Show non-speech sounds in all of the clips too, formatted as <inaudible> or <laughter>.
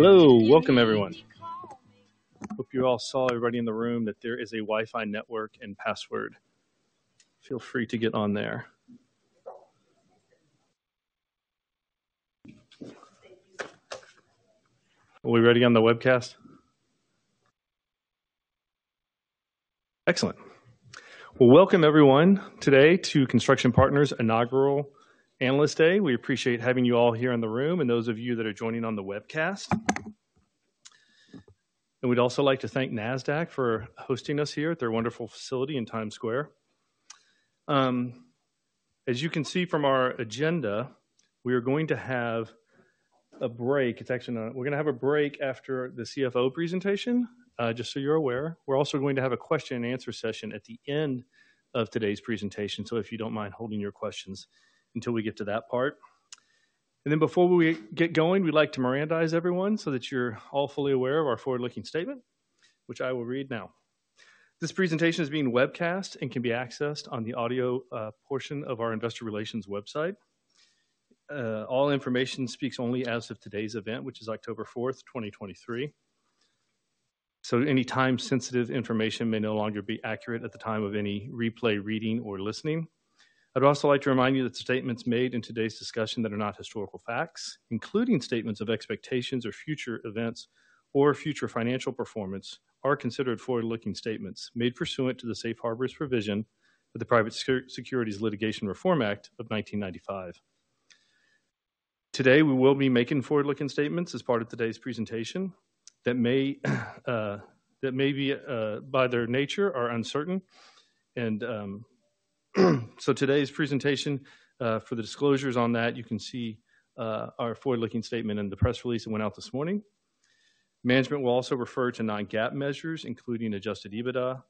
Hello. Welcome, everyone. Hope you all saw everybody in the room that there is a Wi-Fi network and password. Feel free to get on there. Are we ready on the webcast? Excellent. Well, welcome everyone today to Construction Partners Inaugural Analyst Day. We appreciate having you all here in the room and those of you that are joining on the webcast. We'd also like to thank Nasdaq for hosting us here at their wonderful facility in Times Square. As you can see from our agenda, we are going to have a break. It's actually not. We're gonna have a break after the CFO presentation, just so you're aware. We're also going to have a question and answer session at the end of today's presentation, so if you don't mind holding your questions until we get to that part. Then before we get going, we'd like to Mirandize everyone so that you're all fully aware of our forward-looking statement, which I will read now. This presentation is being webcast and can be accessed on the audio portion of our investor relations website. All information speaks only as of today's event, which is October 4, 2023. So any time-sensitive information may no longer be accurate at the time of any replay, reading, or listening. I'd also like to remind you that the statements made in today's discussion that are not historical facts, including statements of expectations or future events or future financial performance, are considered forward-looking statements made pursuant to the safe harbor provision of the Private Securities Litigation Reform Act of 1995. Today, we will be making forward-looking statements as part of today's presentation that may, that may be, by their nature, are uncertain. And, so today's presentation, for the disclosures on that, you can see, our forward-looking statement in the press release that went out this morning. Management will also refer to non-GAAP measures, including Adjusted EBITDA,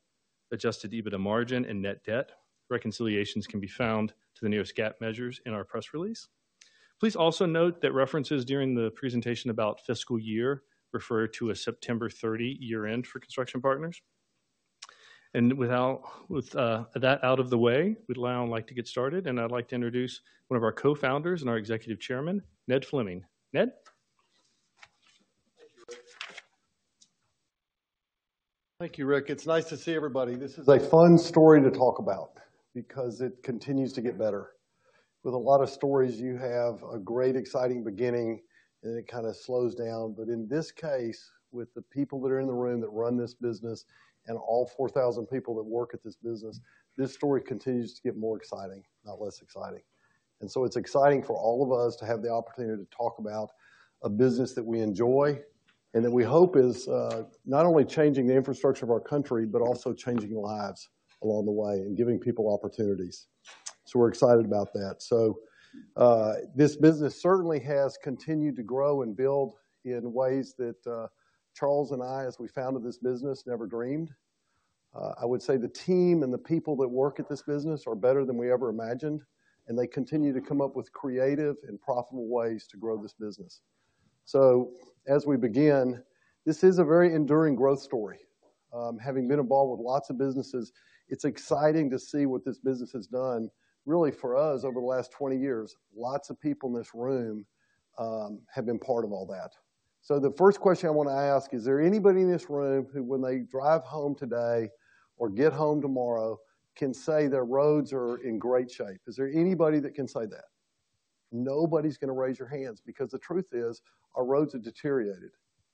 Adjusted EBITDA Margin, and Net Debt. Reconciliations can be found to the nearest GAAP measures in our press release. Please also note that references during the presentation about fiscal year refer to a September 30 year-end for Construction Partners. And with that out of the way, we'd now like to get started, and I'd like to introduce one of our co-founders and our Executive Chairman, Ned Fleming. Ned? Thank you, Rick. Thank you, Rick. It's nice to see everybody. This is a fun story to talk about because it continues to get better. With a lot of stories, you have a great, exciting beginning, and it kinda slows down. But in this case, with the people that are in the room that run this business and all 4,000 people that work at this business, this story continues to get more exciting, not less exciting. And so it's exciting for all of us to have the opportunity to talk about a business that we enjoy and that we hope is not only changing the infrastructure of our country, but also changing lives along the way and giving people opportunities. So we're excited about that. So, this business certainly has continued to grow and build in ways that, Charles and I, as we founded this business, never dreamed. I would say the team and the people that work at this business are better than we ever imagined, and they continue to come up with creative and profitable ways to grow this business. So as we begin, this is a very enduring growth story. Having been involved with lots of businesses, it's exciting to see what this business has done, really for us over the last 20 years. Lots of people in this room, have been part of all that. So the first question I want to ask, is there anybody in this room who, when they drive home today or get home tomorrow, can say their roads are in great shape? Is there anybody that can say that? Nobody's gonna raise your hands, because the truth is, our roads are deteriorated,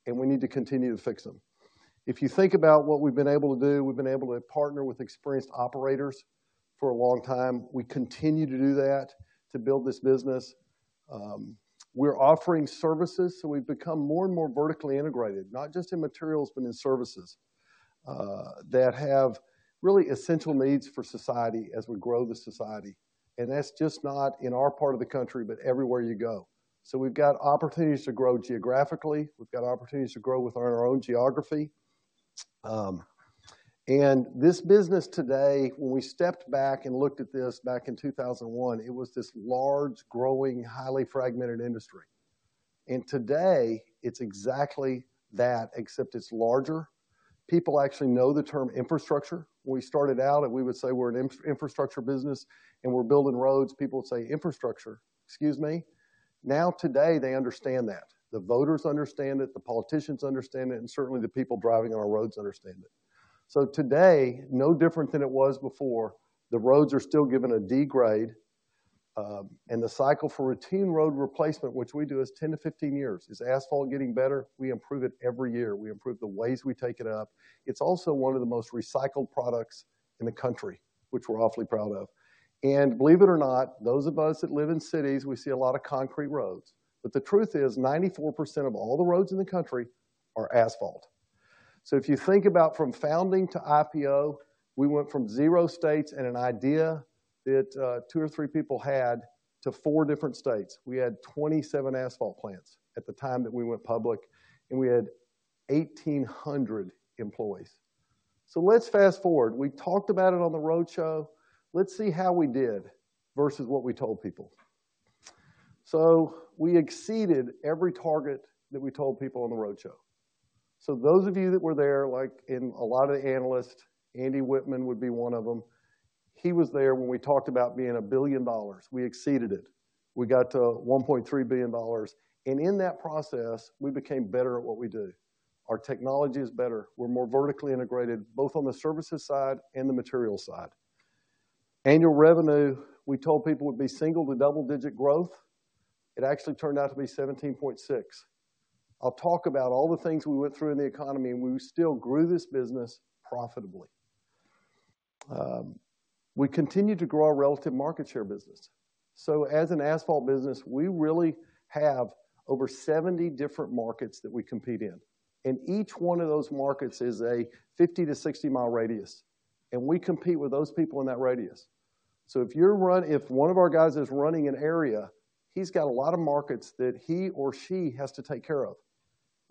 and we need to continue to fix them. If you think about what we've been able to do, we've been able to partner with experienced operators for a long time. We continue to do that to build this business. We're offering services, so we've become more and more vertically integrated, not just in materials, but in services, that have really essential needs for society as we grow the society. And that's just not in our part of the country, but everywhere you go. So we've got opportunities to grow geographically. We've got opportunities to grow within our own geography. And this business today, when we stepped back and looked at this back in 2001, it was this large, growing, highly fragmented industry. And today, it's exactly that, except it's larger. People actually know the term infrastructure. When we started out, and we would say we're an infra- infrastructure business and we're building roads, people would say: infrastructure, excuse me? Now, today, they understand that. The voters understand it, the politicians understand it, and certainly the people driving on our roads understand it. So today, no different than it was before, the roads are still given a D grade, and the cycle for routine road replacement, which we do, is 10-15 years. Is asphalt getting better? We improve it every year. We improve the ways we take it up. It's also one of the most recycled products in the country, which we're awfully proud of. And believe it or not, those of us that live in cities, we see a lot of concrete roads. But the truth is, 94% of all the roads in the country are asphalt. So if you think about from founding to IPO, we went from 0 states and an idea that, two or three people had to 4 different states. We had 27 asphalt plants at the time that we went public, and we had 1,800 employees. So let's fast forward. We talked about it on the roadshow. Let's see how we did versus what we told people. So we exceeded every target that we told people on the roadshow... So those of you that were there, like in a lot of the analysts, Andy Wittmann would be one of them. He was there when we talked about being $1 billion. We exceeded it. We got to $1.3 billion, and in that process, we became better at what we do. Our technology is better. We're more vertically integrated, both on the services side and the materials side. Annual revenue, we told people, would be single- to double-digit growth. It actually turned out to be 17.6. I'll talk about all the things we went through in the economy, and we still grew this business profitably. We continued to grow our relative market share business. So as an asphalt business, we really have over 70 different markets that we compete in, and each one of those markets is a 50-60-mile radius, and we compete with those people in that radius. So if one of our guys is running an area, he's got a lot of markets that he or she has to take care of.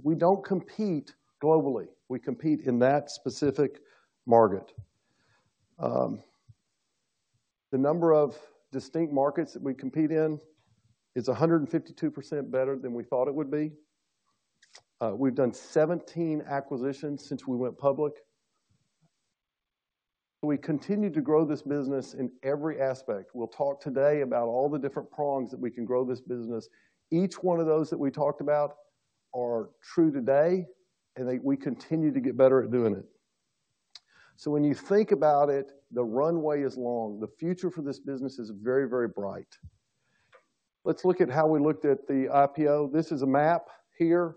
We don't compete globally. We compete in that specific market. The number of distinct markets that we compete in is 152% better than we thought it would be. We've done 17 acquisitions since we went public. We continue to grow this business in every aspect. We'll talk today about all the different prongs that we can grow this business. Each one of those that we talked about are true today, and they, we continue to get better at doing it. So when you think about it, the runway is long. The future for this business is very, very bright. Let's look at how we looked at the IPO. This is a map here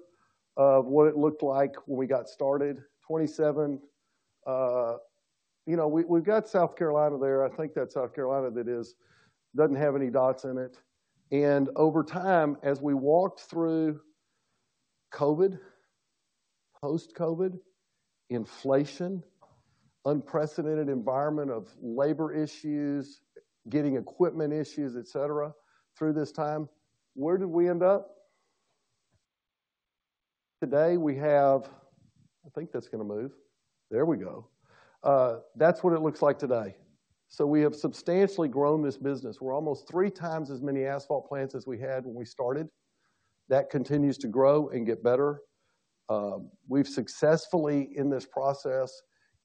of what it looked like when we got started. 27, you know, we've got South Carolina there. I think that's South Carolina, that is, doesn't have any dots in it. Over time, as we walked through COVID, post-COVID, inflation, unprecedented environment of labor issues, getting equipment issues, etc., through this time, where did we end up? Today, we have... I think that's gonna move. There we go. That's what it looks like today. So we have substantially grown this business. We're almost three times as many asphalt plants as we had when we started. That continues to grow and get better. We've successfully, in this process,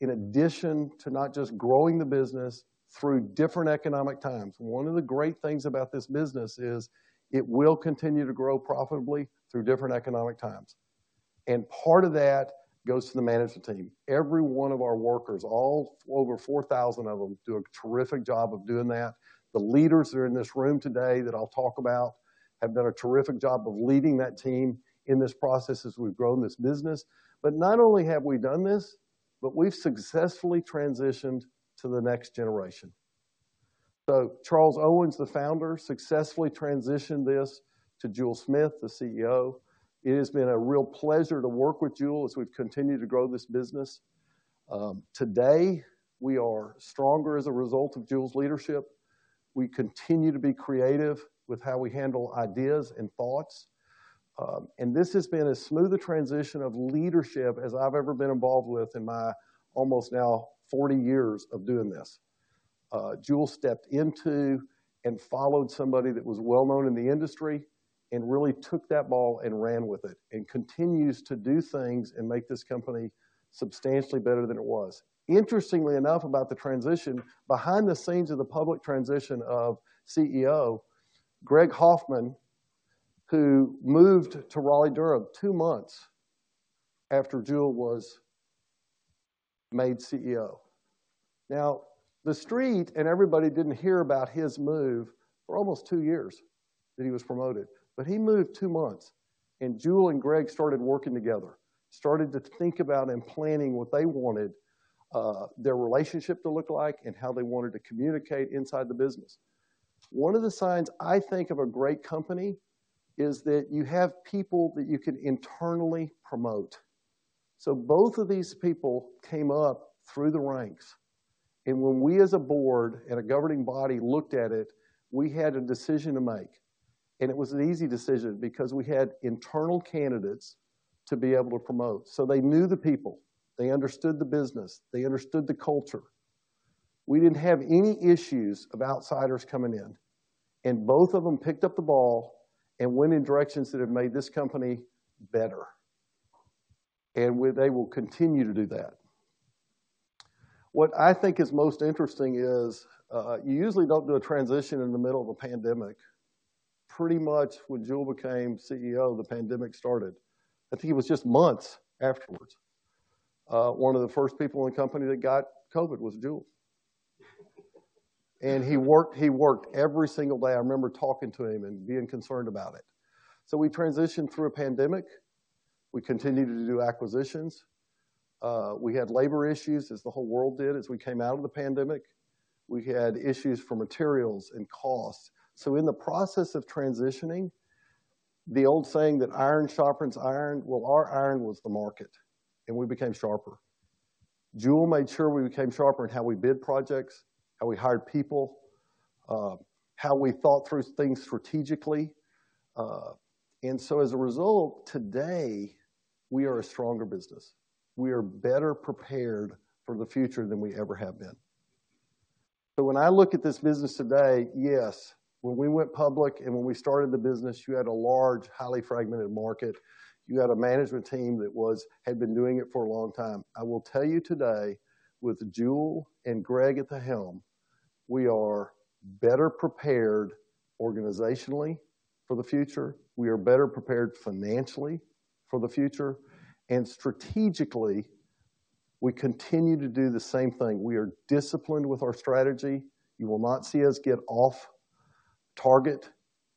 in addition to not just growing the business through different economic times, one of the great things about this business is it will continue to grow profitably through different economic times, and part of that goes to the management team. Every one of our workers, all over 4,000 of them, do a terrific job of doing that. The leaders that are in this room today, that I'll talk about, have done a terrific job of leading that team in this process as we've grown this business. But not only have we done this, but we've successfully transitioned to the next generation. So Charles Owens, the founder, successfully transitioned this to Jule Smith, the CEO. It has been a real pleasure to work with Jule as we've continued to grow this business. Today, we are stronger as a result of Jule's leadership. We continue to be creative with how we handle ideas and thoughts. And this has been as smooth a transition of leadership as I've ever been involved with in my almost now 40 years of doing this. Jule stepped into and followed somebody that was well known in the industry and really took that ball and ran with it, and continues to do things and make this company substantially better than it was. Interestingly enough, about the transition, behind the scenes of the public transition of CEO, Greg Hoffman, who moved to Raleigh-Durham 2 months after Jule was made CEO. Now, the street and everybody didn't hear about his move for almost 2 years, that he was promoted, but he moved 2 months, and Jule and Greg started working together, started to think about and planning what they wanted, their relationship to look like and how they wanted to communicate inside the business. One of the signs I think of a great company is that you have people that you can internally promote. So both of these people came up through the ranks, and when we as a board and a governing body looked at it, we had a decision to make, and it was an easy decision because we had internal candidates to be able to promote. So they knew the people, they understood the business, they understood the culture. We didn't have any issues of outsiders coming in, and both of them picked up the ball and went in directions that have made this company better, and where they will continue to do that. What I think is most interesting is, you usually don't do a transition in the middle of a pandemic. Pretty much when Jule became CEO, the pandemic started. I think it was just months afterwards. One of the first people in the company that got COVID was Jule. He worked, he worked every single day. I remember talking to him and being concerned about it. We transitioned through a pandemic. We continued to do acquisitions. We had labor issues, as the whole world did, as we came out of the pandemic. We had issues for materials and costs. In the process of transitioning, the old saying that iron sharpens iron, well, our iron was the market, and we became sharper. Jule made sure we became sharper in how we bid projects, how we hired people, how we thought through things strategically. And so as a result, today, we are a stronger business. We are better prepared for the future than we ever have been.... When I look at this business today, yes, when we went public and when we started the business, you had a large, highly fragmented market. You had a management team that had been doing it for a long time. I will tell you today, with Jule and Greg at the helm, we are better prepared organizationally for the future, we are better prepared financially for the future, and strategically, we continue to do the same thing. We are disciplined with our strategy. You will not see us get off target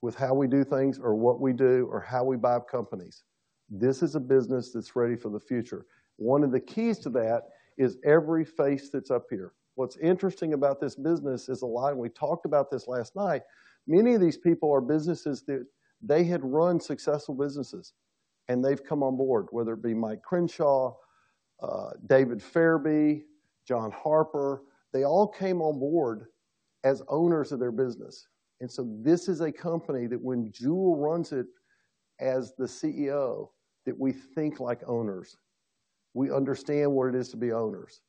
with how we do things or what we do or how we buy companies. This is a business that's ready for the future. One of the keys to that is every face that's up here. What's interesting about this business is a lot, and we talked about this last night, many of these people are businesses that—they had run successful businesses, and they've come on board, whether it be Mike Crenshaw, David Ferebee, John Harper, they all came on board as owners of their business. And so this is a company that when Jule runs it as the CEO, that we think like owners. We understand what it is to be owners.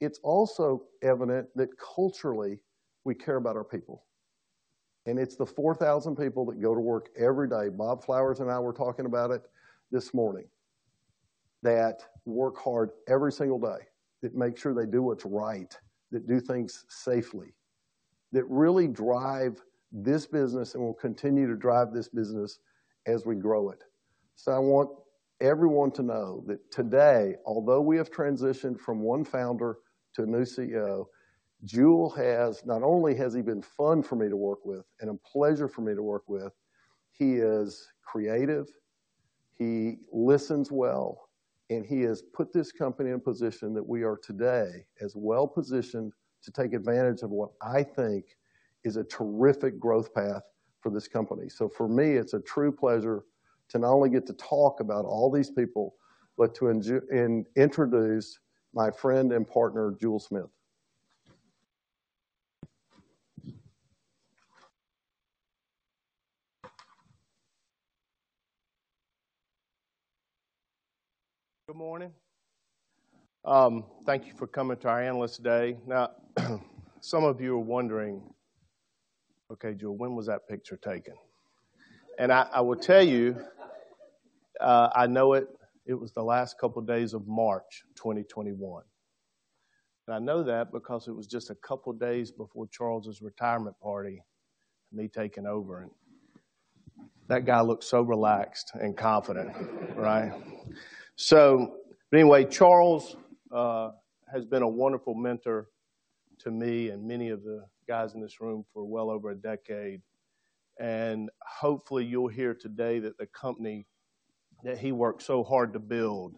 It's also evident that culturally, we care about our people, and it's the 4,000 people that go to work every day, Bob Flowers and I were talking about it this morning, that work hard every single day, that make sure they do what's right, that do things safely, that really drive this business and will continue to drive this business as we grow it. So I want everyone to know that today, although we have transitioned from one founder to a new CEO, Jule has not only been fun for me to work with and a pleasure for me to work with, he is creative, he listens well, and he has put this company in a position that we are today as well-positioned to take advantage of what I think is a terrific growth path for this company. So for me, it's a true pleasure to not only get to talk about all these people, but to introduce my friend and partner, Jule Smith. Good morning. Thank you for coming to our Analyst Day. Now, some of you are wondering, "Okay, Jule, when was that picture taken?" And I will tell you, I know it was the last couple of days of March 2021. And I know that because it was just a couple of days before Charles's retirement party, me taking over, and that guy looks so relaxed and confident, right? So anyway, Charles has been a wonderful mentor to me and many of the guys in this room for well over a decade. And hopefully, you'll hear today that the company that he worked so hard to build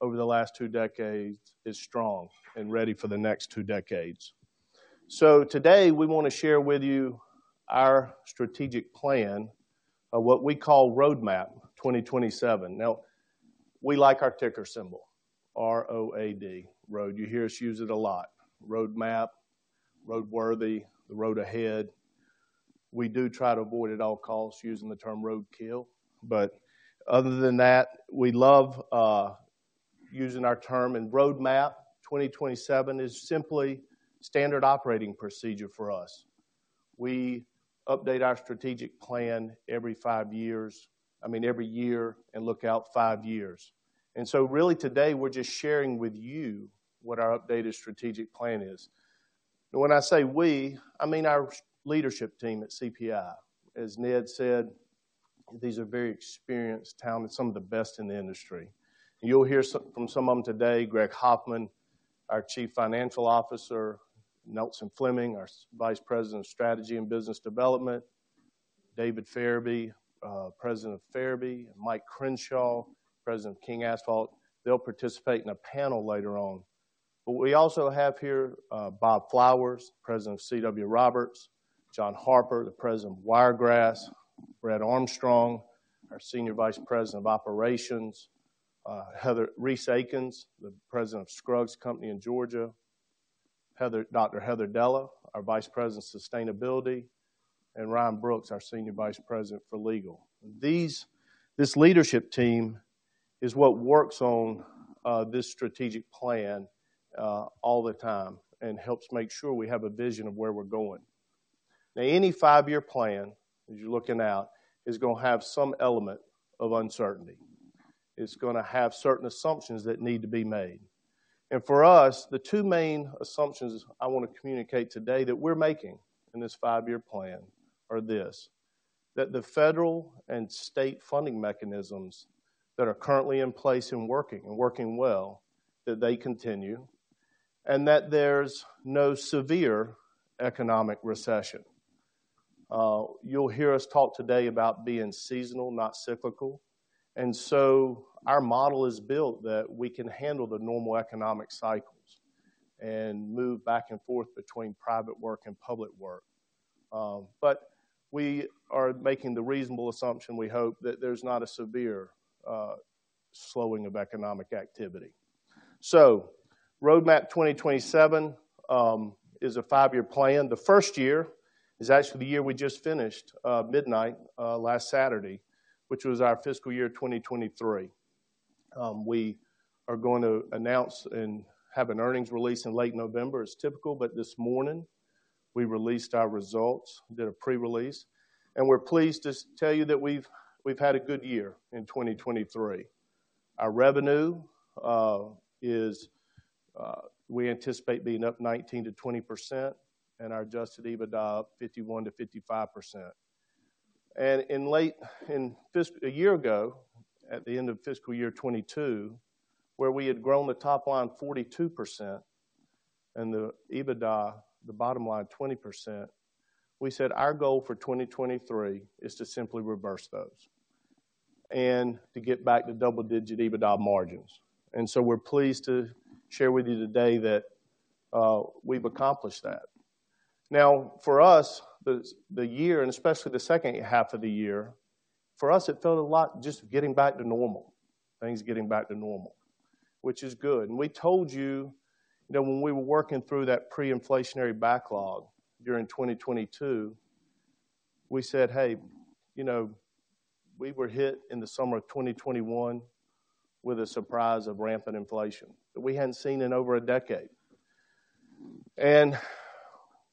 over the last two decades is strong and ready for the next two decades. So today, we want to share with you our strategic plan of what we call Roadmap 2027. Now, we like our ticker symbol, R-O-A-D, ROAD. You hear us use it a lot. Roadmap, Roadworthy, the road ahead. We do try to avoid at all costs using the term roadkill, but other than that, we love using our term, and Roadmap 2027 is simply standard operating procedure for us. We update our strategic plan every five years, I mean, every year and look out five years. And so really today, we're just sharing with you what our updated strategic plan is. And when I say we, I mean our leadership team at CPI. As Ned said, these are very experienced, talented, some of the best in the industry. You'll hear from some of them today, Greg Hoffman, our Chief Financial Officer, Nelson Fleming, our Vice President of Strategy and Business Development, David Ferebee, President of Ferebee, and Mike Crenshaw, President of King Asphalt. They'll participate in a panel later on. But we also have here, Bob Flowers, President of C.W. Roberts, John Harper, the President of Wiregrass, Brad Armstrong, our Senior Vice President of Operations, Heather Reese Akins, the President of Scruggs Company in Georgia, Heather, Dr. Heather Dylla, our Vice President of Sustainability, and Ryan Brooks, our Senior Vice President for Legal. These, this leadership team is what works on, this strategic plan, all the time and helps make sure we have a vision of where we're going. Now, any five-year plan, as you're looking out, is gonna have some element of uncertainty. It's gonna have certain assumptions that need to be made. For us, the two main assumptions I want to communicate today that we're making in this five-year plan are this: that the federal and state funding mechanisms that are currently in place and working, and working well, that they continue, and that there's no severe economic recession. You'll hear us talk today about being seasonal, not cyclical. And so our model is built that we can handle the normal economic cycles and move back and forth between private work and public work. But we are making the reasonable assumption, we hope, that there's not a severe slowing of economic activity. So Roadmap 2027 is a five-year plan. The first year is actually the year we just finished midnight last Saturday, which was our fiscal year 2023. We are going to announce and have an earnings release in late November as typical, but this morning, we released our results, did a pre-release. We're pleased to tell you that we've had a good year in 2023. Our revenue we anticipate being up 19%-20%, and our adjusted EBITDA up 51%-55%. A year ago, at the end of fiscal year 2022, where we had grown the top line 42% and the EBITDA, the bottom line, 20%, we said our goal for 2023 is to simply reverse those and to get back to double-digit EBITDA margins. So we're pleased to share with you today that we've accomplished that. Now, for us, the year, and especially the second half of the year, for us, it felt a lot just getting back to normal, things getting back to normal, which is good. And we told you that when we were working through that pre-inflationary backlog during 2022, we said: Hey, you know, we were hit in the summer of 2021 with a surprise of rampant inflation that we hadn't seen in over a decade. And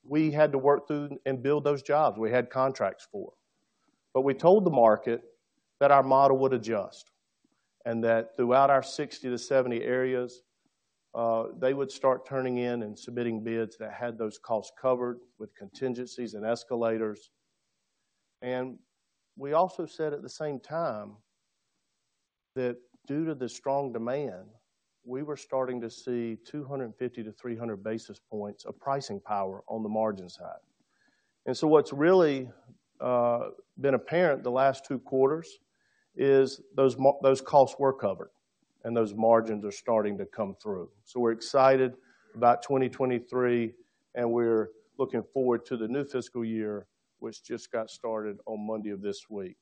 we had to work through and build those jobs we had contracts for. But we told the market that our model would adjust, and that throughout our 60-70 areas, they would start turning in and submitting bids that had those costs covered with contingencies and escalators. And we also said at the same time, that due to the strong demand, we were starting to see 250-300 basis points of pricing power on the margin side. And so what's really been apparent the last two quarters is those costs were covered and those margins are starting to come through. So we're excited about 2023, and we're looking forward to the new fiscal year, which just got started on Monday of this week.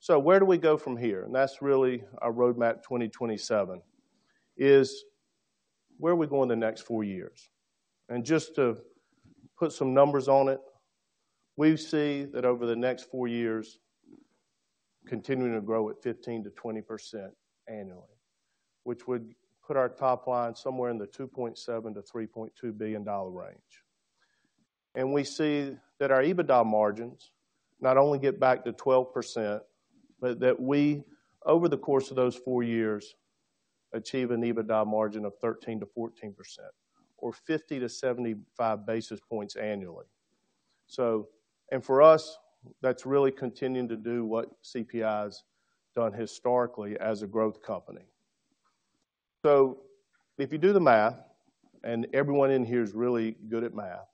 So where do we go from here? And that's really our Roadmap 2027, is where are we going in the next four years? And just to put some numbers on it, we see that over the next four years, continuing to grow at 15%-20% annually, which would put our top line somewhere in the $2.7 billion-$3.2 billion range. And we see that our EBITDA margins not only get back to 12%, but that we, over the course of those four years, achieve an EBITDA margin of 13%-14% or 50-75 basis points annually. So, and for us, that's really continuing to do what CPI's done historically as a growth company. So if you do the math, and everyone in here is really good at math,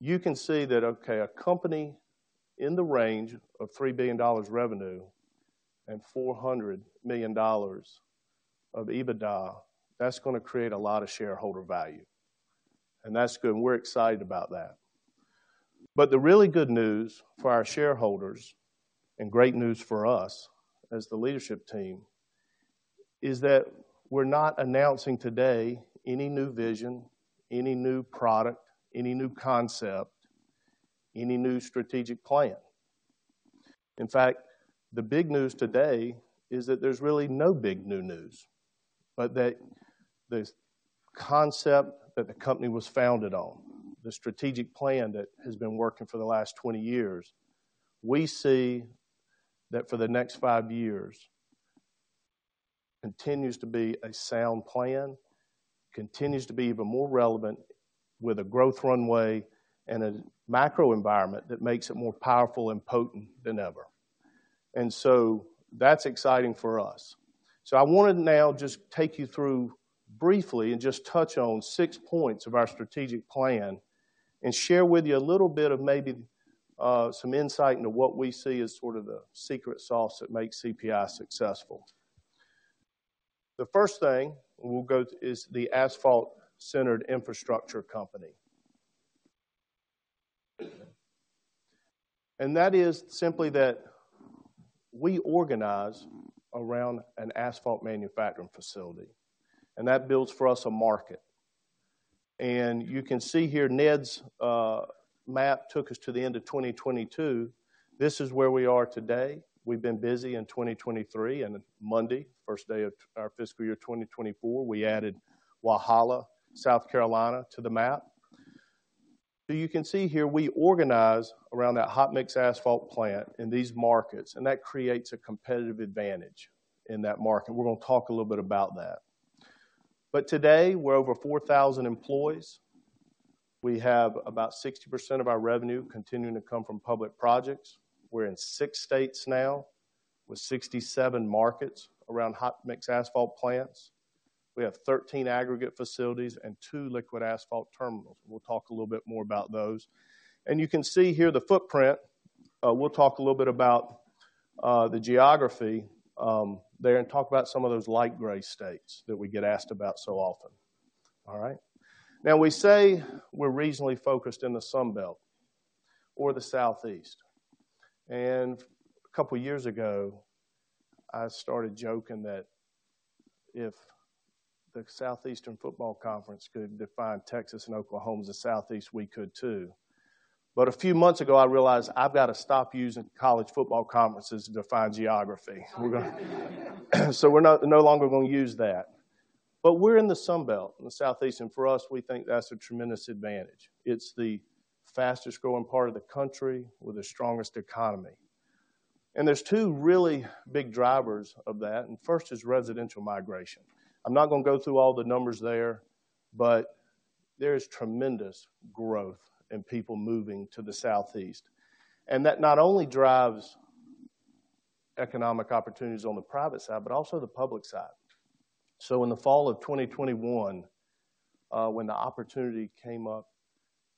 you can see that, okay, a company in the range of $3 billion revenue and $400 million of EBITDA, that's gonna create a lot of shareholder value, and that's good. We're excited about that. But the really good news for our shareholders, and great news for us as the leadership team, is that we're not announcing today any new vision, any new product, any new concept, any new strategic plan. In fact, the big news today is that there's really no big new news, but that this concept that the company was founded on, the strategic plan that has been working for the last 20 years, we see that for the next 5 years, continues to be a sound plan, continues to be even more relevant with a growth runway and a macro environment that makes it more powerful and potent than ever. And so that's exciting for us. So I want to now just take you through briefly and just touch on six points of our strategic plan and share with you a little bit of maybe some insight into what we see as sort of the secret sauce that makes CPI successful. The first thing we'll go is the asphalt-centered infrastructure company. And that is simply that we organize around an asphalt manufacturing facility, and that builds for us a market. And you can see here, Ned's map took us to the end of 2022. This is where we are today. We've been busy in 2023, and Monday, first day of our fiscal year, 2024, we added Walhalla, South Carolina, to the map. So you can see here, we organize around that hot mix asphalt plant in these markets, and that creates a competitive advantage in that market. We're going to talk a little bit about that. But today, we're over 4,000 employees. We have about 60% of our revenue continuing to come from public projects. We're in 6 states now with 67 markets around hot mix asphalt plants. We have 13 aggregate facilities and 2 liquid asphalt terminals. We'll talk a little bit more about those. And you can see here the footprint. We'll talk a little bit about the geography there and talk about some of those light gray states that we get asked about so often. All right? Now, we say we're reasonably focused in the Sun Belt or the Southeast. And a couple of years ago, I started joking that if the Southeastern Football Conference could define Texas and Oklahoma as the Southeast, we could, too. But a few months ago, I realized I've got to stop using college football conferences to define geography. So we're not no longer going to use that. But we're in the Sun Belt, in the Southeast, and for us, we think that's a tremendous advantage. It's the fastest growing part of the country with the strongest economy. And there's two really big drivers of that, and first is residential migration. I'm not going to go through all the numbers there, but there is tremendous growth in people moving to the Southeast. And that not only drives economic opportunities on the private side, but also the public side. So in the fall of 2021, when the opportunity came up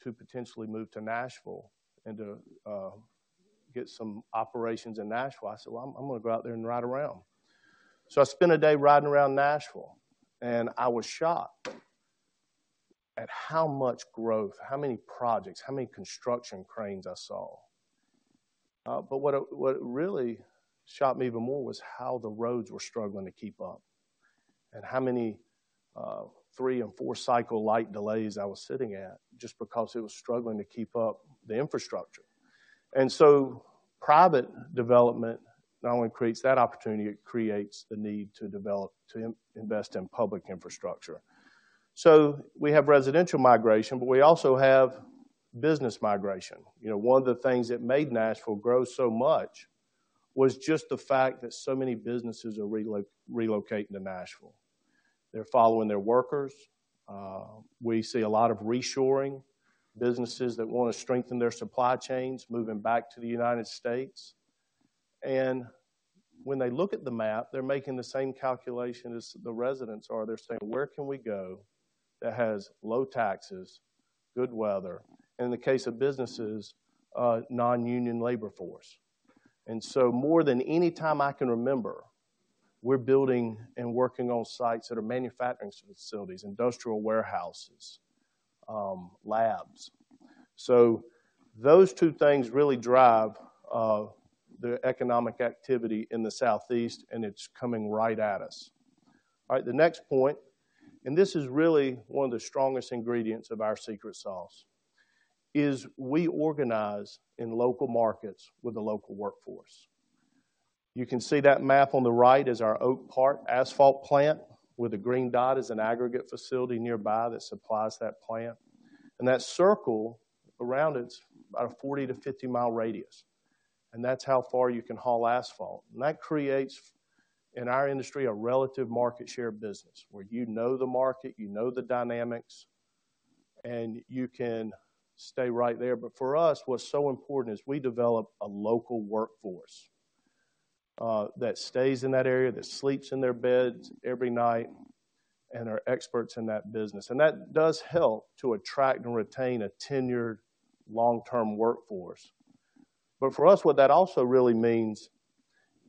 to potentially move to Nashville and to get some operations in Nashville, I said, "Well, I'm gonna go out there and ride around." So I spent a day riding around Nashville, and I was shocked at how much growth, how many projects, how many construction cranes I saw. But what really shocked me even more was how the roads were struggling to keep up, and how many 3 and 4 cycle light delays I was sitting at just because it was struggling to keep up the infrastructure. And so private development not only creates that opportunity, it creates the need to develop, to invest in public infrastructure. So we have residential migration, but we also have business migration. You know, one of the things that made Nashville grow so much was just the fact that so many businesses are relocating to Nashville. They're following their workers. We see a lot of reshoring, businesses that want to strengthen their supply chains, moving back to the United States. And when they look at the map, they're making the same calculation as the residents are. They're saying: Where can we go that has low taxes, good weather, and in the case of businesses, a non-union labor force? And so more than any time I can remember, we're building and working on sites that are manufacturing facilities, industrial warehouses, labs. So those two things really drive the economic activity in the Southeast, and it's coming right at us. All right, the next point, and this is really one of the strongest ingredients of our secret sauce, is we organize in local markets with the local workforce. You can see that map on the right is our Oak Park asphalt plant, with a green dot is an aggregate facility nearby that supplies that plant. And that circle around it’s about a 40- to 50-mile radius, and that’s how far you can haul asphalt. And that creates, in our industry, a relative market share business, where you know the market, you know the dynamics, and you can stay right there. But for us, what’s so important is we develop a local workforce that stays in that area, that sleeps in their beds every night and are experts in that business. And that does help to attract and retain a tenured long-term workforce. But for us, what that also really means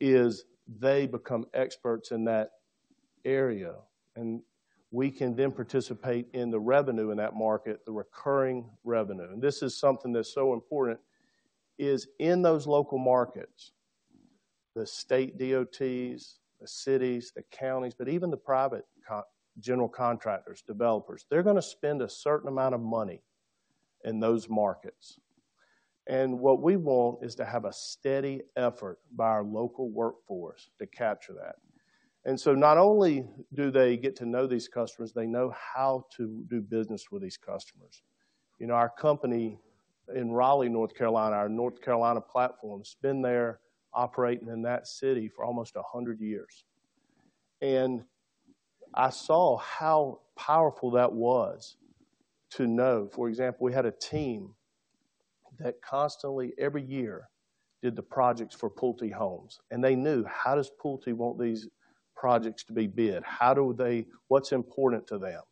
is they become experts in that area, and we can then participate in the revenue in that market, the recurring revenue. And this is something that's so important, is in those local markets, the state DOTs, the cities, the counties, but even the private companies, general contractors, developers, they're gonna spend a certain amount of money in those markets. And what we want is to have a steady effort by our local workforce to capture that. And so not only do they get to know these customers, they know how to do business with these customers. You know, our company in Raleigh, North Carolina, our North Carolina platform, has been there operating in that city for almost 100 years. And I saw how powerful that was to know. For example, we had a team that constantly, every year, did the projects for Pulte Homes, and they knew, how does Pulte want these projects to be bid? How do they, what's important to them?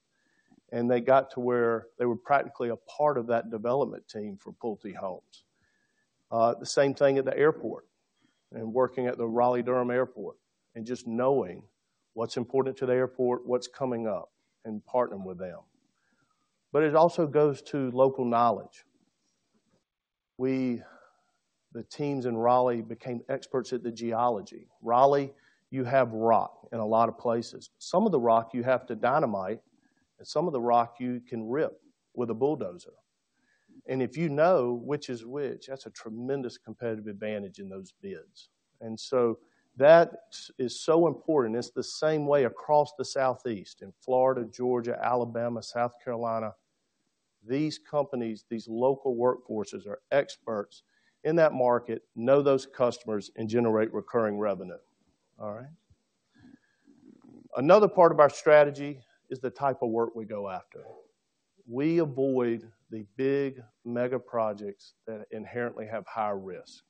And they got to where they were practically a part of that development team for Pulte Homes. The same thing at the airport and working at the Raleigh-Durham Airport and just knowing what's important to the airport, what's coming up, and partnering with them. But it also goes to local knowledge. We, the teams in Raleigh, became experts at the geology. Raleigh, you have rock in a lot of places. Some of the rock, you have to dynamite, and some of the rock you can rip with a bulldozer. And if you know which is which, that's a tremendous competitive advantage in those bids. And so that is so important. It's the same way across the Southeast, in Florida, Georgia, Alabama, South Carolina. These companies, these local workforces, are experts in that market, know those customers, and generate recurring revenue. All right? Another part of our strategy is the type of work we go after. We avoid the big mega projects that inherently have high risk.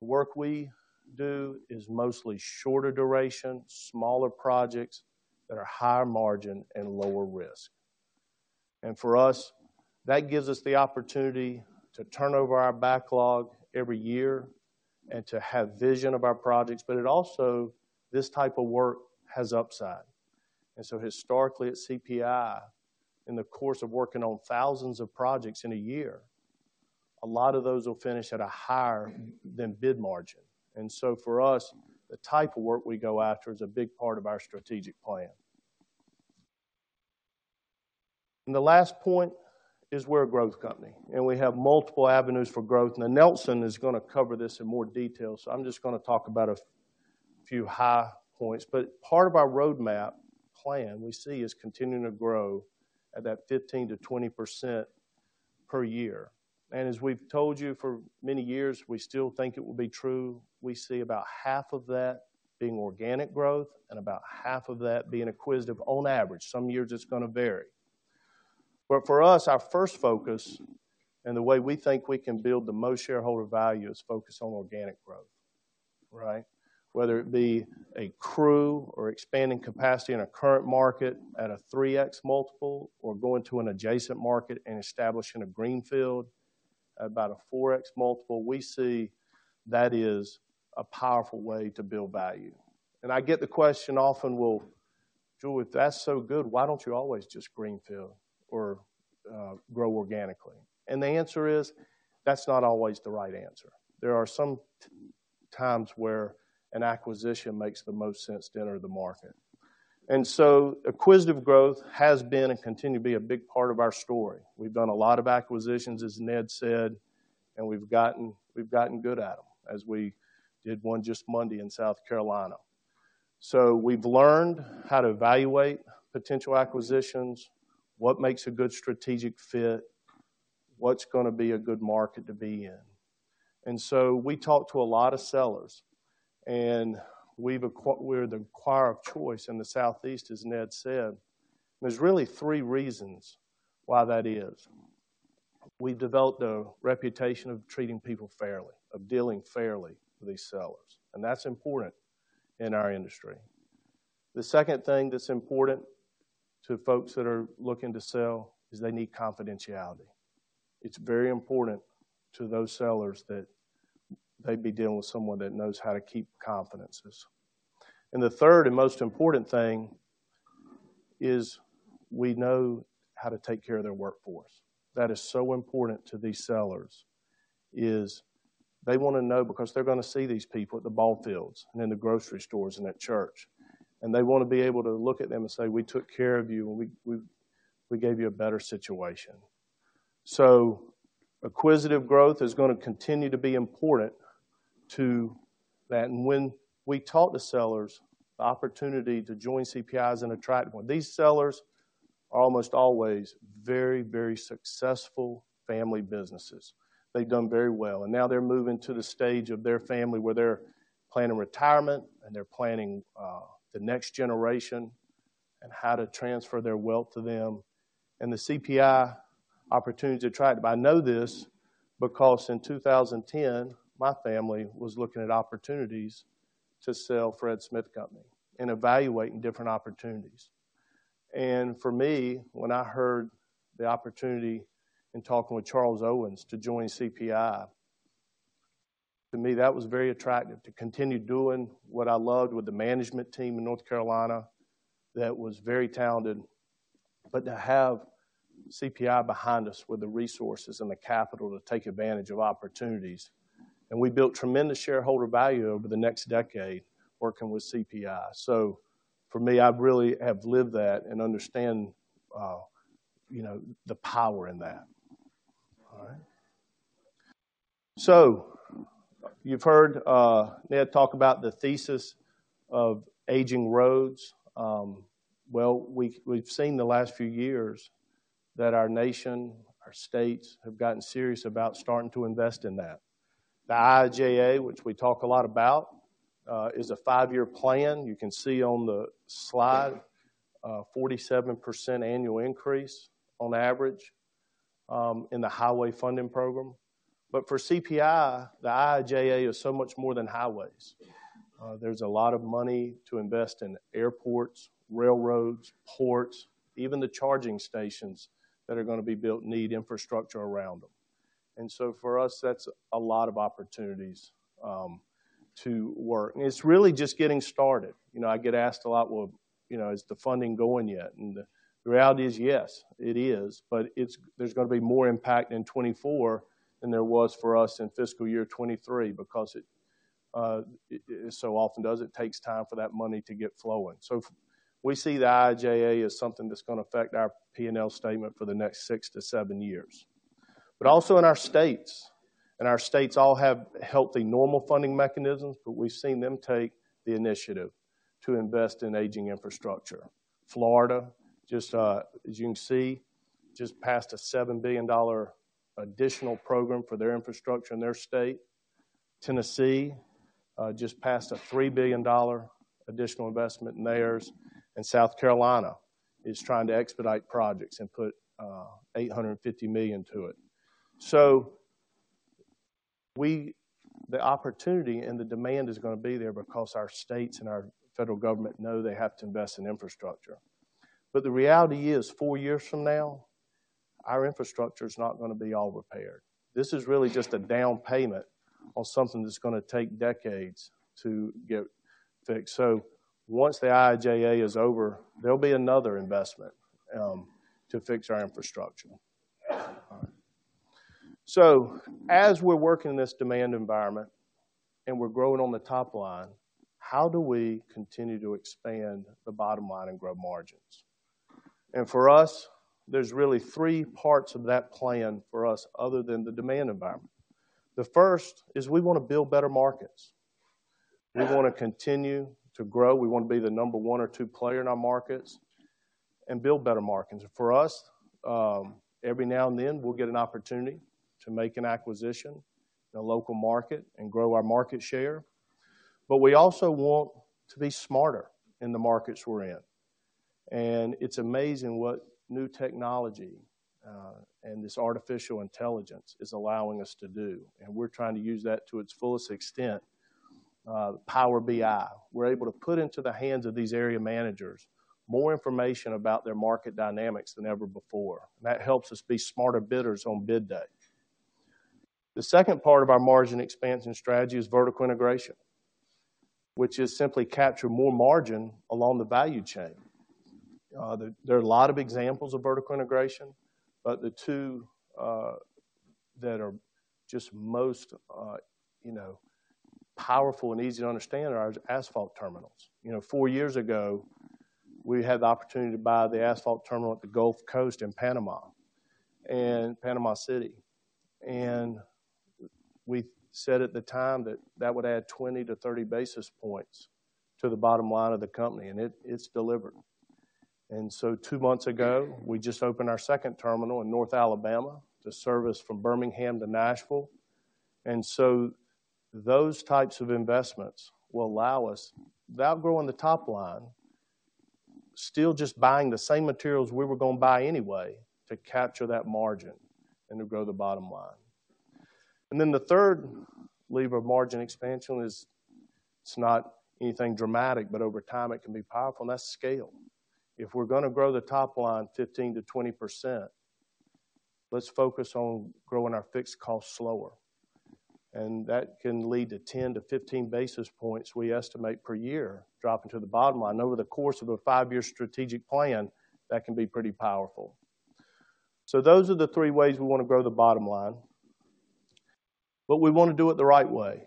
The work we do is mostly shorter duration, smaller projects that are higher margin and lower risk. And for us, that gives us the opportunity to turn over our backlog every year and to have vision of our projects, but it also, this type of work has upside. And so historically at CPI, in the course of working on thousands of projects in a year, a lot of those will finish at a higher than bid margin. And so for us, the type of work we go after is a big part of our strategic plan. And the last point is we're a growth company, and we have multiple avenues for growth, and Nelson is gonna cover this in more detail, so I'm just gonna talk about a few high points. But part of our roadmap plan we see is continuing to grow at that 15%-20% per year. And as we've told you for many years, we still think it will be true. We see about half of that being organic growth and about half of that being acquisitive on average. Some years it's gonna vary. But for us, our first focus, and the way we think we can build the most shareholder value, is focus on organic growth, right? Whether it be a crew or expanding capacity in a current market at a 3x multiple, or going to an adjacent market and establishing a greenfield at about a 4x multiple, we see that is a powerful way to build value. And I get the question often: "Well, Drew, if that's so good, why don't you always just greenfield or grow organically?" And the answer is: that's not always the right answer. There are some times where an acquisition makes the most sense to enter the market. And so acquisitive growth has been and continue to be a big part of our story. We've done a lot of acquisitions, as Ned said, and we've gotten, we've gotten good at them, as we did one just Monday in South Carolina. So we've learned how to evaluate potential acquisitions, what makes a good strategic fit, what's gonna be a good market to be in. And so we talk to a lot of sellers, and we're the acquirer of choice in the Southeast, as Ned said. There's really three reasons why that is. We've developed a reputation of treating people fairly, of dealing fairly with these sellers, and that's important in our industry. The second thing that's important to folks that are looking to sell is they need confidentiality. It's very important to those sellers that they'd be dealing with someone that knows how to keep confidences. And the third and most important thing is we know how to take care of their workforce. That is so important to these sellers, they wanna know because they're gonna see these people at the ball fields and in the grocery stores and at church, and they wanna be able to look at them and say, "We took care of you, and we gave you a better situation." So acquisitive growth is gonna continue to be important to that. And when we talk to sellers, the opportunity to join CPI is an attractive one. These sellers are almost always very, very successful family businesses. They've done very well, and now they're moving to the stage of their family where they're planning retirement and they're planning the next generation and how to transfer their wealth to them. And the CPI opportunity to attract. I know this because in 2010, my family was looking at opportunities to sell Fred Smith Company and evaluating different opportunities. And for me, when I heard the opportunity in talking with Charles Owens to join CPI, to me that was very attractive, to continue doing what I loved with the management team in North Carolina that was very talented, but to have CPI behind us with the resources and the capital to take advantage of opportunities. And we built tremendous shareholder value over the next decade working with CPI. So for me, I really have lived that and understand, you know, the power in that. All right? So you've heard, Ned talk about the thesis of aging roads. Well, we've seen the last few years that our nation, our states, have gotten serious about starting to invest in that. The IIJA, which we talk a lot about, is a five-year plan. You can see on the slide, 47% annual increase on average, in the highway funding program. But for CPI, the IIJA is so much more than highways. There's a lot of money to invest in airports, railroads, ports, even the charging stations that are gonna be built need infrastructure around them. And so for us, that's a lot of opportunities, to work. And it's really just getting started. You know, I get asked a lot: "Well, you know, is the funding going yet?" And the reality is, yes, it is, but it's, there's gonna be more impact in 2024 than there was for us in fiscal year 2023, because it, it, it so often does, it takes time for that money to get flowing. So we see the IIJA as something that's gonna affect our P&L statement for the next 6-7 years. But also in our states, and our states all have healthy, normal funding mechanisms, but we've seen them take the initiative to invest in aging infrastructure. Florida, just, as you can see, just passed a $7 billion additional program for their infrastructure in their state. Tennessee just passed a $3 billion additional investment in theirs, and South Carolina is trying to expedite projects and put $850 million to it. So the opportunity and the demand is gonna be there because our states and our federal government know they have to invest in infrastructure. But the reality is, 4 years from now, our infrastructure is not gonna be all repaired. This is really just a down payment-... on something that's gonna take decades to get fixed. So once the IIJA is over, there'll be another investment to fix our infrastructure. So as we're working in this demand environment, and we're growing on the top line, how do we continue to expand the bottom line and grow margins? And for us, there's really 3 parts of that plan for us other than the demand environment. The first is we wanna build better markets. We wanna continue to grow. We wanna be the number 1 or 2 player in our markets and build better markets. For us, every now and then, we'll get an opportunity to make an acquisition in a local market and grow our market share, but we also want to be smarter in the markets we're in. It's amazing what new technology and this artificial intelligence is allowing us to do, and we're trying to use that to its fullest extent. Power BI, we're able to put into the hands of these area managers more information about their market dynamics than ever before, and that helps us be smarter bidders on bid day. The second part of our margin expansion strategy is vertical integration, which is simply capture more margin along the value chain. There are a lot of examples of vertical integration, but the two that are just most you know, powerful and easy to understand are our asphalt terminals. You know, four years ago, we had the opportunity to buy the asphalt terminal at the Gulf Coast in Panama and Panama City. We said at the time that that would add 20-30 basis points to the bottom line of the company, and it, it's delivered. So two months ago, we just opened our second terminal in North Alabama to service from Birmingham to Nashville. So those types of investments will allow us, without growing the top line, still just buying the same materials we were gonna buy anyway, to capture that margin and to grow the bottom line. Then the third lever of margin expansion is, it's not anything dramatic, but over time it can be powerful, and that's scale. If we're gonna grow the top line 15%-20%, let's focus on growing our fixed costs slower, and that can lead to 10-15 basis points we estimate per year, dropping to the bottom line. Over the course of a five-year strategic plan, that can be pretty powerful. So those are the three ways we wanna grow the bottom line, but we wanna do it the right way.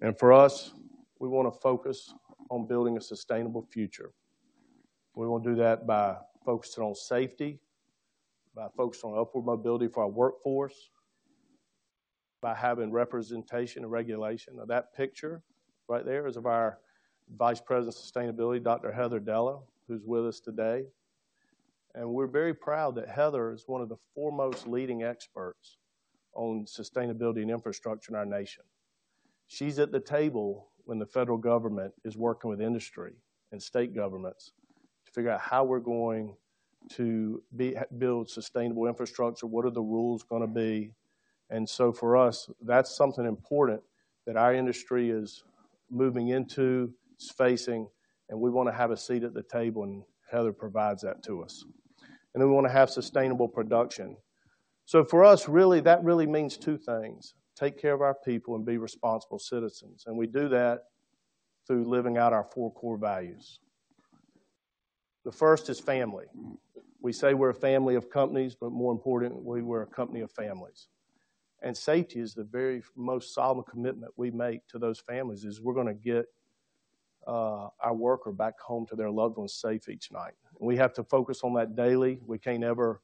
And for us, we wanna focus on building a sustainable future. We wanna do that by focusing on safety, by focusing on upward mobility for our workforce, by having representation and regulation. Now, that picture right there is of our Vice President of Sustainability, Dr. Heather Dylla, who's with us today. And we're very proud that Heather is one of the foremost leading experts on sustainability and infrastructure in our nation. She's at the table when the federal government is working with industry and state governments to figure out how we're going to build sustainable infrastructure, what are the rules gonna be. And so for us, that's something important that our industry is moving into, is facing, and we wanna have a seat at the table, and Heather provides that to us. And we wanna have sustainable production. So for us, really, that really means two things: take care of our people and be responsible citizens, and we do that through living out our four core values. The first is family. We say we're a family of companies, but more importantly, we're a company of families. And safety is the very most solid commitment we make to those families, is we're gonna get our worker back home to their loved ones safe each night. We have to focus on that daily. We can't ever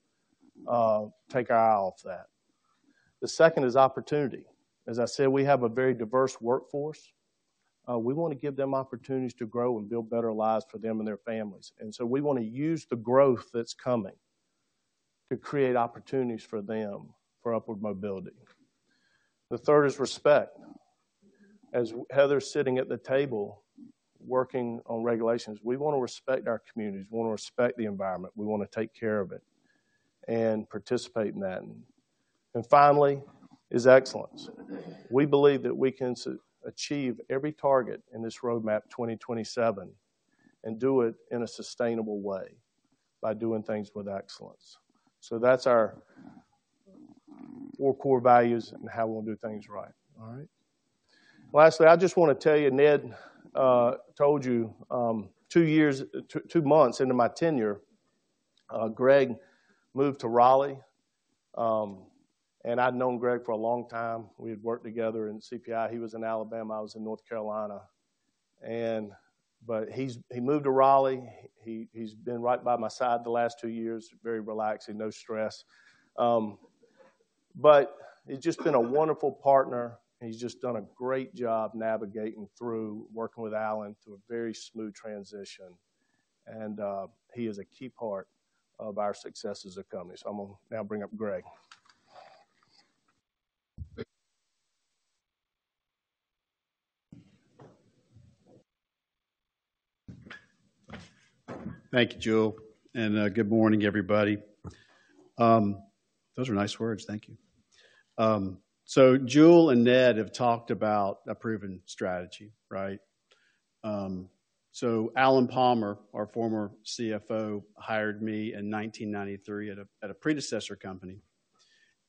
take our eye off that. The second is opportunity. As I said, we have a very diverse workforce. We wanna give them opportunities to grow and build better lives for them and their families. And so we wanna use the growth that's coming to create opportunities for them, for upward mobility. The third is respect. As Heather's sitting at the table, working on regulations, we wanna respect our communities. We wanna respect the environment. We wanna take care of it and participate in that. And finally, is excellence. We believe that we can achieve every target in this Roadmap 2027 and do it in a sustainable way by doing things with excellence. So that's our four core values and how we'll do things right. All right? Lastly, I just wanna tell you, Ned told you, two months into my tenure, Greg moved to Raleigh, and I'd known Greg for a long time. We had worked together in CPI. He was in Alabama, I was in North Carolina. But he moved to Raleigh. He's been right by my side the last two years, very relaxing, no stress. But he's just been a wonderful partner, and he's just done a great job navigating through working with Alan through a very smooth transition, and he is a key part of our success as a company. So I'm gonna now bring up Greg. Thank you, Jule, and good morning, everybody. Those are nice words. Thank you. So Jule and Ned have talked about a proven strategy, right? So Alan Palmer, our former CFO, hired me in 1993 at a predecessor company.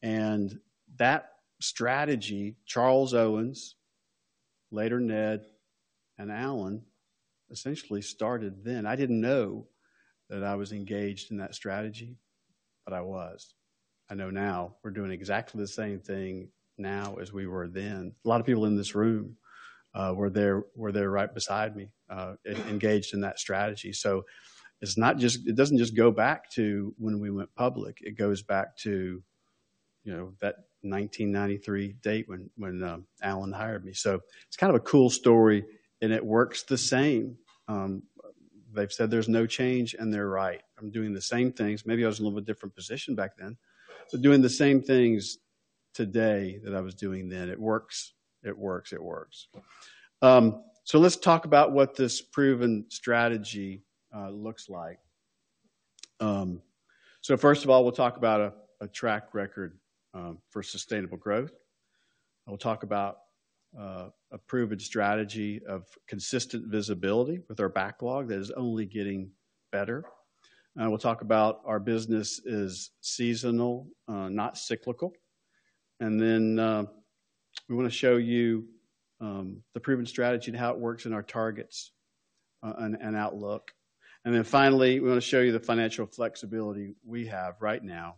That strategy, Charles Owens, later Ned and Alan, essentially started then. I didn't know that I was engaged in that strategy, but I was. I know now we're doing exactly the same thing now as we were then. A lot of people in this room were there right beside me engaged in that strategy. So it's not just, it doesn't just go back to when we went public, it goes back to, you know, that 1993 date when Alan hired me. So it's kind of a cool story, and it works the same. They've said there's no change, and they're right. I'm doing the same things. Maybe I was in a little bit different position back then, but doing the same things today that I was doing then. It works, it works, it works. So let's talk about what this proven strategy looks like. So first of all, we'll talk about a track record for sustainable growth. I'll talk about a proven strategy of consistent visibility with our backlog that is only getting better. And we'll talk about our business is seasonal, not cyclical. And then we wanna show you the proven strategy and how it works in our targets and outlook. And then finally, we wanna show you the financial flexibility we have right now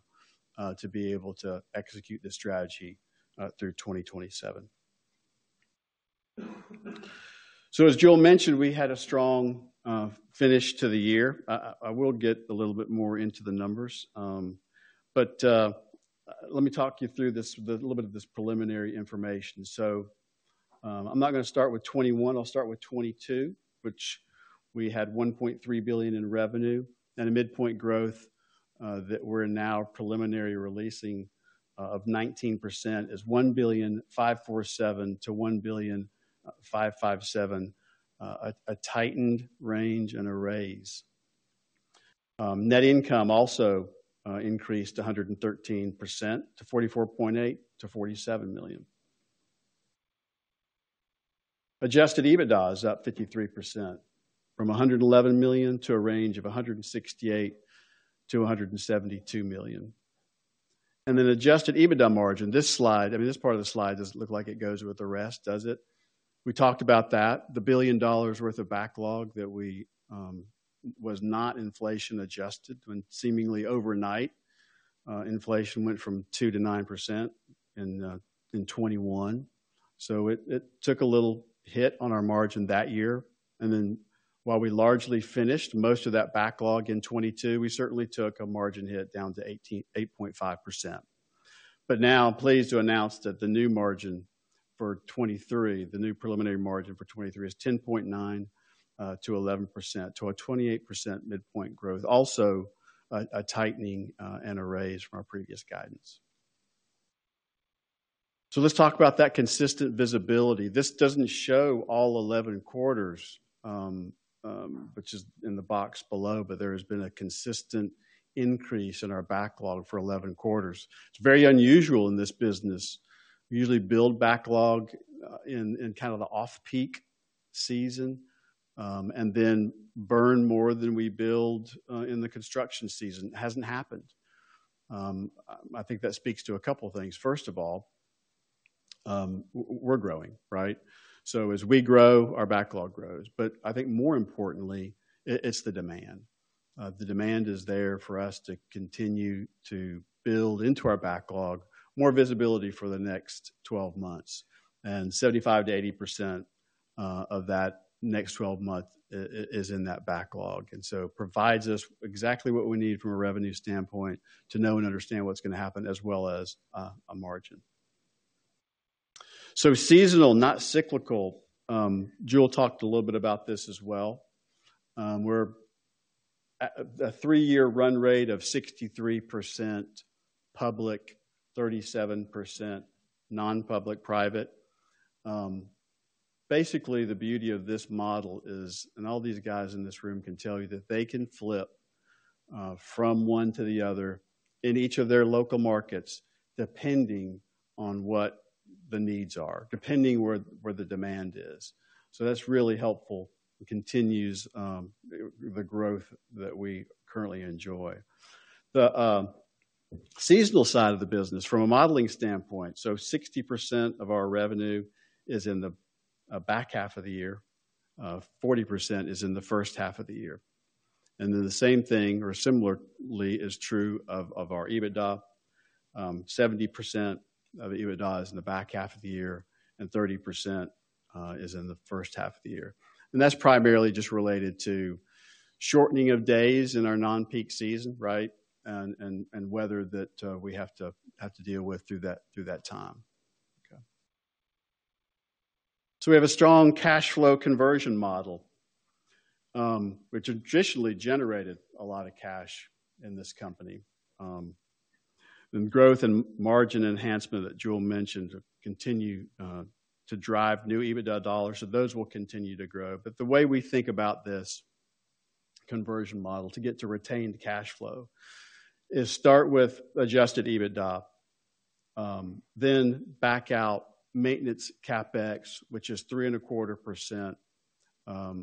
to be able to execute this strategy through 2027. So as Jule mentioned, we had a strong finish to the year. I will get a little bit more into the numbers, but let me talk you through this, the little bit of this preliminary information. So, I'm not gonna start with 2021, I'll start with 2022, which we had $1.3 billion in revenue and a midpoint growth that we're now preliminary releasing of 19% is $1.547 billion-$1.557 billion, a tightened range and a raise. Net income also increased 113% to $44.8 million-$47 million. Adjusted EBITDA is up 53%, from $111 million to a range of $168 million-$172 million. And then adjusted EBITDA margin. This slide, I mean, this part of the slide doesn't look like it goes with the rest, does it? We talked about that, the $1 billion worth of backlog that we was not inflation-adjusted when seemingly overnight, inflation went from 2%-9% in 2021. So it took a little hit on our margin that year, and then while we largely finished most of that backlog in 2022, we certainly took a margin hit down to 8.5%. But now, I'm pleased to announce that the new margin for 2023, the new preliminary margin for 2023 is 10.9%-11%, to a 28% midpoint growth. Also, a tightening and a raise from our previous guidance. So let's talk about that consistent visibility. This doesn't show all 11 quarters, which is in the box below, but there has been a consistent increase in our backlog for 11 quarters. It's very unusual in this business. We usually build backlog in kind of the off-peak season, and then burn more than we build in the construction season. It hasn't happened. I think that speaks to a couple of things. First of all, we're growing, right? So as we grow, our backlog grows. But I think more importantly, it's the demand. The demand is there for us to continue to build into our backlog, more visibility for the next 12 months, and 75%-80% of that next 12 months is in that backlog. It provides us exactly what we need from a revenue standpoint to know and understand what's gonna happen, as well as a margin. So seasonal, not cyclical. Jule talked a little bit about this as well. We're at a three-year run rate of 63% public, 37% non-public, private. Basically, the beauty of this model is, and all these guys in this room can tell you, that they can flip from one to the other in each of their local markets, depending on what the needs are, depending where the demand is. So that's really helpful. It continues the growth that we currently enjoy. The seasonal side of the business from a modeling standpoint, so 60% of our revenue is in the back half of the year, 40% is in the first half of the year. And then the same thing, or similarly, is true of our EBITDA. 70% of EBITDA is in the back half of the year, and 30% is in the first half of the year. And that's primarily just related to shortening of days in our non-peak season, right? And weather that we have to deal with through that time. Okay. So we have a strong cash flow conversion model, which traditionally generated a lot of cash in this company. And growth and margin enhancement that Jule mentioned continue to drive new EBITDA dollars, so those will continue to grow. But the way we think about this conversion model to get to retained cash flow is start with Adjusted EBITDA, then back out maintenance CapEx, which is 3.25%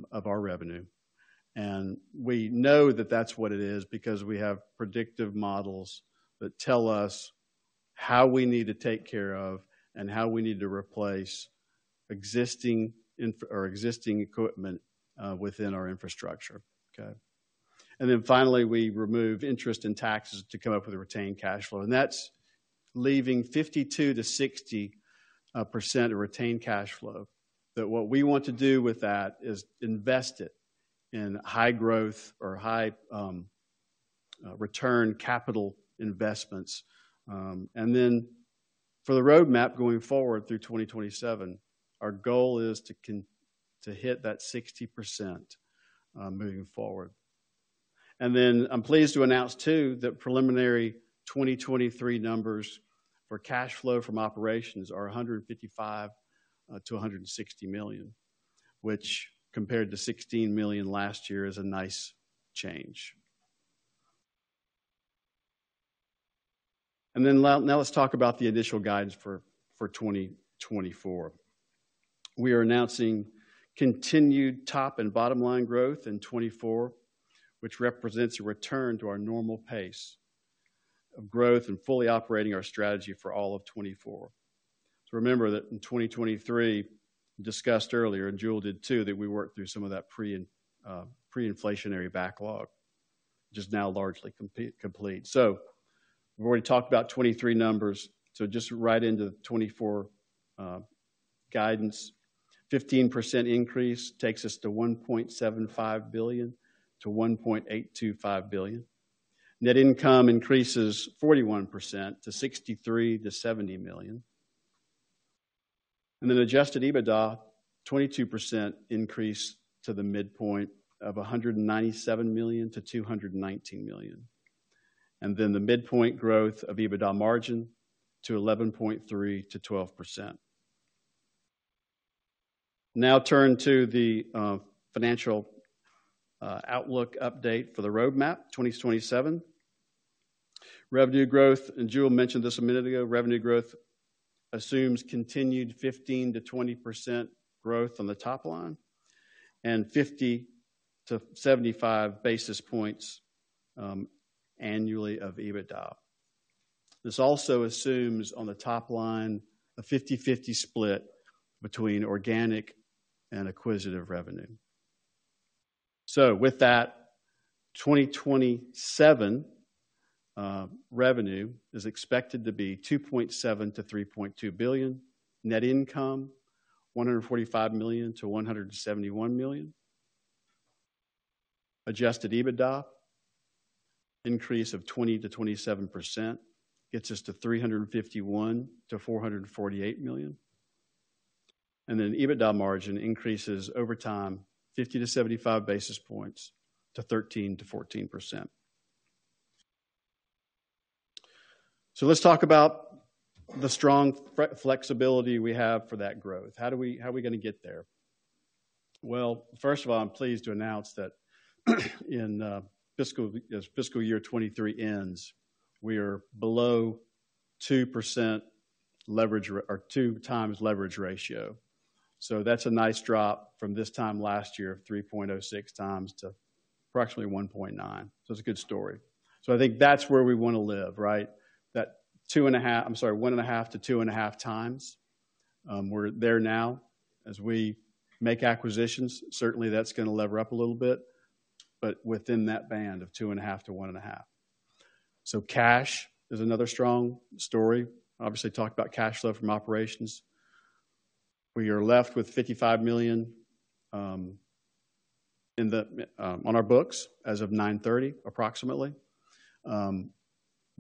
of our revenue. And we know that that's what it is because we have predictive models that tell us how we need to take care of and how we need to replace existing infrastructure or existing equipment within our infrastructure. Okay? And then finally, we remove interest and taxes to come up with a retained cash flow, and that's leaving 52%-60% of retained cash flow. That's what we want to do with that is invest it in high growth or high return capital investments. And then for the Roadmap going forward through 2027, our goal is to hit that 60%, moving forward. I'm pleased to announce too, that preliminary 2023 numbers for cash flow from operations are $155-$160 million, which compared to $16 million last year, is a nice change. Now let's talk about the initial guidance for 2024. We are announcing continued top and bottom line growth in 2024, which represents a return to our normal pace of growth and fully operating our strategy for all of 2024. So remember that in 2023, discussed earlier, and Jule did too, that we worked through some of that pre and pre-inflationary backlog, which is now largely complete. So we've already talked about 2023 numbers. So just right into 2024 guidance, 15% increase takes us to $1.75 billion-$1.825 billion. Net income increases 41% to $63 million-$70 million. Adjusted EBITDA, 22% increase to the midpoint of $197 million-$219 million. The midpoint growth of EBITDA margin to 11.3%-12%. Now turn to the, financial, outlook update for the Roadmap 2027. Revenue growth, and Jule mentioned this a minute ago, revenue growth assumes continued 15%-20% growth on the top line and 50-75 basis points, annually of EBITDA. This also assumes, on the top line, a 50/50 split between organic and acquisitive revenue. So with that, 2027, revenue is expected to be $2.7 billion-$3.2 billion, net income $145 million-$171 million. Adjusted EBITDA, 20%-27% increase, gets us to $351 million-$448 million. And then EBITDA margin increases over time, 50-75 basis points to 13%-14%. So let's talk about the strong flexibility we have for that growth. How do we-- How are we gonna get there? Well, first of all, I'm pleased to announce that, in fiscal, as fiscal year 2023 ends, we are below two percent leverage or two times leverage ratio. So that's a nice drop from this time last year of 3.06 times to approximately 1.9. So it's a good story. So I think that's where we wanna live, right? That two and a half... I'm sorry, 1.5-2.5 times, we're there now. As we make acquisitions, certainly that's gonna lever up a little bit, but within that band of 2.5-1.5. So cash is another strong story. Obviously, talked about cash flow from operations. We are left with $55 million on our books as of 9/30, approximately.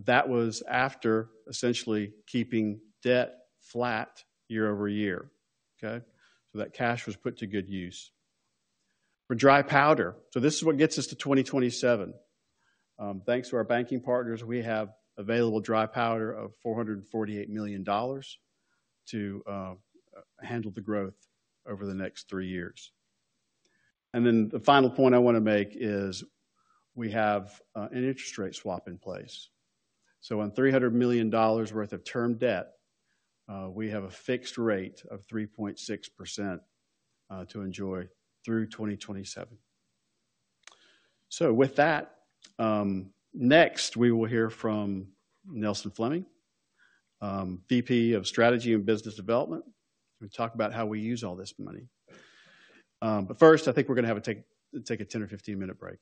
That was after essentially keeping debt flat year-over-year. Okay? So that cash was put to good use. For dry powder, so this is what gets us to 2027. Thanks to our banking partners, we have available dry powder of $448 million to handle the growth over the next three years. And then the final point I wanna make is we have an interest rate swap in place. So on $300 million worth of term debt, we have a fixed rate of 3.6% to enjoy through 2027. So with that, next, we will hear from Nelson Fleming, VP of Strategy and Business Development, to talk about how we use all this money. But first, I think we're gonna have a take a 10- or 15-minute break.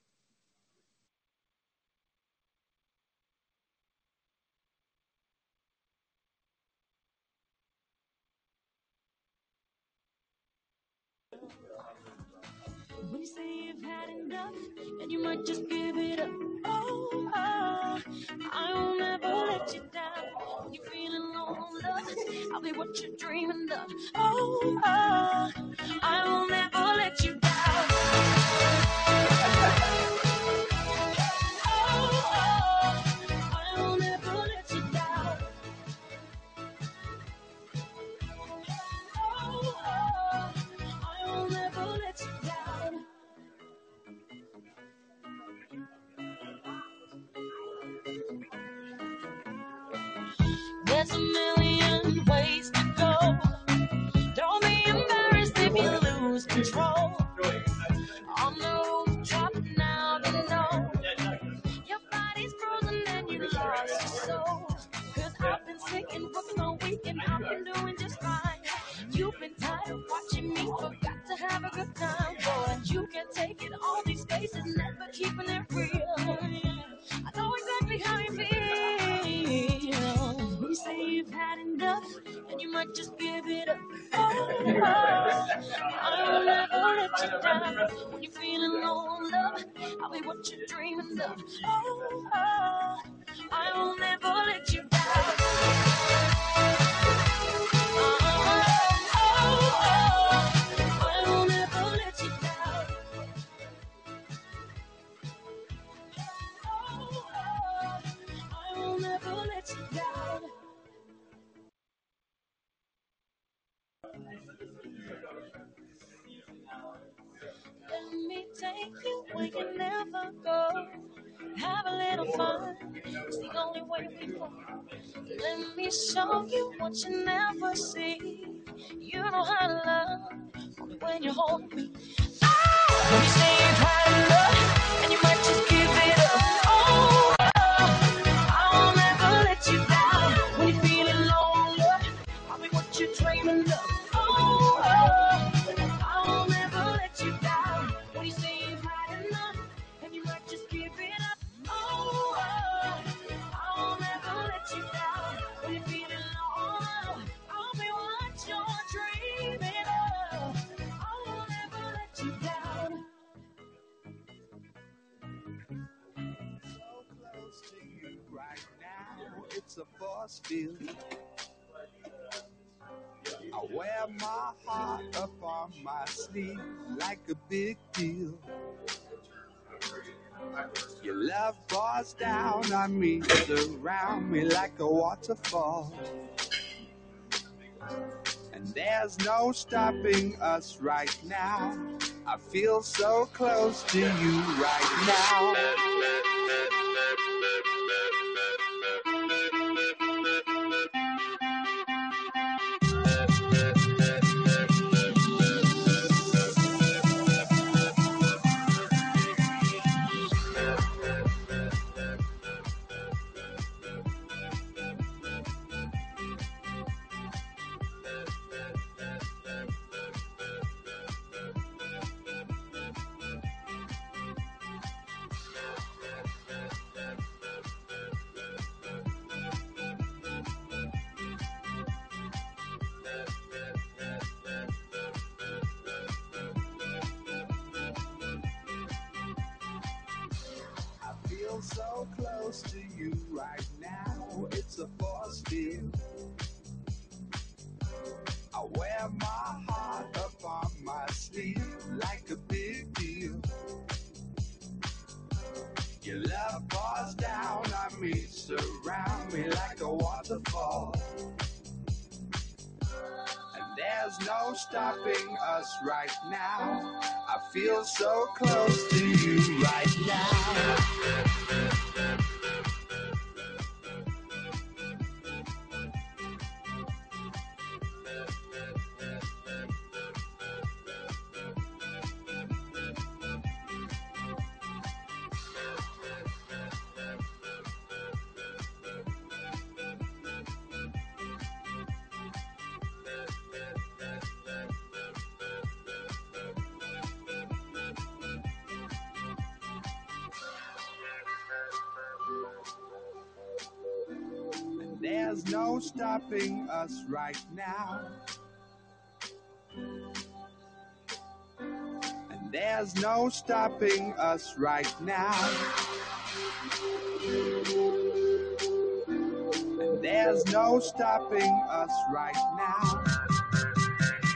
<music> When you say you've had enough, and you might just give it up. Oh, oh, I will never let you down. You're feeling low on love, I'll be what you're dreaming of. Oh, oh, I will never let you down.... I will never let you down. There's a million ways to go. Don't be embarrassed if you lose control. On the roof, dropping out of know. Your body's frozen and you lost your soul. 'Cause I've been sitting, booking my week, and I've been doing just fine. You've been tired of watching me forget to have a good time. Boy, you can't take it, all these faces never keeping it real. When you say you've had enough, and you might just give it up. Oh, oh, I will never let you down. When you're feeling low on love, I'll be what you're dreaming of. <music> I will never let you down. <music> So close to you right now, it's a force field. I wear my heart upon my sleeve like a big deal. Your love pours down on me, surround me like a waterfall. And there's no stopping us right now. I feel so close to you right now. I feel so close to you right now, it's a force field. I wear my heart upon my sleeve like a big deal. Your love pours down on me, surround me like a waterfall. And there's no stopping us right now. I feel so close to you right now. And there's no stopping us right now. And there's no stopping us right now. And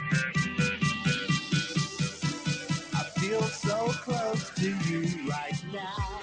there's no stopping us right now. I feel so close to you right now.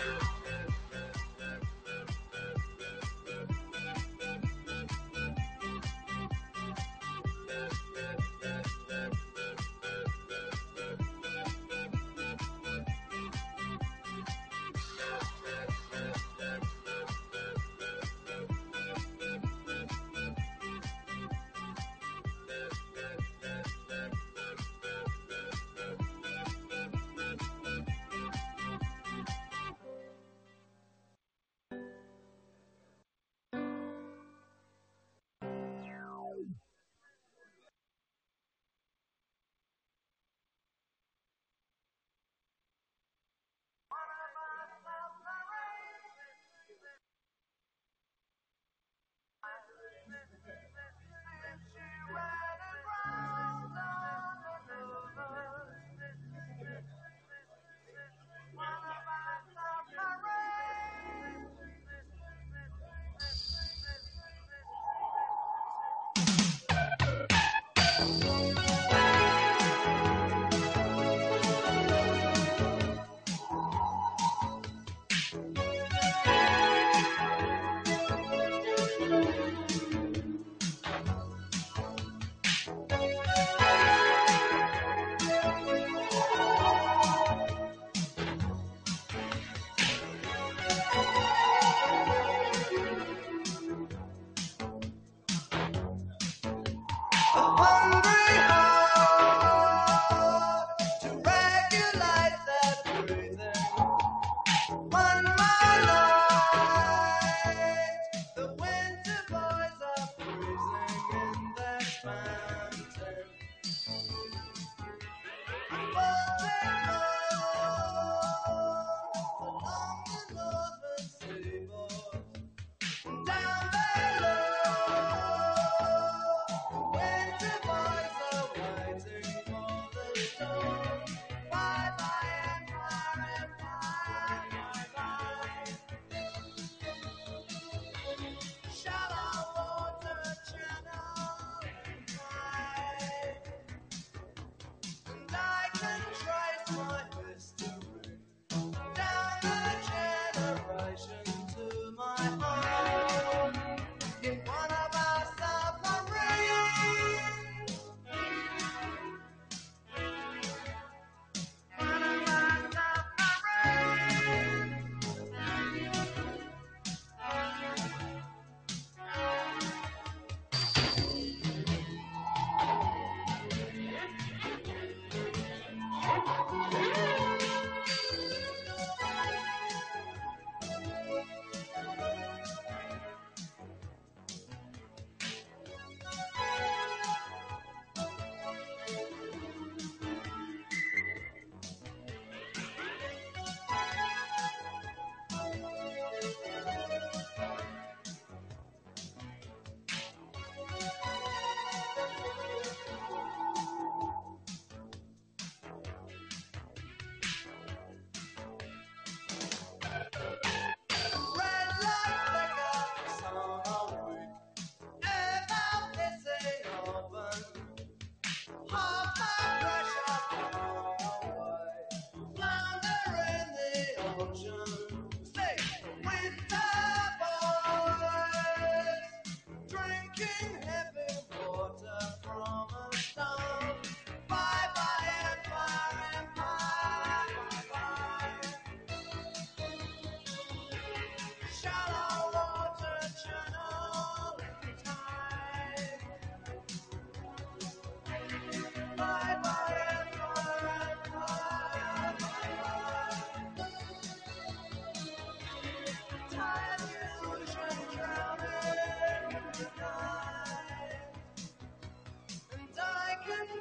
<music>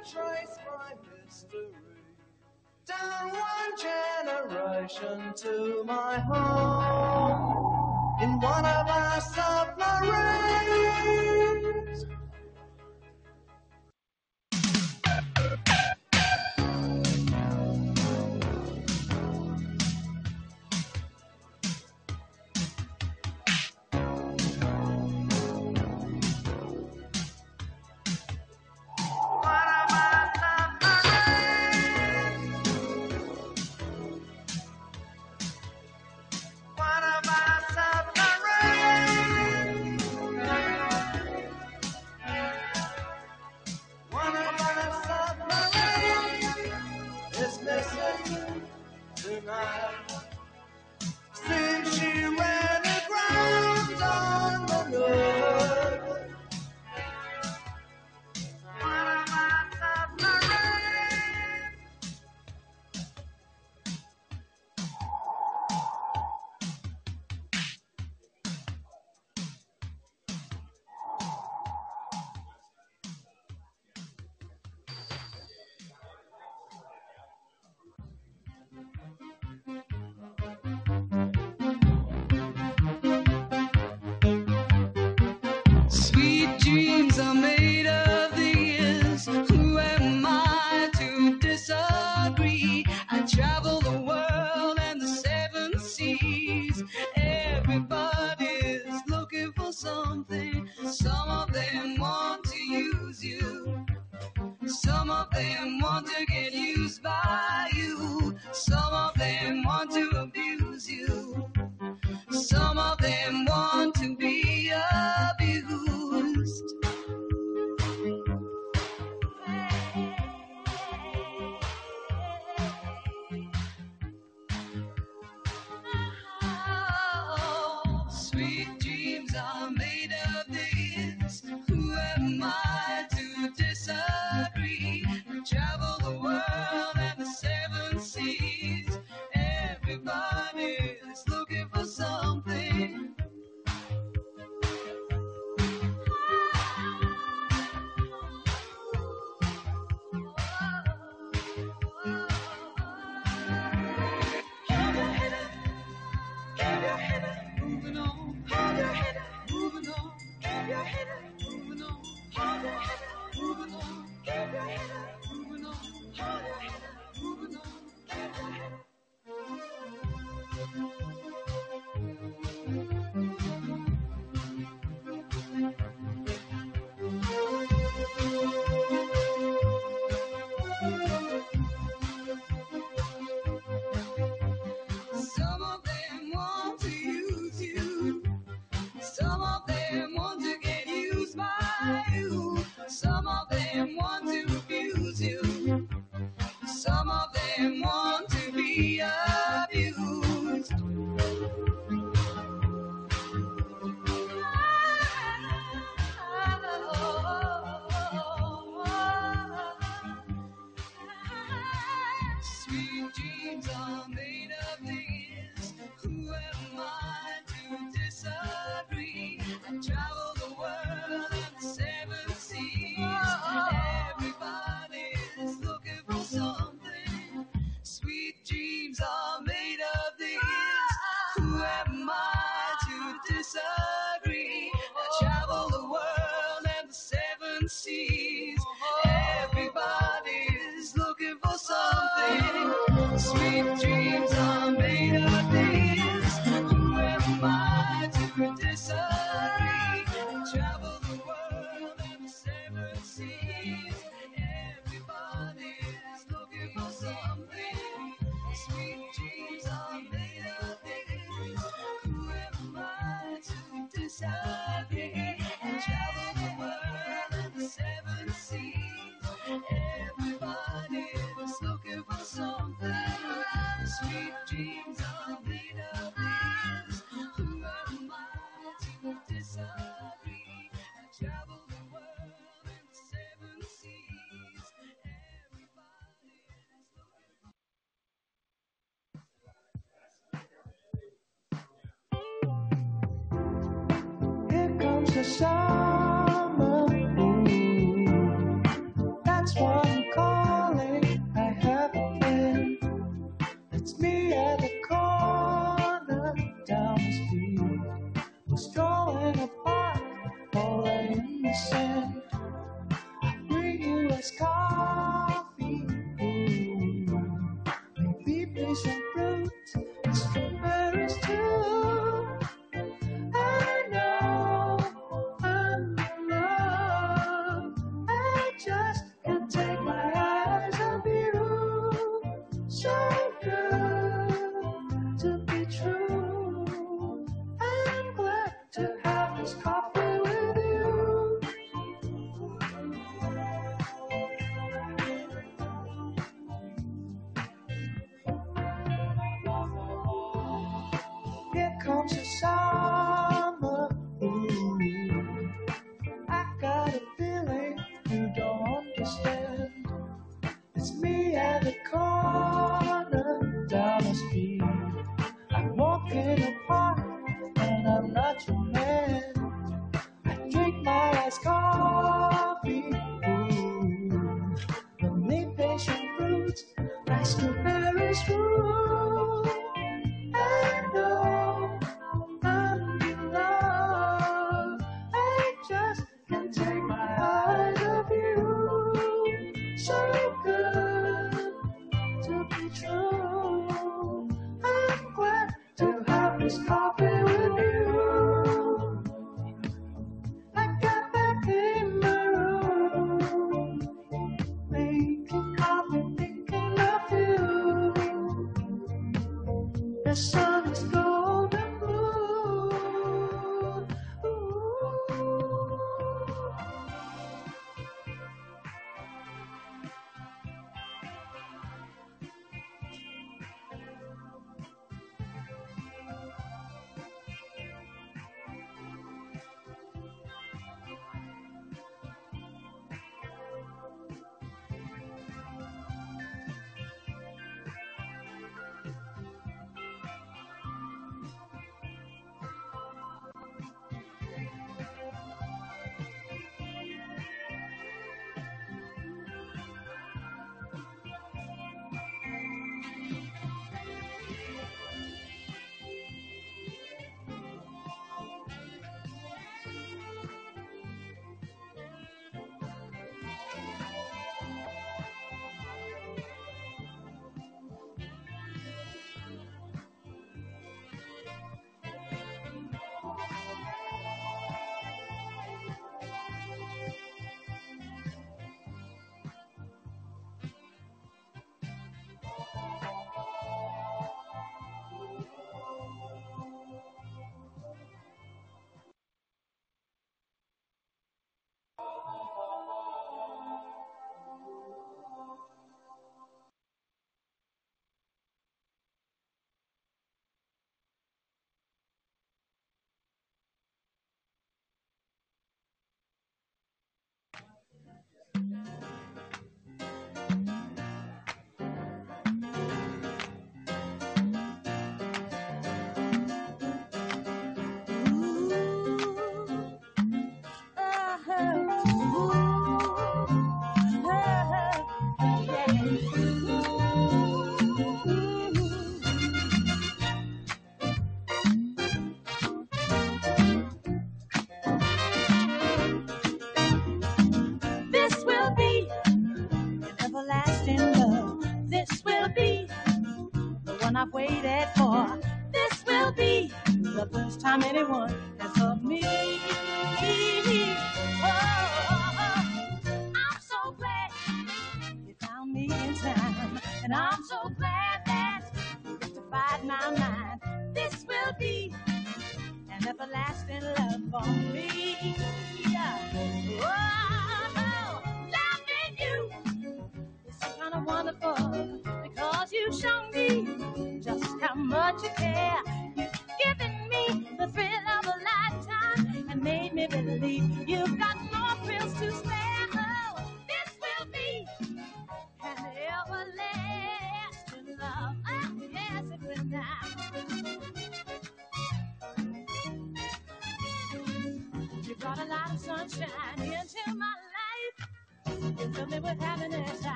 The wandering heart to regulates that rhythm. One by night, the winter boys are freezing in their fountain. Above they float, along the northern seaboard. Down below, the winter boys are waiting for the snow. Bye bye empire, empire, bye bye! Shallow water, channel in tide. I can trace my history, down one generation to my home, in one of our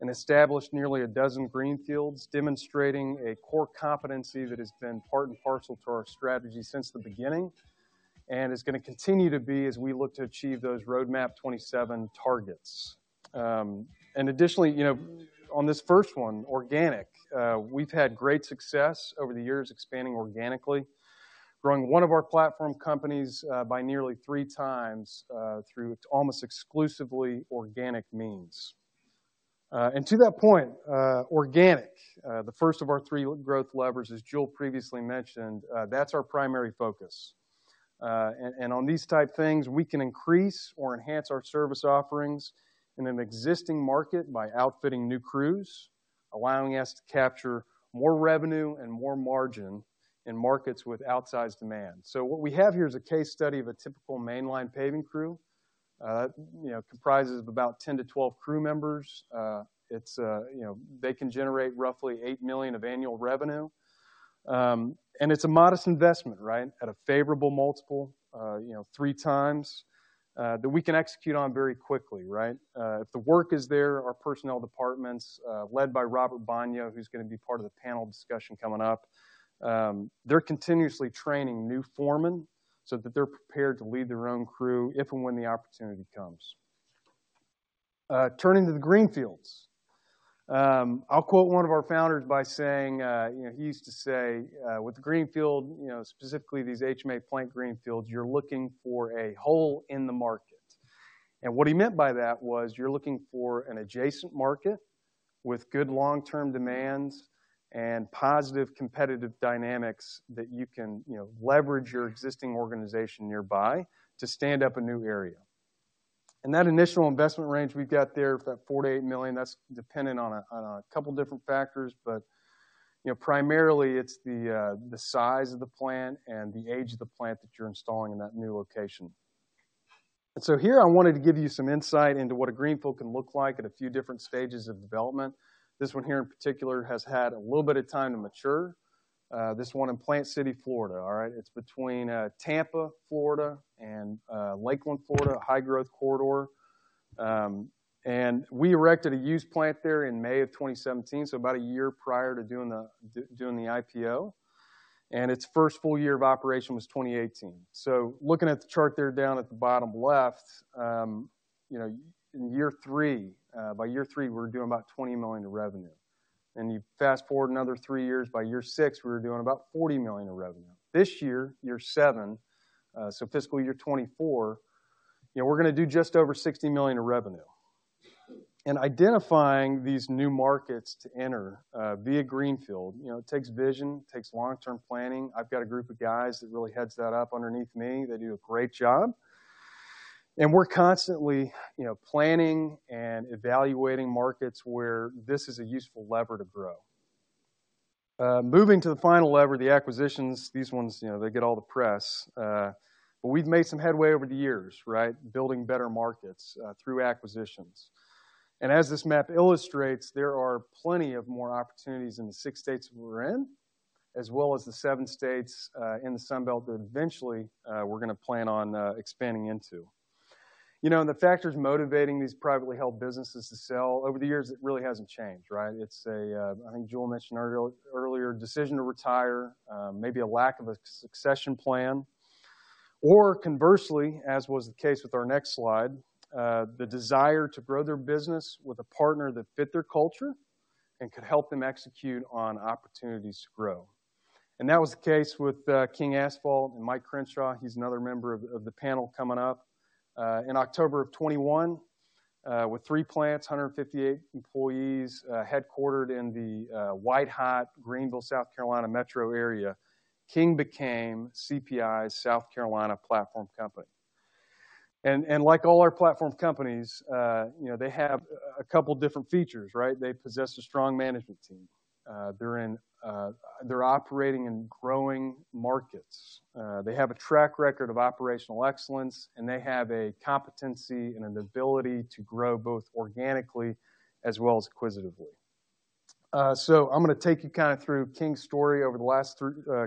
and established nearly a dozen greenfields, demonstrating a core competency that has been part and parcel to our strategy since the beginning, and is gonna continue to be as we look to achieve those Roadmap 2027 targets. Additionally, you know, on this first one, organic, we've had great success over the years expanding organically, growing one of our platform companies, by nearly three times, through almost exclusively organic means. And to that point, organic, the first of our three growth levers, as Jule previously mentioned, that's our primary focus. And on these type things, we can increase or enhance our service offerings in an existing market by outfitting new crews, allowing us to capture more revenue and more margin in markets with outsized demand. So what we have here is a case study of a typical mainline paving crew. You know, comprises of about 10-12 crew members. It's... You know, they can generate roughly $8 million of annual revenue. It's a modest investment, right, at a favorable multiple, you know, 3x that we can execute on very quickly, right? If the work is there, our personnel departments, led by Robert Baugnon, who's gonna be part of the panel discussion coming up, they're continuously training new foremen so that they're prepared to lead their own crew if and when the opportunity comes. Turning to the greenfields. I'll quote one of our founders by saying, you know, he used to say, "With greenfield," you know, specifically these HMA plant greenfields, "you're looking for a hole in the market." And what he meant by that was, you're looking for an adjacent market with good long-term demands and positive competitive dynamics that you can, you know, leverage your existing organization nearby to stand up a new area. And that initial investment range we've got there, that $4 million-$8 million, that's dependent on a couple different factors. But, you know, primarily it's the size of the plant and the age of the plant that you're installing in that new location. And so here I wanted to give you some insight into what a greenfield can look like at a few different stages of development. This one here in particular has had a little bit of time to mature. This one in Plant City, Florida, all right? It's between Tampa, Florida, and Lakeland, Florida, a high-growth corridor. And we erected a used plant there in May 2017, so about a year prior to doing the IPO, and its first full year of operation was 2018. So looking at the chart there down at the bottom left, you know, in year three, by year three, we're doing about $20 million in revenue. And you fast-forward another three years, by year six, we were doing about $40 million in revenue. This year, year seven, so fiscal year 2024, you know, we're gonna do just over $60 million in revenue. And identifying these new markets to enter, via greenfield, you know, takes vision, takes long-term planning. I've got a group of guys that really heads that up underneath me. They do a great job. And we're constantly, you know, planning and evaluating markets where this is a useful lever to grow. Moving to the final lever, the acquisitions, these ones, you know, they get all the press, but we've made some headway over the years, right? Building better markets, through acquisitions. As this map illustrates, there are plenty of more opportunities in the six states that we're in, as well as the seven states in the Sun Belt that eventually we're gonna plan on expanding into. You know, the factors motivating these privately held businesses to sell over the years, it really hasn't changed, right? It's a, I think Jule mentioned earlier, decision to retire, maybe a lack of a succession plan, or conversely, as was the case with our next slide, the desire to grow their business with a partner that fit their culture and could help them execute on opportunities to grow. And that was the case with King Asphalt and Mike Crenshaw, he's another member of the panel coming up. In October of 2021, with 3 plants, 158 employees, headquartered in the white-hot Greenville, South Carolina metro area, King became CPI's South Carolina platform company. And like all our platform companies, you know, they have a couple different features, right? They possess a strong management team. They're operating in growing markets. They have a track record of operational excellence, and they have a competency and an ability to grow both organically as well as acquisitively. So I'm gonna take you kinda through King's story over the last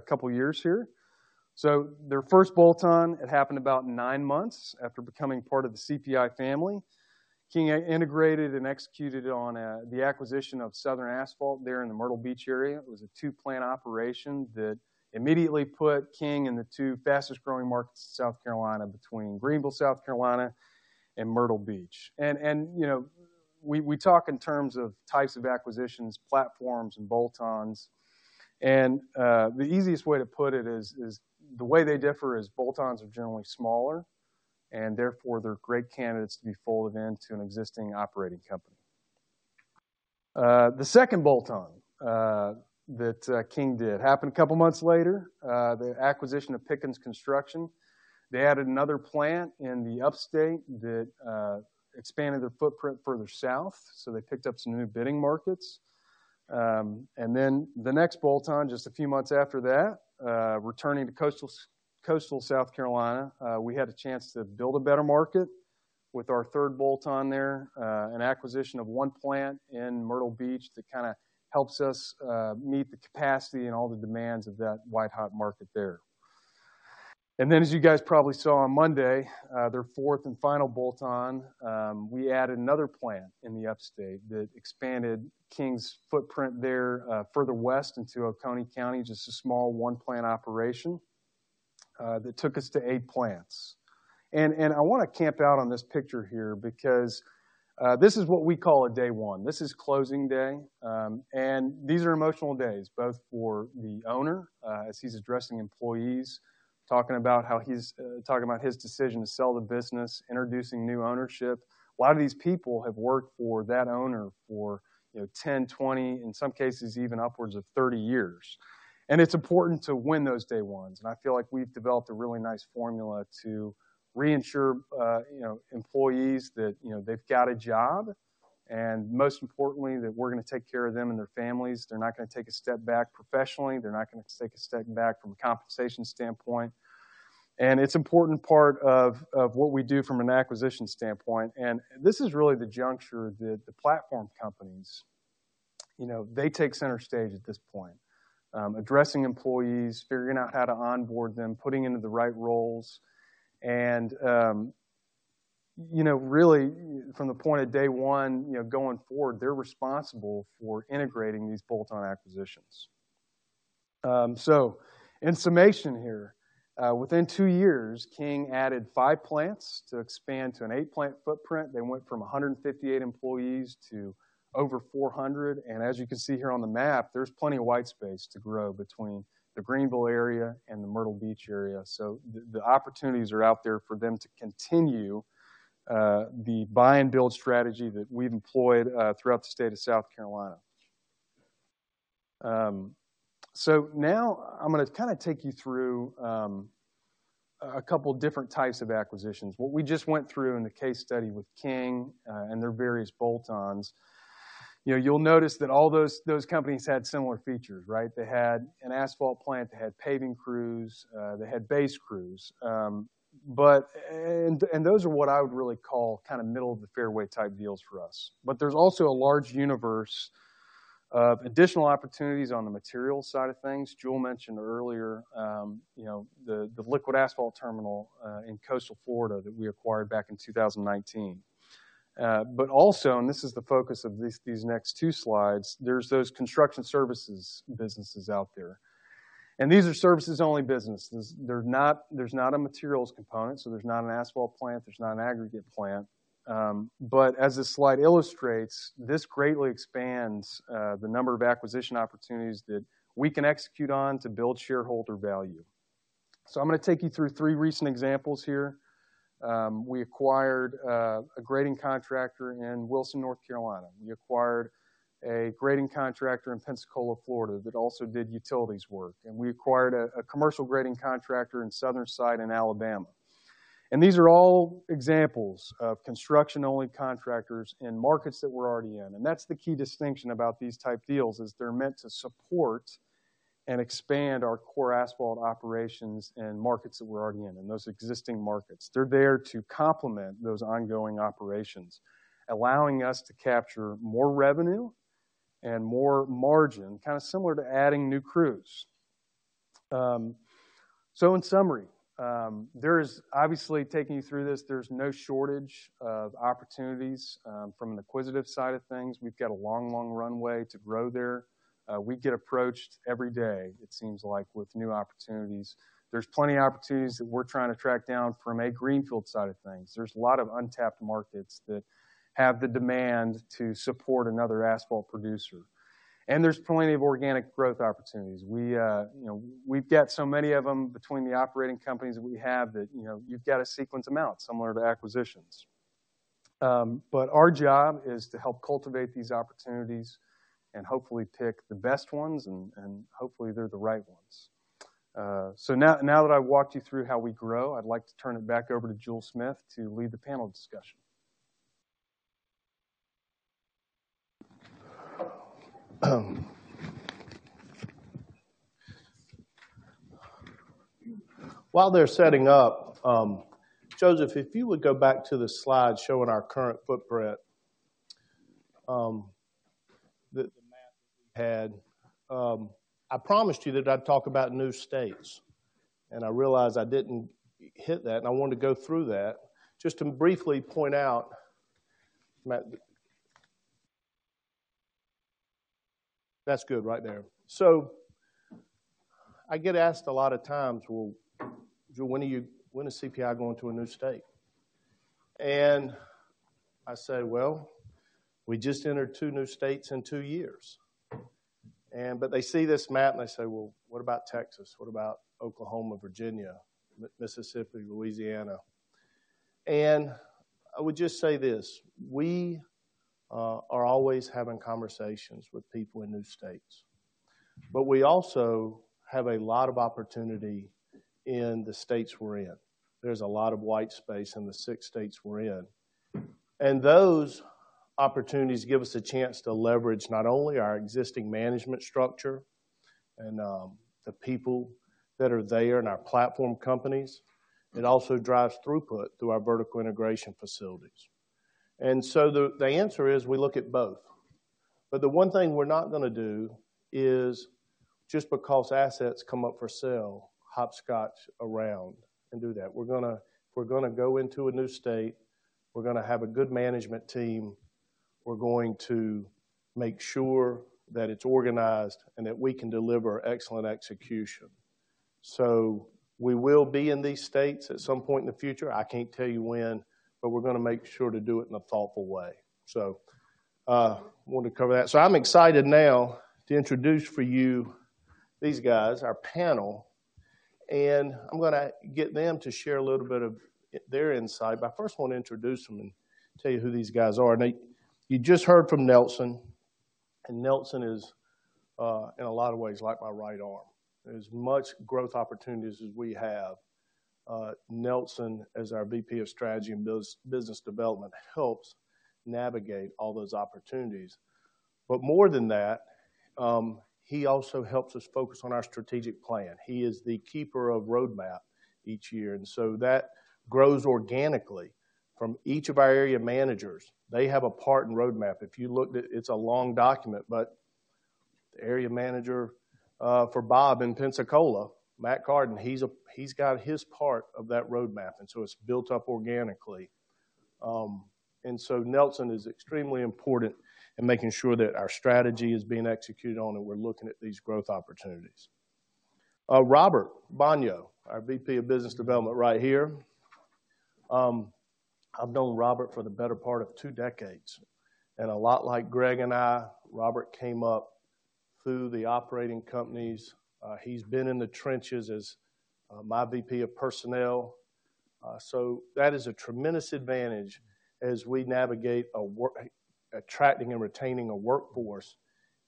couple of years here. So their first bolt-on, it happened about 9 months after becoming part of the CPI family. King integrated and executed on the acquisition of Southern Asphalt there in the Myrtle Beach area. It was a two-plant operation that immediately put King in the two fastest growing markets in South Carolina between Greenville, South Carolina, and Myrtle Beach. And, you know, we talk in terms of types of acquisitions, platforms, and bolt-ons, and the easiest way to put it is the way they differ is bolt-ons are generally smaller, and therefore, they're great candidates to be folded into an existing operating company. The second bolt-on that King did happened a couple of months later, the acquisition of Pickens Construction. They added another plant in the Upstate that expanded their footprint further south, so they picked up some new bidding markets. And then the next bolt-on, just a few months after that, returning to coastal South Carolina, we had a chance to build a better market with our third bolt-on there, an acquisition of one plant in Myrtle Beach that kinda helps us meet the capacity and all the demands of that white-hot market there. And then, as you guys probably saw on Monday, their fourth and final bolt-on, we added another plant in the Upstate that expanded King's footprint there, further west into Oconee County, just a small one-plant operation that took us to eight plants. And I wanna camp out on this picture here because this is what we call a Day One. This is closing day, and these are emotional days, both for the owner, as he's addressing employees, talking about how he's talking about his decision to sell the business, introducing new ownership. A lot of these people have worked for that owner for, you know, 10, 20, in some cases, even upwards of 30 years. It's important to win those day ones, and I feel like we've developed a really nice formula to reassure, you know, employees that, you know, they've got a job, and most importantly, that we're gonna take care of them and their families. They're not gonna take a step back professionally. They're not gonna take a step back from a compensation standpoint. It's important part of what we do from an acquisition standpoint, and this is really the juncture that the platform companies, you know, they take center stage at this point. Addressing employees, figuring out how to onboard them, putting into the right roles, and, you know, really from the point of Day One, you know, going forward, they're responsible for integrating these bolt-on acquisitions. So in summation here, within 2 years, King added 5 plants to expand to an 8-plant footprint. They went from 158 employees to over 400, and as you can see here on the map, there's plenty of white space to grow between the Greenville area and the Myrtle Beach area. So the opportunities are out there for them to continue the buy-and-build strategy that we've employed throughout the state of South Carolina. So now I'm gonna kinda take you through a couple different types of acquisitions. What we just went through in the case study with King, and their various bolt-ons, you know, you'll notice that all those, those companies had similar features, right? They had an asphalt plant, they had paving crews, they had base crews. But and, and those are what I would really call kinda middle-of-the-fairway-type deals for us. But there's also a large universe of additional opportunities on the materials side of things. Jule mentioned earlier, you know, the, the liquid asphalt terminal in coastal Florida that we acquired back in 2019. But also, and this is the focus of these, these next two slides, there's those construction services businesses out there. And these are services-only businesses. They're not. There's not a materials component, so there's not an asphalt plant, there's not an aggregate plant. But as this slide illustrates, this greatly expands the number of acquisition opportunities that we can execute on to build shareholder value. So I'm gonna take you through three recent examples here. We acquired a grading contractor in Wilson, North Carolina. We acquired a grading contractor in Pensacola, Florida, that also did utilities work, and we acquired a commercial grading contractor in Southern Site in Alabama. And these are all examples of construction-only contractors in markets that we're already in, and that's the key distinction about these type deals, is they're meant to support and expand our core asphalt operations and markets that we're already in, in those existing markets. They're there to complement those ongoing operations, allowing us to capture more revenue and more margin, kinda similar to adding new crews. So in summary, there is obviously, taking you through this, there's no shortage of opportunities from an acquisitive side of things. We've got a long, long runway to grow there. We get approached every day, it seems like, with new opportunities. There's plenty of opportunities that we're trying to track down from a greenfield side of things. There's a lot of untapped markets that have the demand to support another asphalt producer, and there's plenty of organic growth opportunities. We, you know, we've got so many of them between the operating companies that we have that, you know, you've got to sequence them out, similar to acquisitions. But our job is to help cultivate these opportunities and hopefully pick the best ones and hopefully they're the right ones. So now that I've walked you through how we grow, I'd like to turn it back over to Jule Smith to lead the panel discussion. While they're setting up, Joseph, if you would go back to the slide showing our current footprint, the map that we had. I promised you that I'd talk about new states, and I realize I didn't hit that, and I wanted to go through that just to briefly point out, Matt-- That's good right there. So, I get asked a lot of times, "Well, Jule, when is CPI going to a new state?" And I say, "Well, we just entered 2 new states in 2 years." But they see this map, and they say, "Well, what about Texas? What about Oklahoma, Virginia, Mississippi, Louisiana?" And I would just say this: we are always having conversations with people in new states, but we also have a lot of opportunity in the states we're in. There's a lot of white space in the six states we're in, and those opportunities give us a chance to leverage not only our existing management structure and the people that are there in our platform companies. It also drives throughput through our vertical integration facilities. So the answer is, we look at both. But the one thing we're not gonna do is, just because assets come up for sale, hopscotch around and do that. We're gonna, if we're gonna go into a new state, we're gonna have a good management team, we're going to make sure that it's organized and that we can deliver excellent execution. So we will be in these states at some point in the future. I can't tell you when, but we're gonna make sure to do it in a thoughtful way. So I wanted to cover that. So I'm excited now to introduce for you these guys, our panel, and I'm gonna get them to share a little bit of their insight. But I first want to introduce them and tell you who these guys are. Now, you just heard from Nelson, and Nelson is, in a lot of ways, like my right arm. As much growth opportunities as we have, Nelson, as our VP of Strategy and Business Development, helps navigate all those opportunities. But more than that, he also helps us focus on our strategic plan. He is the keeper of Roadmap each year, and so that grows organically from each of our area managers. They have a part in Roadmap. If you looked at—it's a long document, but the area manager for Bob in Pensacola, Matt Carden, he's got his part of that roadmap, and so it's built up organically. So Nelson is extremely important in making sure that our strategy is being executed on, and we're looking at these growth opportunities. Robert Baugnon, our VP of Business Development, right here. I've known Robert for the better part of two decades, and a lot like Greg and I, Robert came up through the operating companies. He's been in the trenches as my VP of Personnel. So that is a tremendous advantage as we navigate attracting and retaining a workforce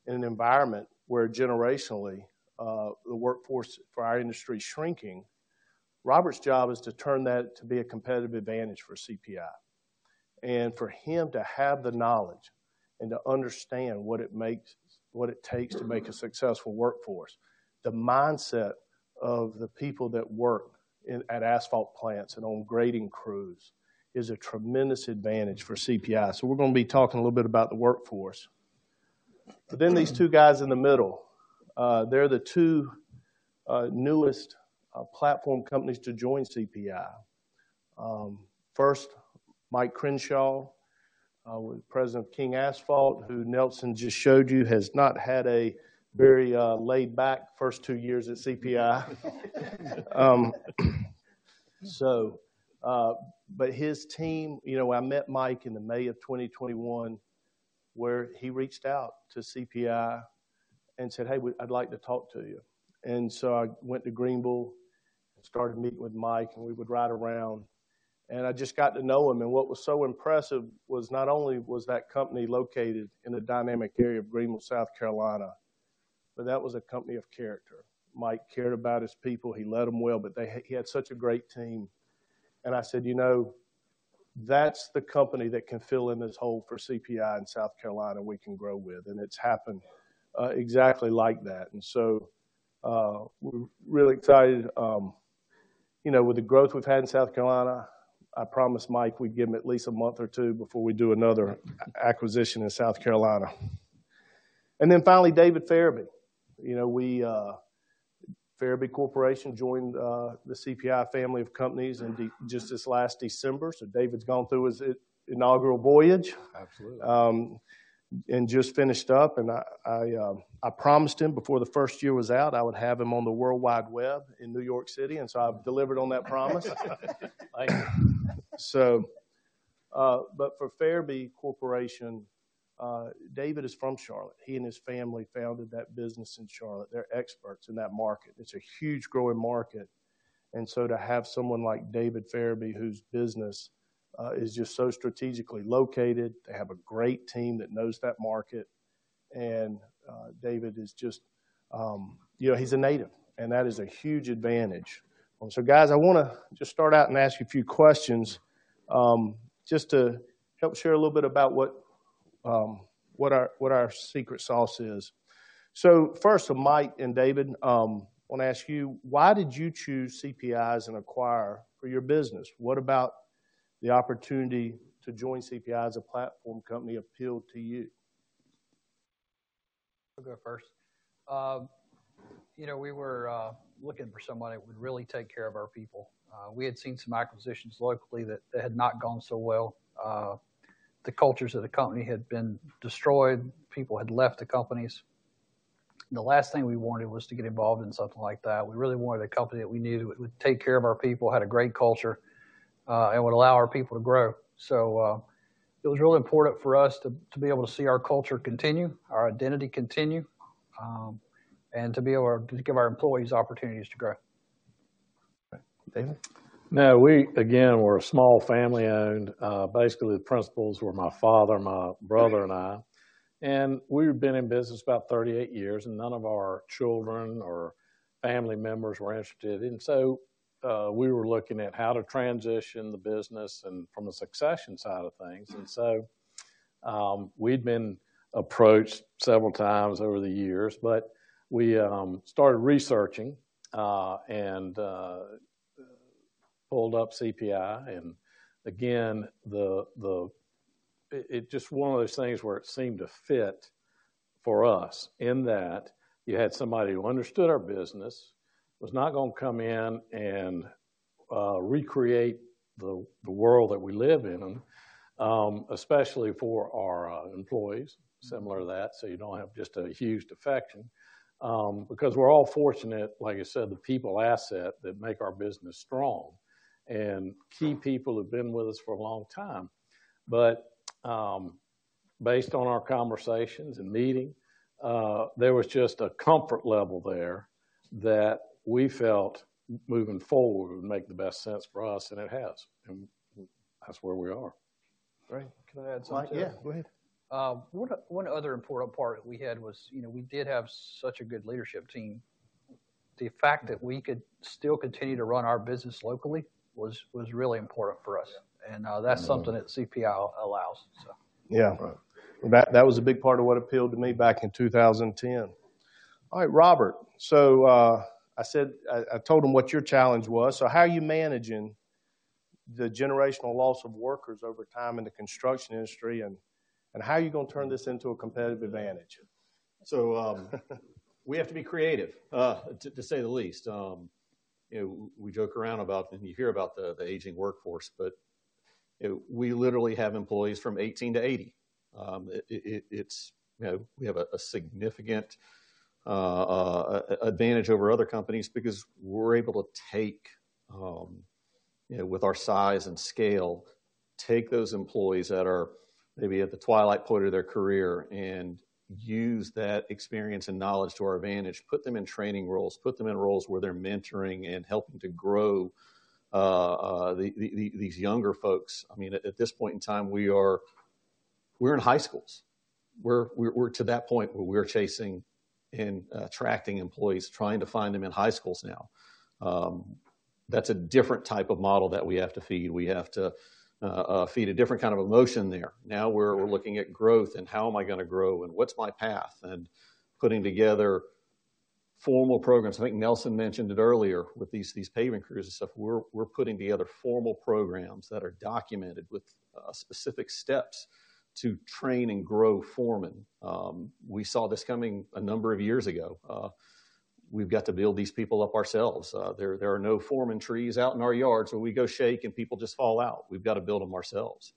in an environment where generationally, the workforce for our industry is shrinking. Robert's job is to turn that to be a competitive advantage for CPI. For him to have the knowledge and to understand what it makes, what it takes to make a successful workforce, the mindset of the people that work in, at asphalt plants and on grading crews, is a tremendous advantage for CPI. So we're gonna be talking a little bit about the workforce. But then these two guys in the middle, they're the two newest platform companies to join CPI. First, Mike Crenshaw, President of King Asphalt, who Nelson just showed you, has not had a very laid-back first 2 years at CPI. So, but his team. You know, I met Mike in May 2021, where he reached out to CPI and said: "Hey, we-- I'd like to talk to you. And so I went to Greenville and started meeting with Mike, and we would ride around, and I just got to know him. And what was so impressive was, not only was that company located in the dynamic area of Greenville, South Carolina, but that was a company of character. Mike cared about his people. He led them well, but they had, he had such a great team. And I said, "You know, that's the company that can fill in this hole for CPI in South Carolina, we can grow with." And it's happened exactly like that. And so, we're really excited, you know, with the growth we've had in South Carolina, I promised Mike we'd give him at least a month or two before we do another acquisition in South Carolina. And then finally, David Ferebee. You know, we, Ferebee Corporation joined the CPI family of companies just this last December. So David's gone through his inaugural voyage- Absolutely. And just finished up, and I promised him before the first year was out, I would have him on the World Wide Web in New York City, and so I've delivered on that promise. So, but for Ferebee Corporation, David is from Charlotte. He and his family founded that business in Charlotte. They're experts in that market. It's a huge growing market, and so to have someone like David Ferebee, whose business is just so strategically located, they have a great team that knows that market, and David is just... you know, he's a native, and that is a huge advantage. So, guys, I wanna just start out and ask you a few questions, just to help share a little bit about what, what our, what our secret sauce is. So first, Mike and David, I wanna ask you, why did you choose CPI as an acquirer for your business? What about the opportunity to join CPI as a platform company appealed to you? I'll go first. You know, we were looking for someone that would really take care of our people. We had seen some acquisitions locally that had not gone so well. The cultures of the company had been destroyed. People had left the companies. The last thing we wanted was to get involved in something like that. We really wanted a company that we knew would take care of our people, had a great culture, and would allow our people to grow. So, it was really important for us to be able to see our culture continue, our identity continue, and to be able to give our employees opportunities to grow. Okay. David? Now, we again, we're a small family-owned, basically, the principals were my father, my brother, and I. And we've been in business about 38 years, and none of our children or family members were interested. And so, we were looking at how to transition the business and from the succession side of things. And so, we'd been approached several times over the years, but we started researching and pulled up CPI. And again, it just one of those things where it seemed to fit for us, in that you had somebody who understood our business, was not gonna come in and recreate the world that we live in, especially for our employees, similar to that, so you don't have just a huge defection. Because we're all fortunate, like I said, the people asset that make our business strong, and key people have been with us for a long time. But, based on our conversations and meeting, there was just a comfort level there that we felt moving forward would make the best sense for us, and it has, and that's where we are. Great. Can I add something? Yeah, go ahead. One other important part we had was, you know, we did have such a good leadership team. The fact that we could still continue to run our business locally was really important for us. Yeah. And that's something that CPI allows, so. Yeah. Right. That was a big part of what appealed to me back in 2010. All right, Robert, so I said—I told them what your challenge was. So how are you managing the generational loss of workers over time in the construction industry, and how are you gonna turn this into a competitive advantage? So, we have to be creative to say the least. You know, we joke around about, and you hear about the aging workforce, but, you know, we literally have employees from 18 to 80. You know, we have a significant advantage over other companies because we're able to take, you know, with our size and scale, take those employees that are maybe at the twilight point of their career and use that experience and knowledge to our advantage, put them in training roles, put them in roles where they're mentoring and helping to grow these younger folks. I mean, this point in time, we're in high schools. To that point where we're chasing and attracting employees, trying to find them in high schools now. That's a different type of model that we have to feed. We have to feed a different kind of emotion there. Now, we're looking at growth, and how am I gonna grow, and what's my path? And putting together formal programs. I think Nelson mentioned it earlier, with these paving crews and stuff. We're putting together formal programs that are documented with specific steps to train and grow foremen. We saw this coming a number of years ago. We've got to build these people up ourselves. There are no foreman trees out in our yard, so we go shake, and people just fall out. We've got to build them ourselves.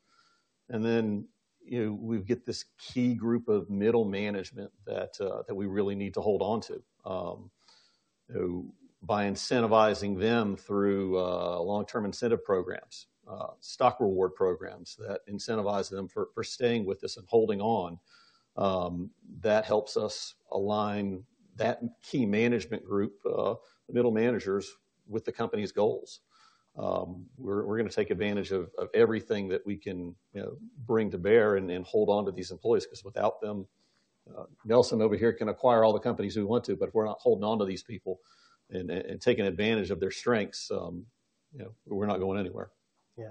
And then, you know, we get this key group of middle management that we really need to hold on to. You know, by incentivizing them through long-term incentive programs, stock reward programs that incentivize them for staying with us and holding on, that helps us align that key management group, the middle managers, with the company's goals. We're gonna take advantage of everything that we can, you know, bring to bear and hold on to these employees, cause without them, Nelson over here can acquire all the companies we want to, but if we're not holding on to these people and taking advantage of their strengths, you know, we're not going anywhere. Yeah....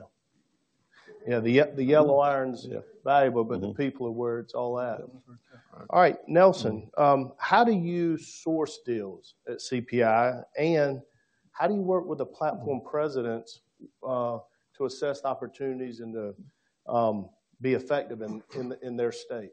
Yeah, the yellow iron's valuable, but the people are where it's all at. That's right. All right, Nelson, how do you source deals at CPI, and how do you work with the platform presidents to assess opportunities and to be effective in their state?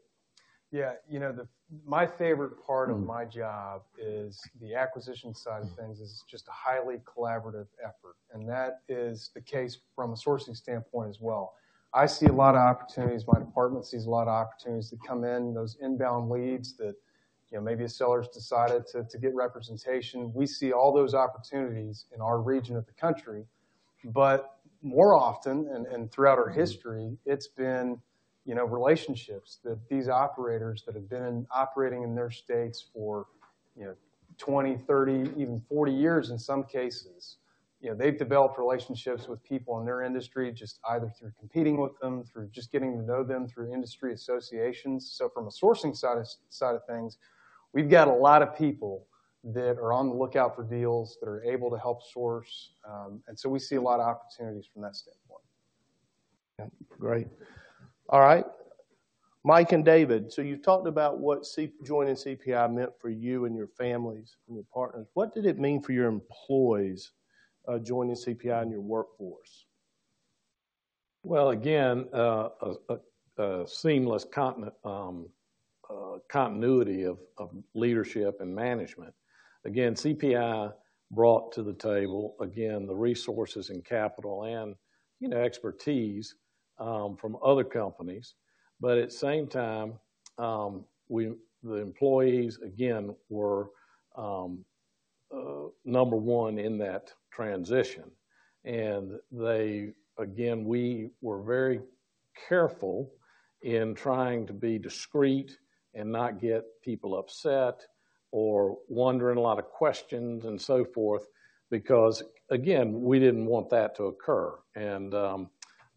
Yeah, you know, the, my favorite part of my job is the acquisition side of things, is just a highly collaborative effort, and that is the case from a sourcing standpoint as well. I see a lot of opportunities. My department sees a lot of opportunities that come in, those inbound leads that, you know, maybe a seller's decided to get representation. We see all those opportunities in our region of the country, but more often, and throughout our history, it's been, you know, relationships that these operators that have been operating in their states for, you know, 20, 30, even 40 years in some cases. You know, they've developed relationships with people in their industry, just either through competing with them, through just getting to know them through industry associations. From a sourcing side of things, we've got a lot of people that are on the lookout for deals, that are able to help source, and so we see a lot of opportunities from that standpoint. Okay, great. All right, Mike and David, so you've talked about what joining CPI meant for you and your families and your partners. What did it mean for your employees, joining CPI and your workforce? Well, again, a seamless continuum, continuity of leadership and management. Again, CPI brought to the table, again, the resources and capital and, you know, expertise from other companies. But at the same time, we—the employees, again, were number one in that transition. Again, we were very careful in trying to be discreet and not get people upset or wondering a lot of questions and so forth, because, again, we didn't want that to occur.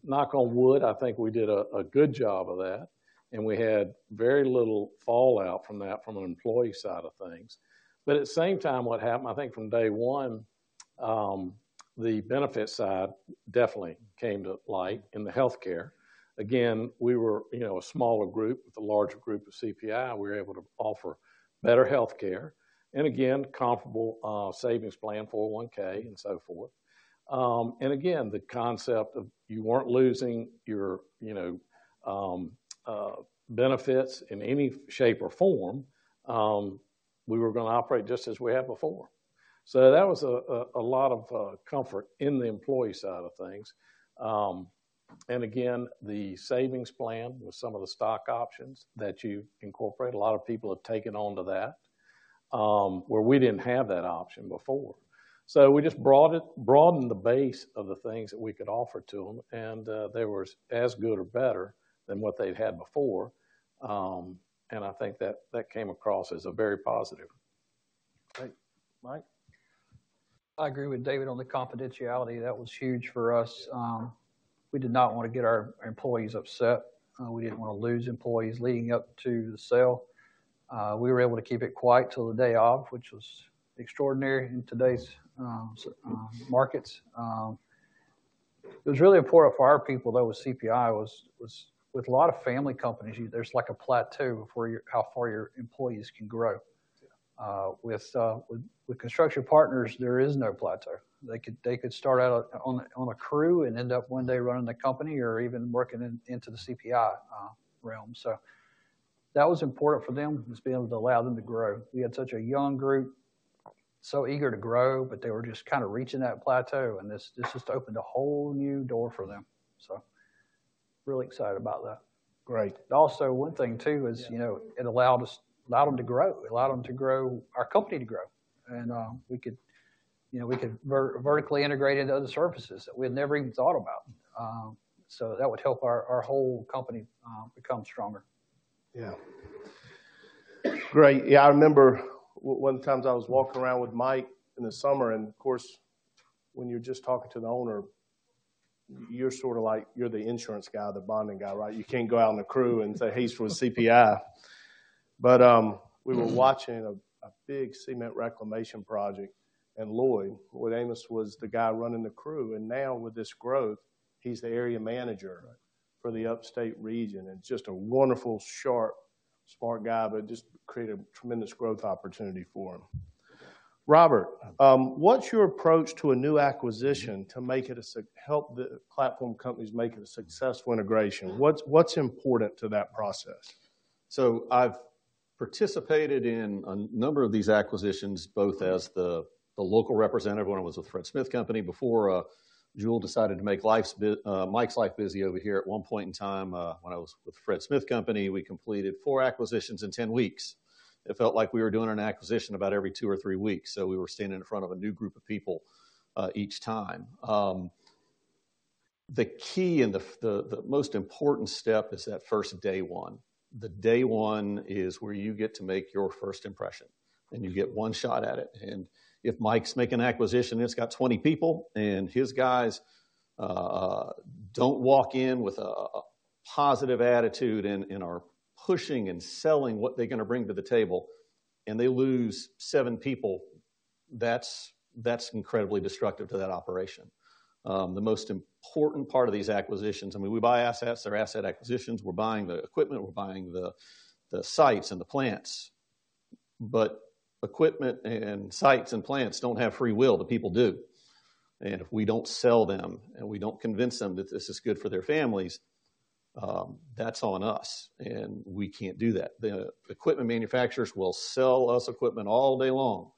And, knock on wood, I think we did a good job of that, and we had very little fallout from that from an employee side of things. But at the same time, what happened, I think from day one, the benefit side definitely came to light in the healthcare. Again, we were, you know, a smaller group. With a larger group of CPI, we were able to offer better healthcare and again, comparable savings plan, 401 and so forth. And again, the concept of you weren't losing your, you know, benefits in any shape or form, we were gonna operate just as we had before. So that was a lot of comfort in the employee side of things. And again, the savings plan with some of the stock options that you incorporate, a lot of people have taken on to that, where we didn't have that option before. So we just broadened the base of the things that we could offer to them, and they were as good or better than what they'd had before. And I think that came across as a very positive. Great. Mike? I agree with David on the confidentiality. That was huge for us. We did not want to get our employees upset. We didn't want to lose employees leading up to the sale. We were able to keep it quiet till the day of, which was extraordinary in today's markets. It was really important for our people, though. With CPI, with a lot of family companies, there's like a plateau of how far your employees can grow. Yeah. With Construction Partners, there is no plateau. They could start out on a crew and end up one day running the company or even working into the CPI realm. So that was important for them, being able to allow them to grow. We had such a young group, so eager to grow, but they were just kinda reaching that plateau, and this just opened a whole new door for them. So really excited about that. Great. Also, one thing, too, is, you know, it allowed them to grow. It allowed them to grow, our company to grow, and we could, you know, we could vertically integrate into other services that we had never even thought about. So that would help our, our whole company become stronger. Yeah. Great. Yeah, I remember one of the times I was walking around with Mike in the summer, and of course, when you're just talking to the owner, you're sort of like, you're the insurance guy, the bonding guy, right? You can't go out on the crew and say, "He's from CPI." But, we were watching a big cement reclamation project, and Lloyd McAmis was the guy running the crew, and now with this growth, he's the area manager- Right. For the Upstate region, and just a wonderful, sharp, smart guy, but just created a tremendous growth opportunity for him. Robert, what's your approach to a new acquisition to help the platform companies make it a successful integration? What's important to that process? So I've participated in a number of these acquisitions, both as the local representative, when I was with Fred Smith Company, before Jule decided to make Mike's life busy over here. At one point in time, when I was with Fred Smith Company, we completed four acquisitions in 10 weeks. It felt like we were doing an acquisition about every two or three weeks, so we were standing in front of a new group of people each time. The key and the most important step is that first Day One. The Day One is where you get to make your first impression, and you get one shot at it. If Mike's making an acquisition, and it's got 20 people, and his guys don't walk in with a positive attitude and are pushing and selling what they're gonna bring to the table, and they lose seven people... That's, that's incredibly destructive to that operation. The most important part of these acquisitions, I mean, we buy assets, they're asset acquisitions, we're buying the equipment, we're buying the sites and the plants, but equipment and sites and plants don't have free will, the people do. And if we don't sell them and we don't convince them that this is good for their families, that's on us, and we can't do that. The equipment manufacturers will sell us equipment all day long,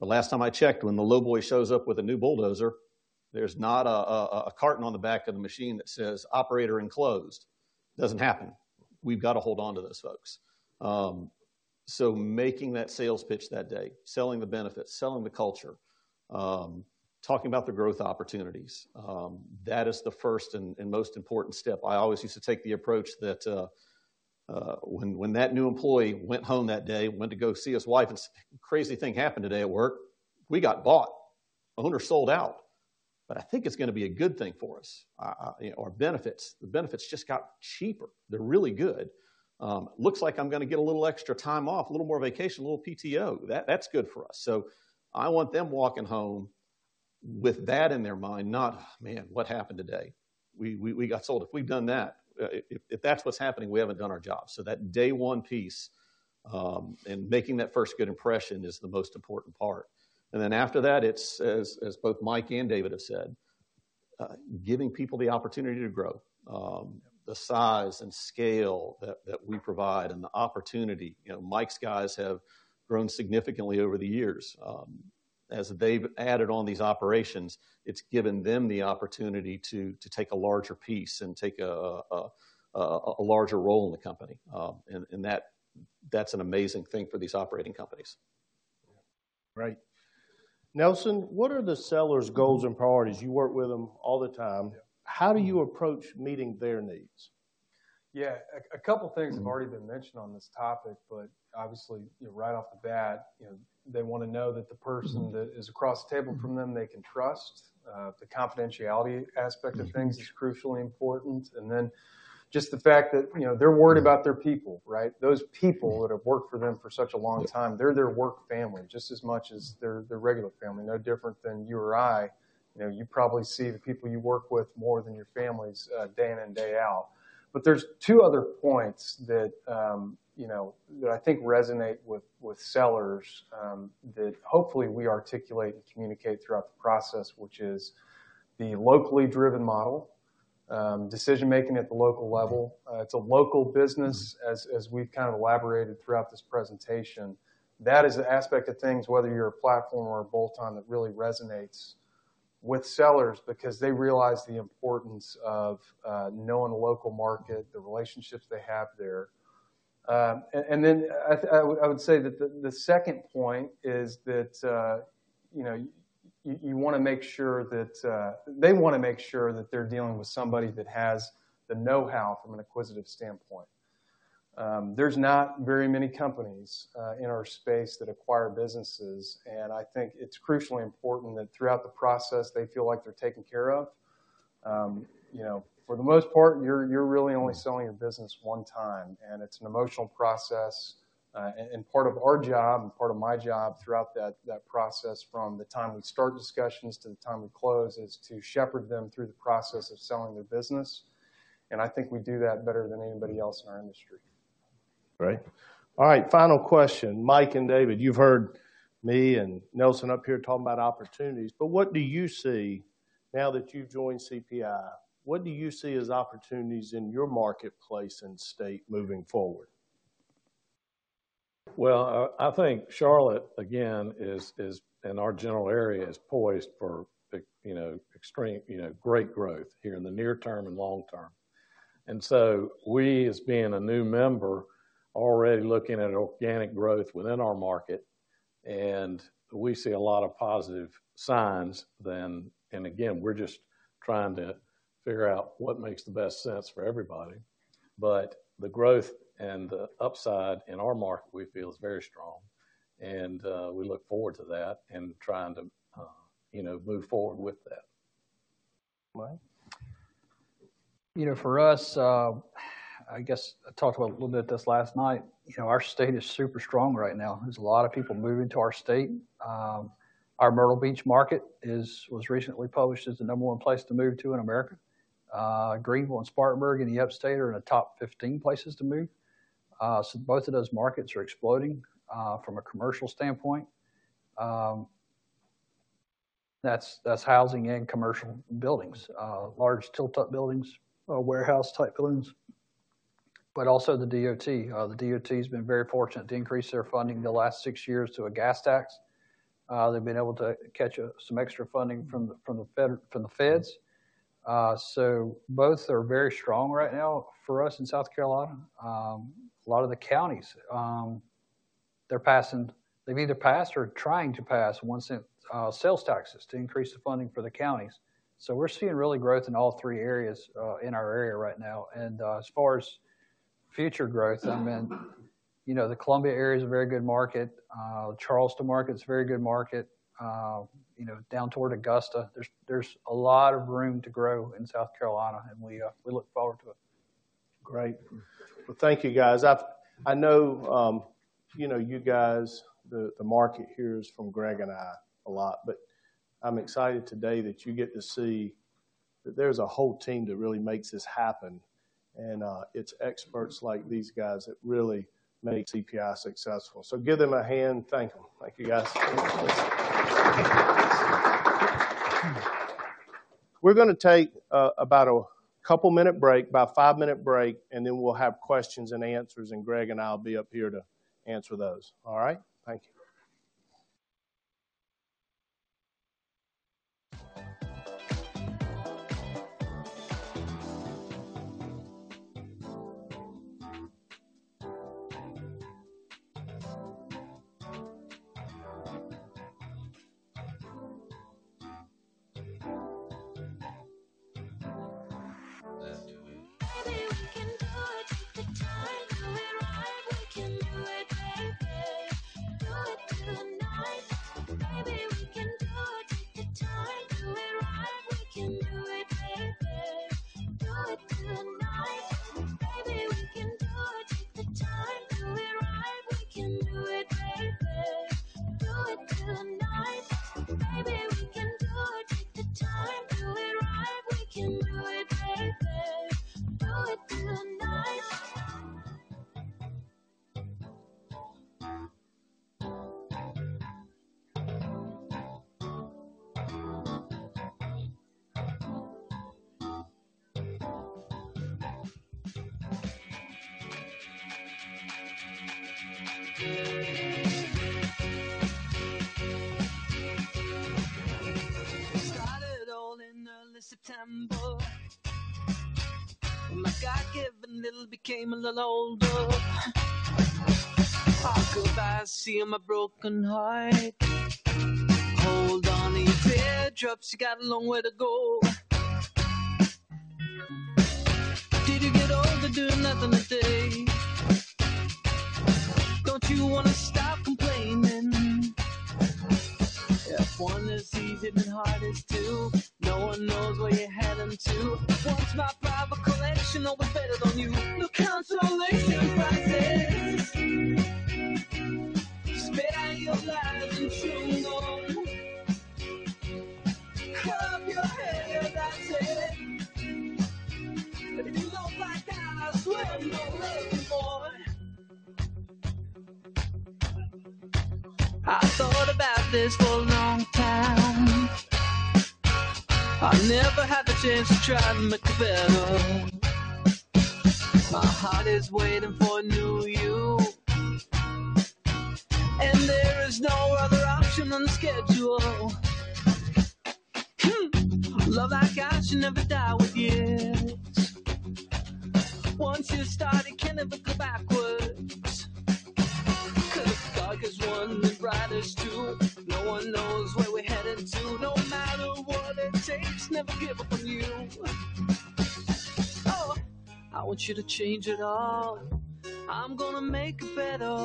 but last time I checked, when the lowboy shows up with a new bulldozer, there's not a carton on the back of the machine that says, "Operator enclosed." Doesn't happen. We've got to hold on to those folks. So making that sales pitch that day, selling the benefits, selling the culture, talking about the growth opportunities, that is the first and most important step. I always used to take the approach that when that new employee went home that day, went to go see his wife and said, "Crazy thing happened today at work. We got bought. Our owner sold out, but I think it's gonna be a good thing for us. You know, our benefits, the benefits just got cheaper. They're really good. Looks like I'm gonna get a little extra time off, a little more vacation, a little PTO. That's good for us." So I want them walking home with that in their mind, not, "Man, what happened today? We got sold." If we've done that, if that's what's happening, we haven't done our job. So that Day One piece and making that first good impression is the most important part. And then after that, it's as both Mike and David have said, giving people the opportunity to grow. The size and scale that we provide and the opportunity... You know, Mike's guys have grown significantly over the years. As they've added on these operations, it's given them the opportunity to take a larger piece and take a larger role in the company. And that, that's an amazing thing for these operating companies. Right. Nelson, what are the sellers' goals and priorities? You work with them all the time. Yeah. How do you approach meeting their needs? Yeah, a couple things have already been mentioned on this topic, but obviously, you know, right off the bat, you know, they wanna know that the person that is across the table from them, they can trust. The confidentiality aspect of things is crucially important, and then just the fact that, you know, they're worried about their people, right? Those people that have worked for them for such a long time, they're their work family, just as much as their regular family. No different than you or I. You know, you probably see the people you work with more than your families, day in and day out. But there's two other points that, you know, that I think resonate with sellers, that hopefully we articulate and communicate throughout the process, which is the locally driven model, decision-making at the local level. It's a local business, as we've kind of elaborated throughout this presentation. That is an aspect of things, whether you're a platform or a bolt-on, that really resonates with sellers because they realize the importance of knowing the local market, the relationships they have there. And then I would say that the second point is that, you know, you wanna make sure that they wanna make sure that they're dealing with somebody that has the know-how from an acquisitive standpoint. There's not very many companies in our space that acquire businesses, and I think it's crucially important that throughout the process, they feel like they're taken care of. You know, for the most part, you're really only selling your business one time, and it's an emotional process. Part of our job and part of my job throughout that process, from the time we start discussions to the time we close, is to shepherd them through the process of selling their business, and I think we do that better than anybody else in our industry. Great. All right, final question. Mike and David, you've heard me and Nelson up here talking about opportunities, but what do you see now that you've joined CPI? What do you see as opportunities in your marketplace and state moving forward? Well, I think Charlotte, again, is and our general area, is poised for, you know, extreme, you know, great growth here in the near term and long term. And so we, as being a new member, already looking at organic growth within our market, and we see a lot of positive signs then. And again, we're just trying to figure out what makes the best sense for everybody. But the growth and the upside in our market, we feel, is very strong, and we look forward to that and trying to, you know, move forward with that. Well? You know, for us, I guess I talked about a little bit this last night, you know, our state is super strong right now. There's a lot of people moving to our state. Our Myrtle Beach market was recently published as the number one place to move to in America. Greenville and Spartanburg in the Upstate are in the top 15 places to move. So both of those markets are exploding from a commercial standpoint. That's housing and commercial buildings, large tilt-up buildings or warehouse-type buildings, but also the DOT. The DOT's been very fortunate to increase their funding the last six years through a gas tax. They've been able to catch some extra funding from the Feds. So both are very strong right now for us in South Carolina. A lot of the counties, they're passing. They've either passed or trying to pass 1-cent sales taxes to increase the funding for the counties. So we're seeing real growth in all three areas in our area right now. As far as future growth, I mean, you know, the Columbia area is a very good market. Charleston market is a very good market. You know, down toward Augusta, there's a lot of room to grow in South Carolina, and we look forward to it. Great! Well, thank you, guys. I know, you know, you guys, the market hears from Greg and I a lot, but I'm excited today that you get to see that there's a whole team that really makes this happen, and it's experts like these guys that really make CPI successful. So give them a hand and thank them. Thank you, guys. We're gonna take about a couple-minute break, about a 5-minute break, and then we'll have questions and answers, and Greg and I will be up here to answer those. All right? Thank you. <music> It started all in early September. My God-given little became a little older. Talk of I seeing my broken heart. Hold on, easy teardrops, you got a long way to go. Did you get older doing nothing today? Don't you wanna stop complaining? If one is easy, then hard is two. No one knows where you're heading to. Once my private collection always betters on you. No consolation prizes. Spit out your lies and chew more. Cut off your head, that's it. If you look like that, I swear you're looking for it. I thought about this for a long time. I never had the chance to try to make it better. My heart is waiting for a new you, and there is no other option on the schedule. Love like ours should never die with years. Once you start, it can never go backwards. <music> 'Cause dark is one, the bright is two. No one knows where we're heading to. No matter what it takes, never give up on you. Oh, I want you to change it all. I'm gonna make it better.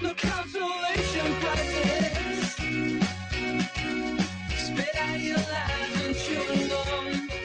No consolation prizes. Spit out your lies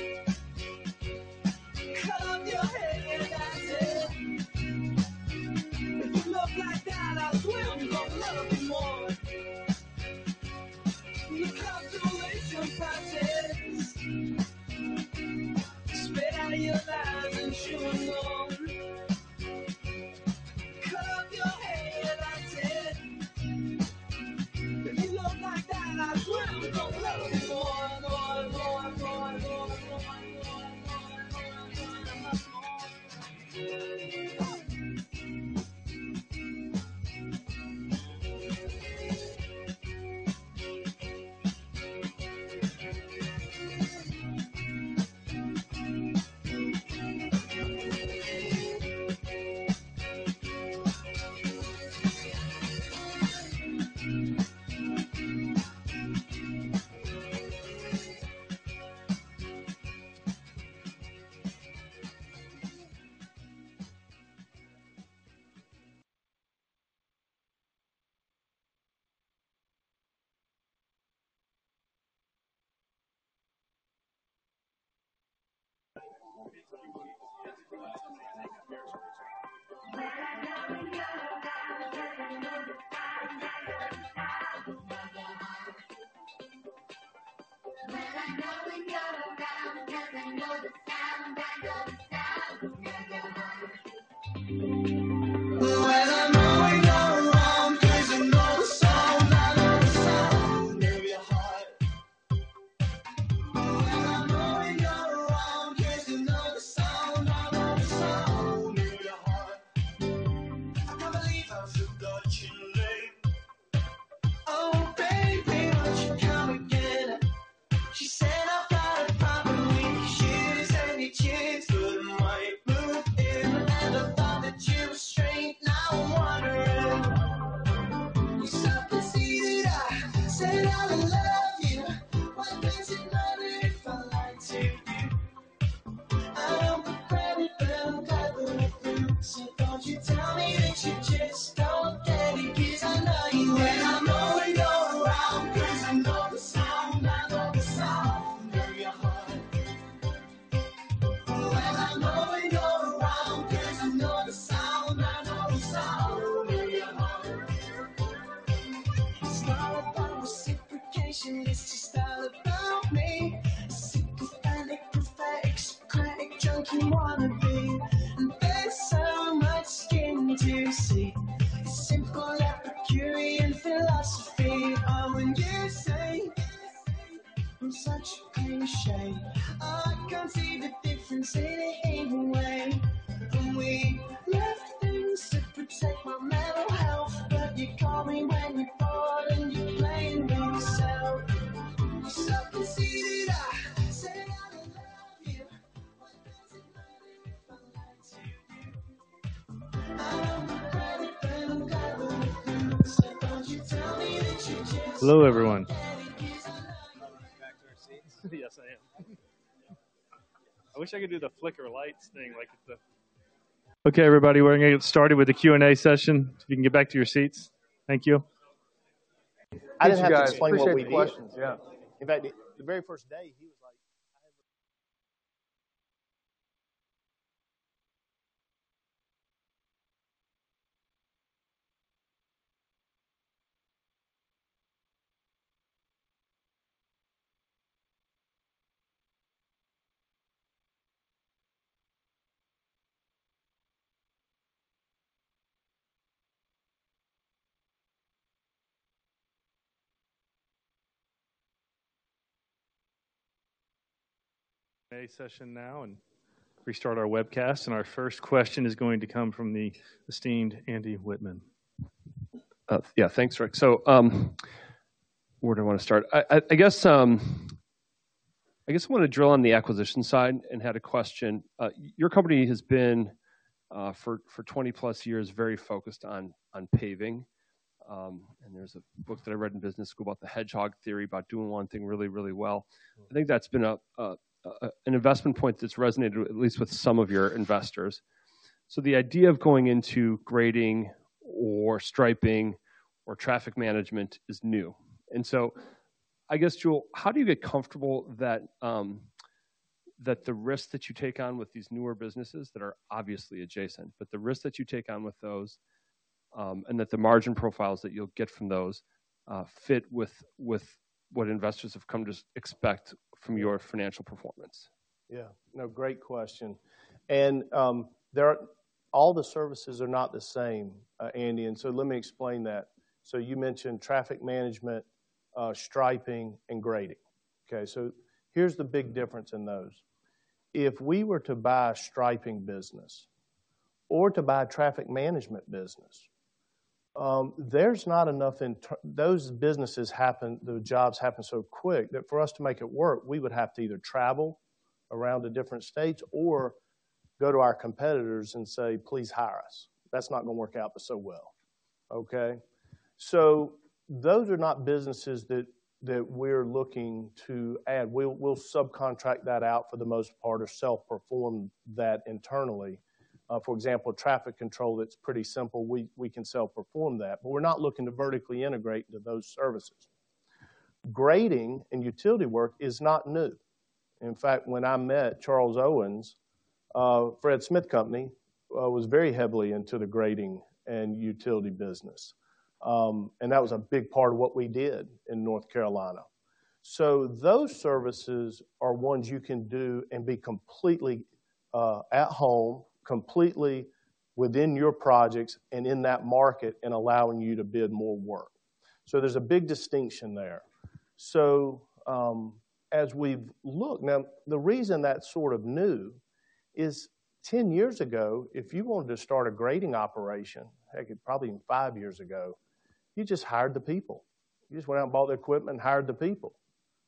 Hello, everyone. Back to our seats? Yes, I am. I wish I could do the flicker lights thing like the-- Okay, everybody, we're going to get started with the Q&A session. If you can get back to your seats. Thank you. I didn't have to explain what we did. Appreciate the questions, yeah. In fact, the very first day, he was like, I have- A session now and restart our webcast, and our first question is going to come from the esteemed Andy Wittmann. Yeah, thanks, Rick. So, where do I want to start? I guess I want to drill on the acquisition side and had a question. Your company has been for 20-plus years very focused on paving. And there's a book that I read in business school about the hedgehog theory, about doing one thing really, really well. I think that's been an investment point that's resonated with at least some of your investors. So the idea of going into grading or striping or traffic management is new, and so I guess, Jule, how do you get comfortable that the risk that you take on with these newer businesses that are obviously adjacent, but the risk that you take on with those, and that the margin profiles that you'll get from those, fit with, with what investors have come to expect from your financial performance? Yeah. No, great question. And, there are all the services are not the same, Andy, and so let me explain that. So you mentioned traffic management, striping, and grading. Okay, so here's the big difference in those. If we were to buy a striping business or to buy a traffic management business, there's not enough in those businesses happen, the jobs happen so quick, that for us to make it work, we would have to either travel around to different states or go to our competitors and say, "Please hire us." That's not gonna work out so well. Okay? So those are not businesses that we're looking to add. We'll subcontract that out for the most part or self-perform that internally. For example, traffic control, that's pretty simple. We can self-perform that, but we're not looking to vertically integrate to those services. Grading and utility work is not new. In fact, when I met Charles Owens, Fred Smith Company was very heavily into the grading and utility business, and that was a big part of what we did in North Carolina. So those services are ones you can do and be completely at home, completely within your projects and in that market and allowing you to bid more work. So there's a big distinction there. So, as we've looked... Now, the reason that's sort of new is 10 years ago, if you wanted to start a grading operation, heck, probably five years ago, you just hired the people. You just went out and bought the equipment and hired the people.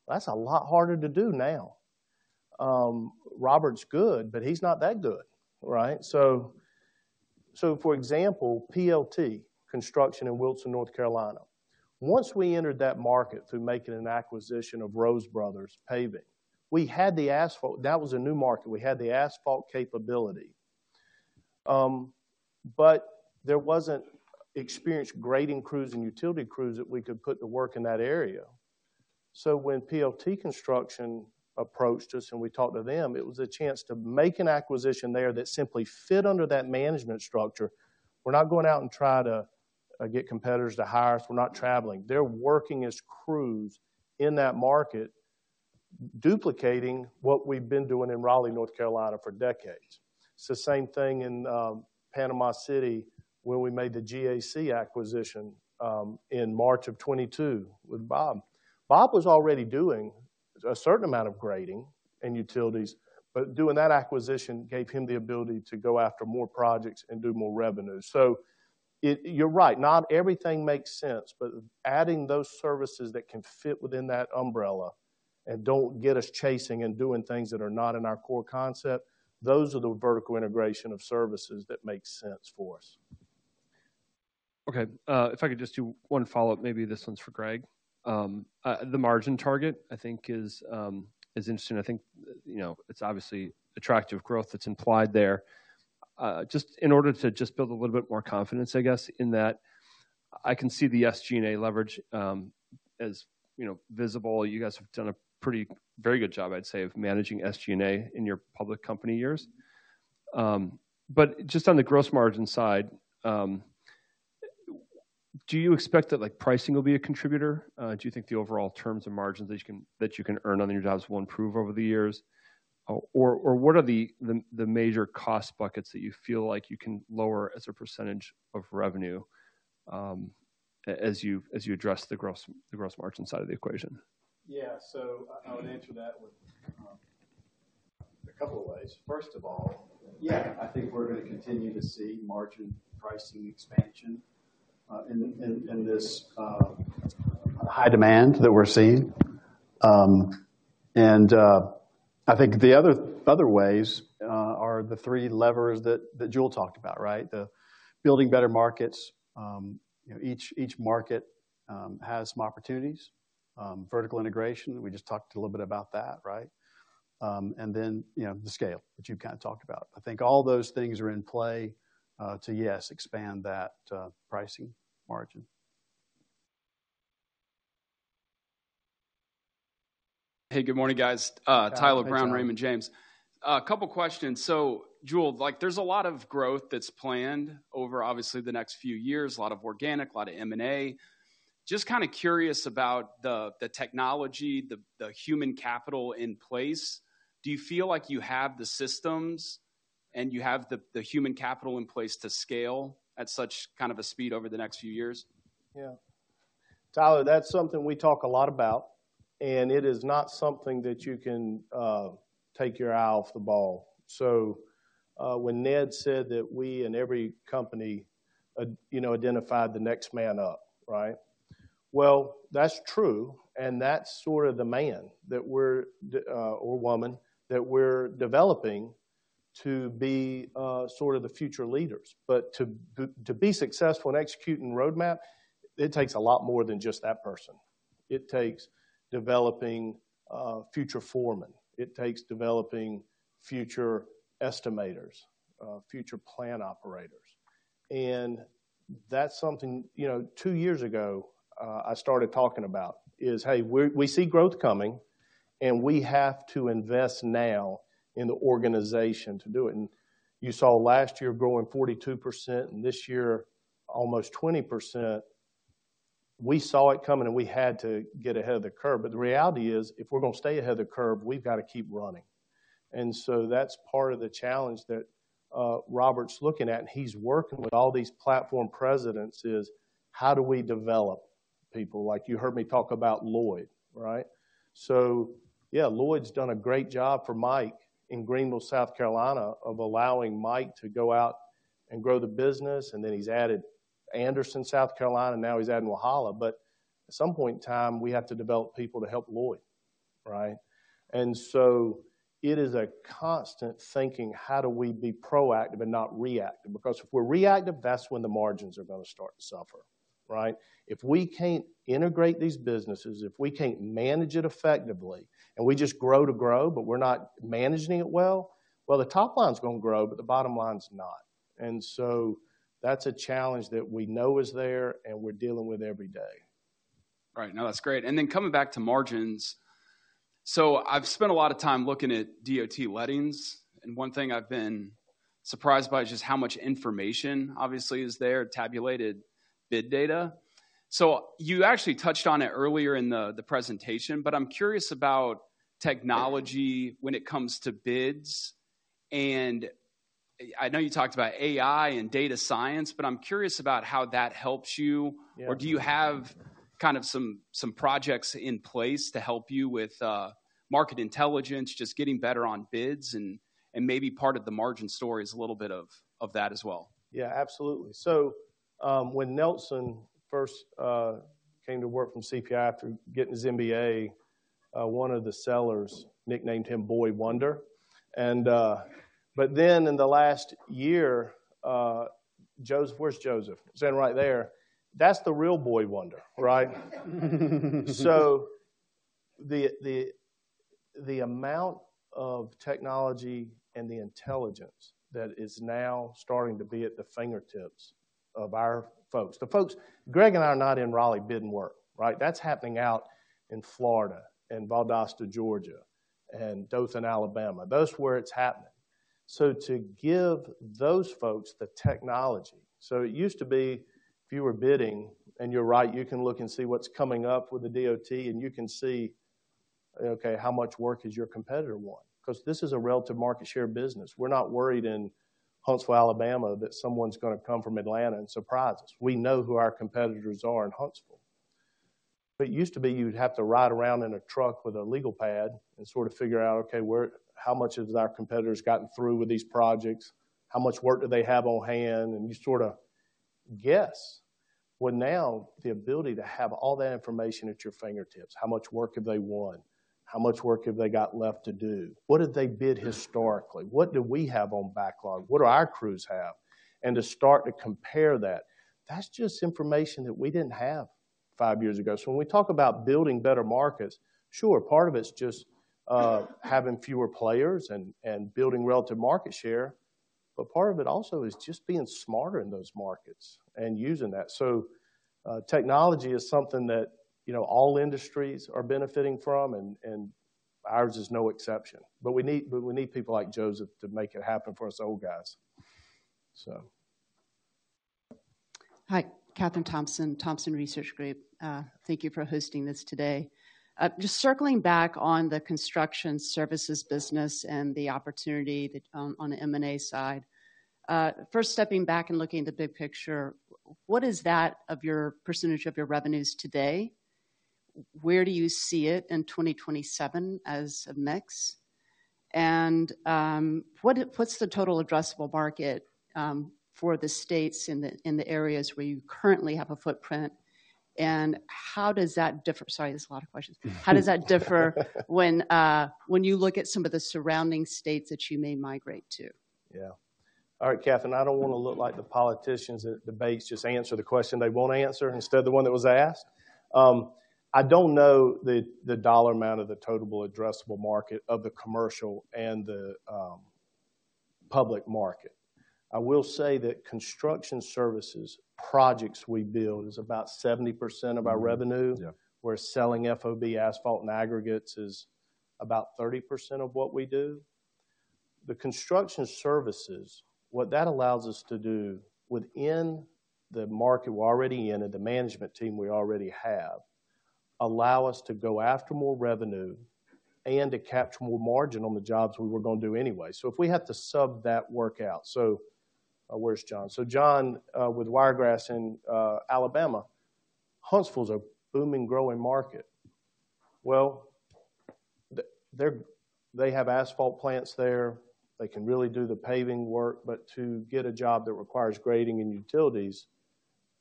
That's a lot harder to do now. Robert's good, but he's not that good, right? So, for example, PLT Construction in Wilson, North Carolina, once we entered that market through making an acquisition of Rose Brothers Paving, we had the asphalt. That was a new market. We had the asphalt capability. But there wasn't experienced grading crews and utility crews that we could put to work in that area. So when PLT Construction approached us and we talked to them, it was a chance to make an acquisition there that simply fit under that management structure. We're not going out and try to get competitors to hire us. We're not traveling. They're working as crews in that market, duplicating what we've been doing in Raleigh, North Carolina, for decades. It's the same thing in Panama City, where we made the GAC acquisition in March 2022 with Bob. Bob was already doing a certain amount of grading and utilities, but doing that acquisition gave him the ability to go after more projects and do more revenue. So it, you're right, not everything makes sense, but adding those services that can fit within that umbrella and don't get us chasing and doing things that are not in our core concept, those are the vertical integration of services that make sense for us. Okay. If I could just do one follow-up, maybe this one's for Greg. The margin target, I think, is interesting. I think, you know, it's obviously attractive growth that's implied there. Just in order to just build a little bit more confidence, I guess, in that, I can see the SG&A leverage as, you know, visible. You guys have done a pretty, very good job, I'd say, of managing SG&A in your public company years. But just on the gross margin side, do you expect that, like, pricing will be a contributor? Do you think the overall terms and margins that you can, that you can earn on your jobs will improve over the years? Or, what are the major cost buckets that you feel like you can lower as a percentage of revenue, as you address the gross margin side of the equation? Yeah. So, I would answer that with a couple of ways. First of all, yeah, I think we're gonna continue to see margin pricing expansion in this high demand that we're seeing. And I think the other ways are the three levers that Jule talked about, right? The building better markets. You know, each market has some opportunities. Vertical integration, we just talked a little bit about that, right? And then, you know, the scale, which you've kind of talked about. I think all those things are in play to yes, expand that pricing margin. Hey, good morning, guys. Hey, Tyler. Tyler Brown, Raymond James. A couple questions. So Jule, like, there's a lot of growth that's planned over obviously the next few years, a lot of organic, a lot of M&A. Just kinda curious about the technology, the human capital in place. Do you feel like you have the systems and you have the human capital in place to scale at such kind of a speed over the next few years? Yeah. Tyler, that's something we talk a lot about, and it is not something that you can take your eye off the ball. So, when Ned said that we and every company, you know, identified the next man up, right? Well, that's true, and that's sort of the man that we're or woman that we're developing to be sort of the future leaders. But to be successful in executing roadmap, it takes a lot more than just that person. It takes developing future foremen. It takes developing future estimators, future plant operators. And that's something, you know, two years ago, I started talking about, is, Hey, we see growth coming, and we have to invest now in the organization to do it. And you saw last year growing 42%, and this year, almost 20%. We saw it coming, and we had to get ahead of the curve. But the reality is, if we're gonna stay ahead of the curve, we've got to keep running. And so that's part of the challenge that Robert's looking at, and he's working with all these platform presidents, is: How do we develop people? Like you heard me talk about Lloyd, right? So yeah, Lloyd's done a great job for Mike in Greenville, South Carolina, of allowing Mike to go out and grow the business, and then he's added Anderson, South Carolina, now he's adding Walhalla. But at some point in time, we have to develop people to help Lloyd, right? And so it is a constant thinking, how do we be proactive and not reactive? Because if we're reactive, that's when the margins are gonna start to suffer, right? If we can't integrate these businesses, if we can't manage it effectively, and we just grow to grow, but we're not managing it well, well, the top line is gonna grow, but the bottom line is not. And so that's a challenge that we know is there and we're dealing with every day. All right. No, that's great. And then coming back to margins. So, I've spent a lot of time looking at DOT lettings, and one thing I've been surprised by is just how much information obviously is there, tabulated bid data. So you actually touched on it earlier in the presentation, but I'm curious about technology when it comes to bids. And I know you talked about AI and data science, but I'm curious about how that helps you. Yeah. Or do you have kind of some projects in place to help you with market intelligence, just getting better on bids, and maybe part of the margin story is a little bit of that as well? Yeah, absolutely. So, when Nelson first came to work from CPI after getting his MBA, one of the sellers nicknamed him Boy Wonder. But then in the last year, Joseph, where's Joseph? Standing right there. That's the real Boy Wonder, right? So the amount of technology and the intelligence that is now starting to be at the fingertips of our folks. The folks, Greg and I are not in Raleigh bidding work, right? That's happening out in Florida, in Valdosta, Georgia, and Dothan, Alabama. Those are where it's happening. So to give those folks the technology... So it used to be, if you were bidding, and you're right, you can look and see what's coming up with the DOT, and you can see, okay, how much work has your competitor won? Because this is a relative market share business. We're not worried in Huntsville, Alabama, that someone's gonna come from Atlanta and surprise us. We know who our competitors are in Huntsville. But it used to be you'd have to ride around in a truck with a legal pad and sort of figure out, okay, how much has our competitors gotten through with these projects? How much work do they have on hand? And you sorta guess. Well, now, the ability to have all that information at your fingertips, how much work have they won? How much work have they got left to do? What did they bid historically? What do we have on backlog? What do our crews have? And to start to compare that, that's just information that we didn't have five years ago. So when we talk about building better markets, sure, part of it's just-... Having fewer players and building relative market share, but part of it also is just being smarter in those markets and using that. So, technology is something that, you know, all industries are benefiting from, and ours is no exception. But we need people like Joseph to make it happen for us old guys. So. Hi, Kathryn Thompson, Thompson Research Group. Thank you for hosting this today. Just circling back on the construction services business and the opportunity that, on the M&A side. First stepping back and looking at the big picture, what is that of your percentage of your revenues today? Where do you see it in 2027 as a mix? And, what's the total addressable market, for the states in the, in the areas where you currently have a footprint? And how does that differ? Sorry, there's a lot of questions. How does that differ when, when you look at some of the surrounding states that you may migrate to? Yeah. All right, Kathryn, I don't wanna look like the politicians at debates, just answer the question they want to answer, instead of the one that was asked. I don't know the dollar amount of the total addressable market of the commercial and the public market. I will say that construction services, projects we build, is about 70% of our revenue. Mm-hmm. Yeah. Where selling FOB, asphalt, and aggregates is about 30% of what we do. The construction services, what that allows us to do within the market we're already in and the management team we already have, allow us to go after more revenue and to capture more margin on the jobs we were gonna do anyway. So if we had to sub that work out... So, where's John? So John, with Wiregrass in Alabama, Huntsville is a booming, growing market. Well, they have asphalt plants there. They can really do the paving work, but to get a job that requires grading and utilities,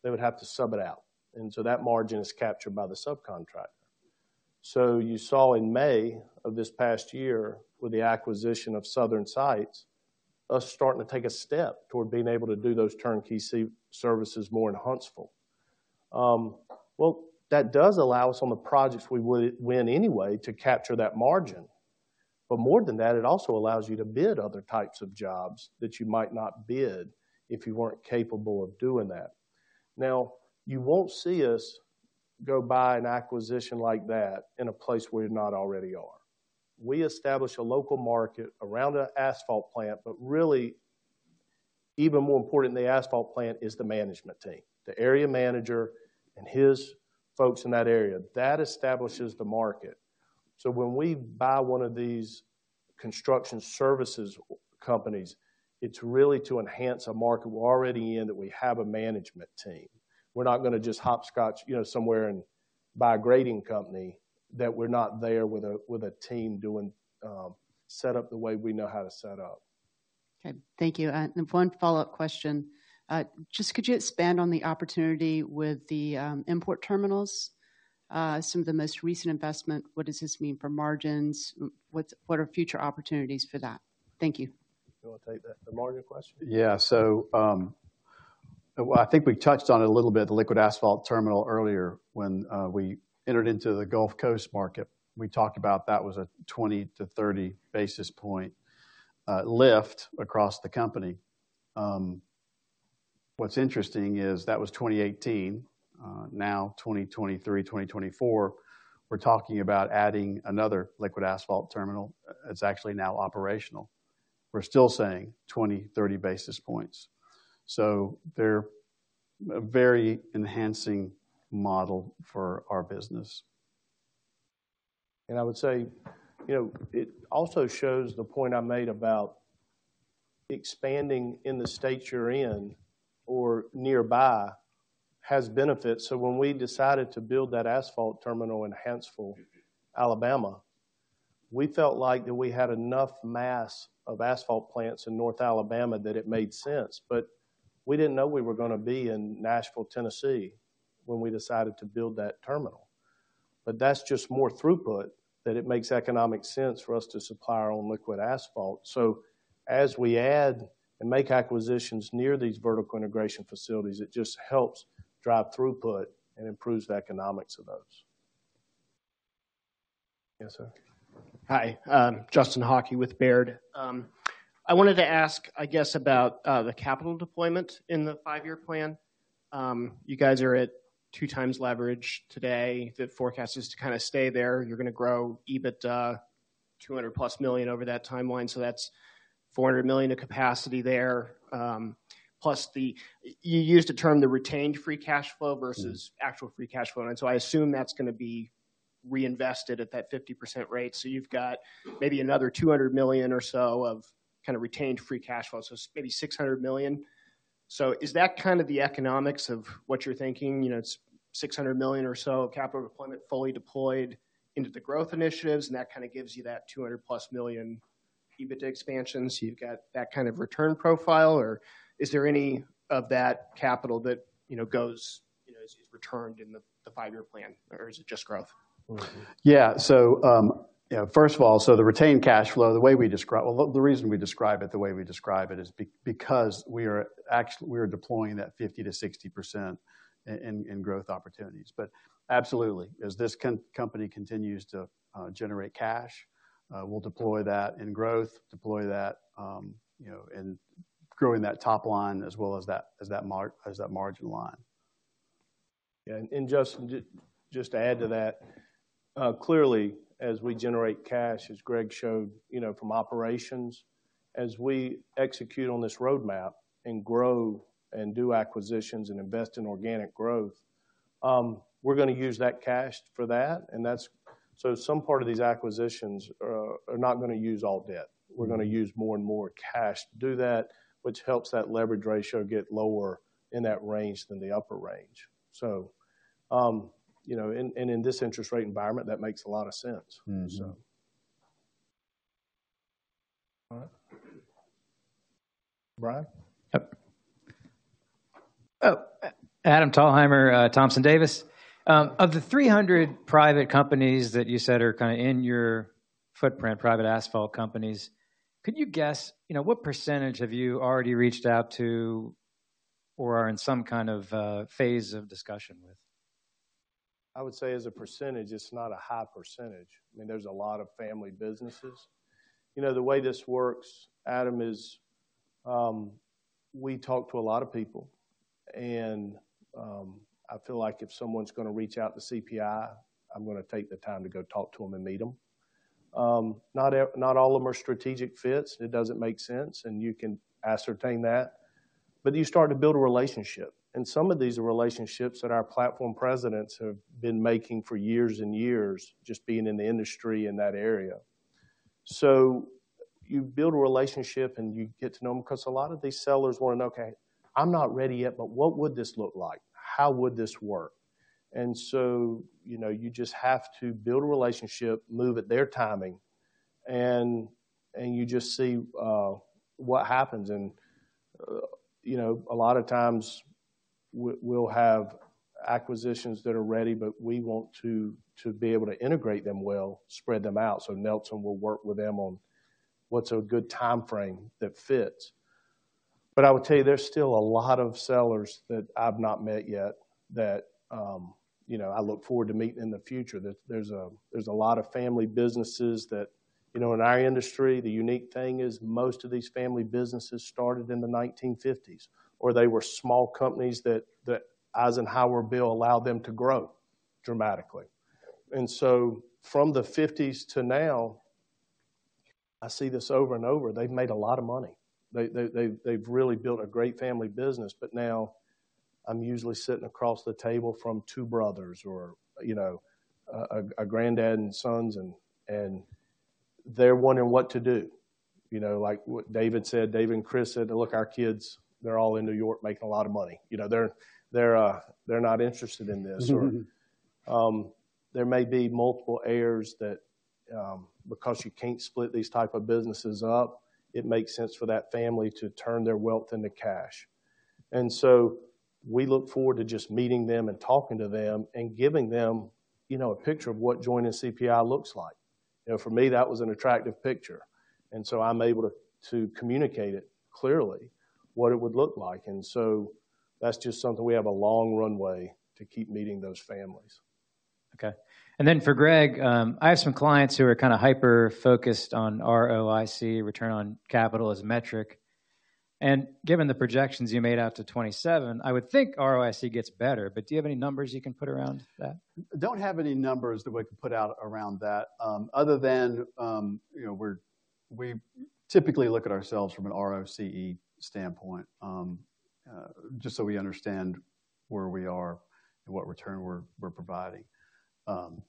they would have to sub it out, and so that margin is captured by the subcontractor. So you saw in May of this past year, with the acquisition of Southern Sites, us starting to take a step toward being able to do those turnkey construction services more in Huntsville. Well, that does allow us on the projects we would win anyway to capture that margin. But more than that, it also allows you to bid other types of jobs that you might not bid if you weren't capable of doing that. Now, you won't see us go buy an acquisition like that in a place where we not already are. We establish a local market around an asphalt plant, but really, even more important than the asphalt plant is the management team, the area manager and his folks in that area. That establishes the market. So when we buy one of these construction services companies, it's really to enhance a market we're already in, that we have a management team. We're not gonna just hopscotch, you know, somewhere and buy a grading company, that we're not there with a team doing set up the way we know how to set up. Okay. Thank you. And one follow-up question. Just could you expand on the opportunity with the import terminals? Some of the most recent investment, what does this mean for margins? What are future opportunities for that? Thank you. You want to take that, the margin question? Yeah. So, well, I think we touched on it a little bit, the liquid asphalt terminal earlier, when we entered into the Gulf Coast market. We talked about that was a 20-30 basis point lift across the company. What's interesting is that was 2018. Now, 2023, 2024, we're talking about adding another liquid asphalt terminal. It's actually now operational. We're still saying 20-30 basis points. So they're a very enhancing model for our business. I would say, you know, it also shows the point I made about expanding in the states you're in or nearby has benefits. So when we decided to build that asphalt terminal in Huntsville, Alabama, we felt like that we had enough mass of asphalt plants in North Alabama that it made sense. But we didn't know we were gonna be in Nashville, Tennessee, when we decided to build that terminal. But that's just more throughput, that it makes economic sense for us to supply our own liquid asphalt. So as we add and make acquisitions near these vertical integration facilities, it just helps drive throughput and improves the economics of those. Yes, sir. Hi, Justin Hauke with Baird. I wanted to ask, I guess, about the capital deployment in the five-year plan. You guys are at 2x leverage today. The forecast is to kind of stay there. You're gonna grow EBITDA $200+ million over that timeline, so that's $400 million of capacity there. Plus the... You used the term, the retained free cash flow versus- Mm... actual free cash flow, and so I assume that's gonna be reinvested at that 50% rate. So you've got maybe another $200 million or so of kind of retained free cash flow, so maybe $600 million. So is that kind of the economics of what you're thinking? You know, it's $600 million or so of capital deployment fully deployed into the growth initiatives, and that kind of gives you that $200+ million EBITDA expansion, so you've got that kind of return profile, or is there any of that capital that, you know, goes, you know, is returned in the, the five-year plan, or is it just growth? Yeah. So, you know, first of all, so the retained cash flow, the way we describe it, well, the reason we describe it the way we describe it is because we are actually, we are deploying that 50%-60% in growth opportunities. But absolutely, as this company continues to generate cash, we'll deploy that in growth, deploy that, you know, in growing that top line as well as that margin line. Yeah, just to add to that, clearly, as we generate cash, as Greg showed, you know, from operations, as we execute on this roadmap and grow and do acquisitions and invest in organic growth, we're gonna use that cash for that, and that's, so some part of these acquisitions are not gonna use all debt. We're gonna use more and more cash to do that, which helps that leverage ratio get lower in that range than the upper range. So, you know, in this interest rate environment, that makes a lot of sense. Mm-hmm. So... All right. Brian? Yep. Oh, Adam Thalhimer, Thompson Davis. Of the 300 private companies that you said are kinda in your footprint, private asphalt companies, could you guess, you know, what percentage have you already reached out to or are in some kind of phase of discussion with? I would say as a percentage, it's not a high percentage. I mean, there's a lot of family businesses. You know, the way this works, Adam, is we talk to a lot of people, and I feel like if someone's gonna reach out to CPI, I'm gonna take the time to go talk to them and meet them. Not all of them are strategic fits, it doesn't make sense, and you can ascertain that, but you start to build a relationship. And some of these are relationships that our platform presidents have been making for years and years, just being in the industry in that area. So you build a relationship, and you get to know them, cause a lot of these sellers want to know, "Okay, I'm not ready yet, but what would this look like? How would this work?" And so, you know, you just have to build a relationship, move at their timing, and you just see what happens. And, you know, a lot of times we'll have acquisitions that are ready, but we want to be able to integrate them well, spread them out. So Nelson will work with them on what's a good time frame that fits. But I would tell you, there's still a lot of sellers that I've not met yet that, you know, I look forward to meeting in the future. There's a lot of family businesses that... You know, in our industry, the unique thing is most of these family businesses started in the 1950s, or they were small companies that Eisenhower Bill allowed them to grow dramatically. So from the '50s to now, I see this over and over. They've made a lot of money. They've really built a great family business, but now I'm usually sitting across the table from two brothers or, you know, a grandad and sons, and they're wondering what to do. You know, like what David said, Dave and Chris said, "Look, our kids, they're all in New York making a lot of money. You know, they're, they're, they're not interested in this. Mm-hmm. There may be multiple heirs that, because you can't split these type of businesses up, it makes sense for that family to turn their wealth into cash. And so we look forward to just meeting them and talking to them and giving them, you know, a picture of what joining CPI looks like. You know, for me, that was an attractive picture, and so I'm able to communicate it clearly, what it would look like. And so that's just something we have a long runway to keep meeting those families. Okay. And then for Greg, I have some clients who are kind of hyper-focused on ROIC, return on capital as a metric. And given the projections you made out to 2027, I would think ROIC gets better, but do you have any numbers you can put around that? Don't have any numbers that we can put out around that, other than, you know, we're typically look at ourselves from an ROCE standpoint, just so we understand where we are and what return we're providing.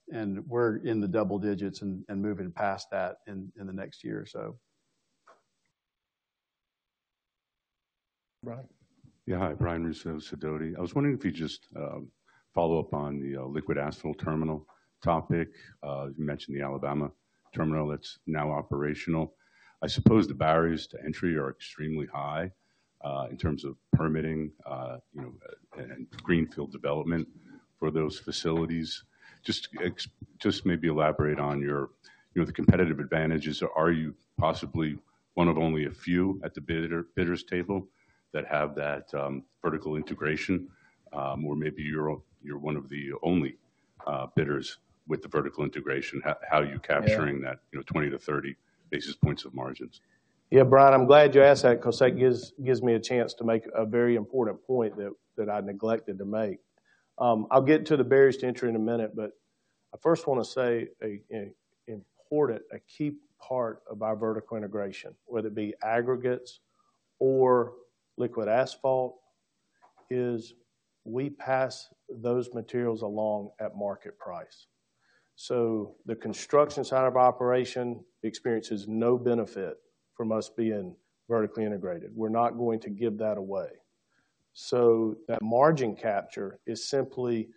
And we're in the double digits and moving past that in the next year or so. Brian? Yeah. Hi, Brian Russo, Sidoti. I was wondering if you'd just follow up on the liquid asphalt terminal topic. You mentioned the Alabama terminal that's now operational. I suppose the barriers to entry are extremely high in terms of permitting, you know, and greenfield development for those facilities. Just maybe elaborate on your, you know, the competitive advantages. Are you possibly one of only a few at the bidders table that have that vertical integration? Or maybe you're one of the only bidders with the vertical integration. How are you capturing- Yeah... that, you know, 20-30 basis points of margins? Yeah, Brian, I'm glad you asked that because that gives me a chance to make a very important point that I neglected to make. I'll get to the barriers to entry in a minute, but I first wanna say an important key part of our vertical integration, whether it be aggregates or liquid asphalt, is we pass those materials along at market price. So the construction side of operation experiences no benefit from us being vertically integrated. We're not going to give that away. So that margin capture is simply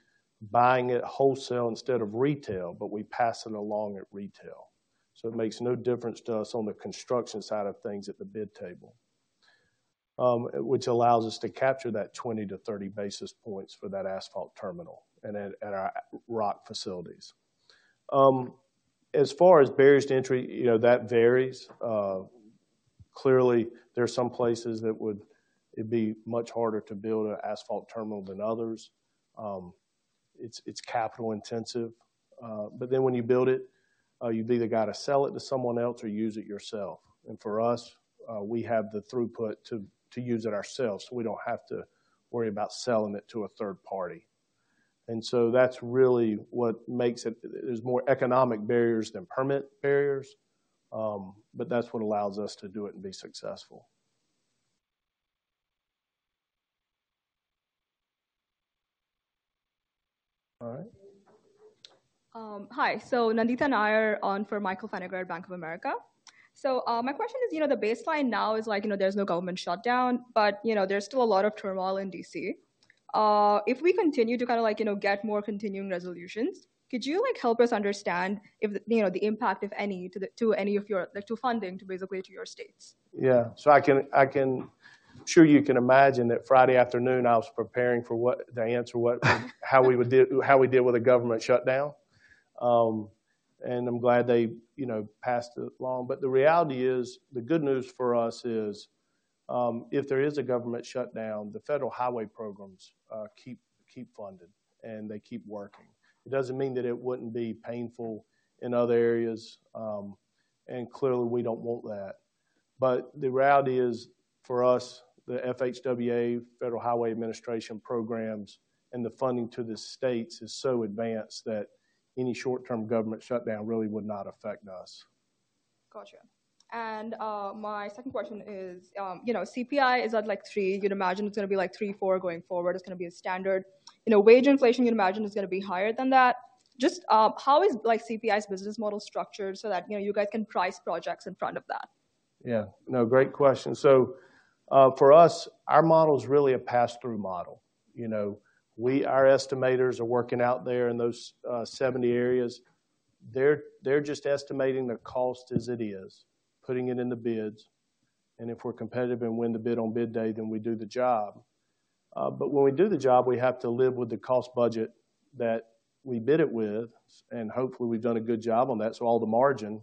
buying it wholesale instead of retail, but we pass it along at retail. So it makes no difference to us on the construction side of things at the bid table, which allows us to capture that 20-30 basis points for that asphalt terminal and at our rock facilities. As far as barriers to entry, you know, that varies. Clearly, there are some places. It'd be much harder to build an asphalt terminal than others. It's capital intensive, but then when you build it, you've either got to sell it to someone else or use it yourself. And for us, we have the throughput to use it ourselves, so we don't have to worry about selling it to a third party. And so that's really what makes it. There's more economic barriers than permit barriers, but that's what allows us to do it and be successful. All right. Hi. So Nandita Nayar on for Michael Feniger at Bank of America. So, my question is, you know, the baseline now is like, you know, there's no government shutdown, but, you know, there's still a lot of turmoil in D.C. If we continue to kinda like, you know, get more continuing resolutions, could you, like, help us understand if, you know, the impact, if any, to any of your like, to funding, to basically to your states? Yeah. So I can. I'm sure you can imagine that Friday afternoon, I was preparing to answer how we would deal, how we deal with a government shutdown. And I'm glad they, you know, passed the law. But the reality is, the good news for us is, if there is a government shutdown, the federal highway programs keep funded and they keep working. It doesn't mean that it wouldn't be painful in other areas, and clearly, we don't want that. But the reality is, for us, the FHWA, Federal Highway Administration programs and the funding to the states is so advanced that any short-term government shutdown really would not affect us. Gotcha. And my second question is, you know, CPI is at, like, 3. You'd imagine it's gonna be like 3-4 going forward. It's gonna be a standard. You know, wage inflation, you'd imagine, is gonna be higher than that. Just how is, like, CPI's business model structured so that, you know, you guys can price projects in front of that? Yeah. No, great question. So, for us, our model is really a pass-through model. You know, we our estimators are working out there in those, 70 areas. They're just estimating the cost as it is, putting it in the bids, and if we're competitive and win the bid on bid day, then we do the job. But when we do the job, we have to live with the cost budget that we bid it with, and hopefully, we've done a good job on that, so all the margin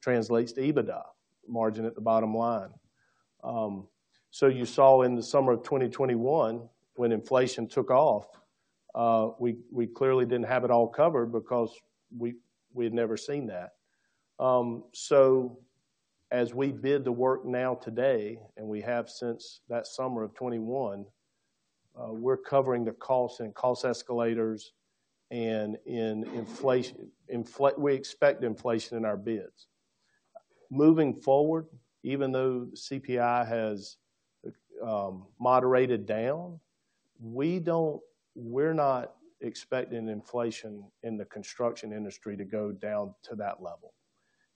translates to EBITDA margin at the bottom line. So you saw in the summer of 2021, when inflation took off, we clearly didn't have it all covered because we had never seen that. So as we bid the work now today, and we have since that summer of 2021, we're covering the costs and cost escalators and inflation we expect inflation in our bids. Moving forward, even though CPI has moderated down, we don't—we're not expecting inflation in the construction industry to go down to that level.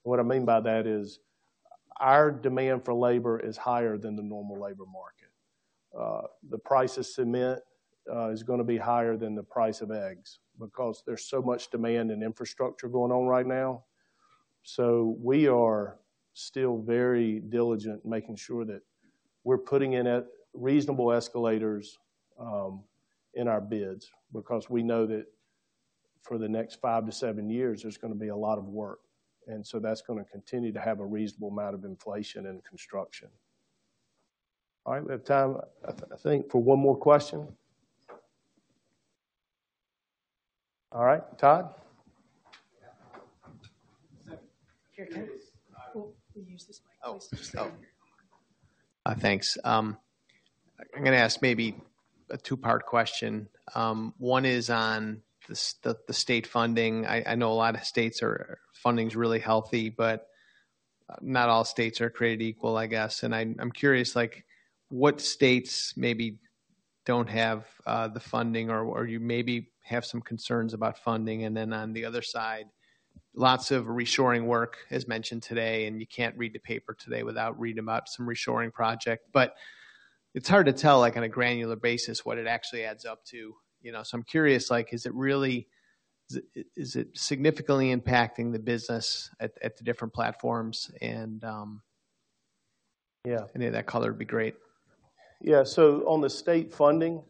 What I mean by that is, our demand for labor is higher than the normal labor market. The price of cement is gonna be higher than the price of eggs because there's so much demand in infrastructure going on right now. So we are still very diligent in making sure that we're putting in a reasonable escalator in our bids, because we know that for the next 5-7 years, there's gonna be a lot of work, and so that's gonna continue to have a reasonable amount of inflation in construction. All right, we have time, I think, for one more question. All right, Todd? Yeah. Here it is. Well, we use this mic, please. Oh, oh. Thanks. I'm gonna ask maybe a two-part question. One is on the state funding. I know a lot of states' funding is really healthy, but not all states are created equal, I guess. And I'm curious, like, what states maybe don't have the funding or you maybe have some concerns about funding? And then on the other side, lots of reshoring work, as mentioned today, and you can't read the paper today without reading about some reshoring project. But it's hard to tell, like, on a granular basis, what it actually adds up to, you know. So I'm curious, like, is it really... Is it significantly impacting the business at the different platforms? And, Yeah. Any of that color would be great. Yeah. So on the state funding,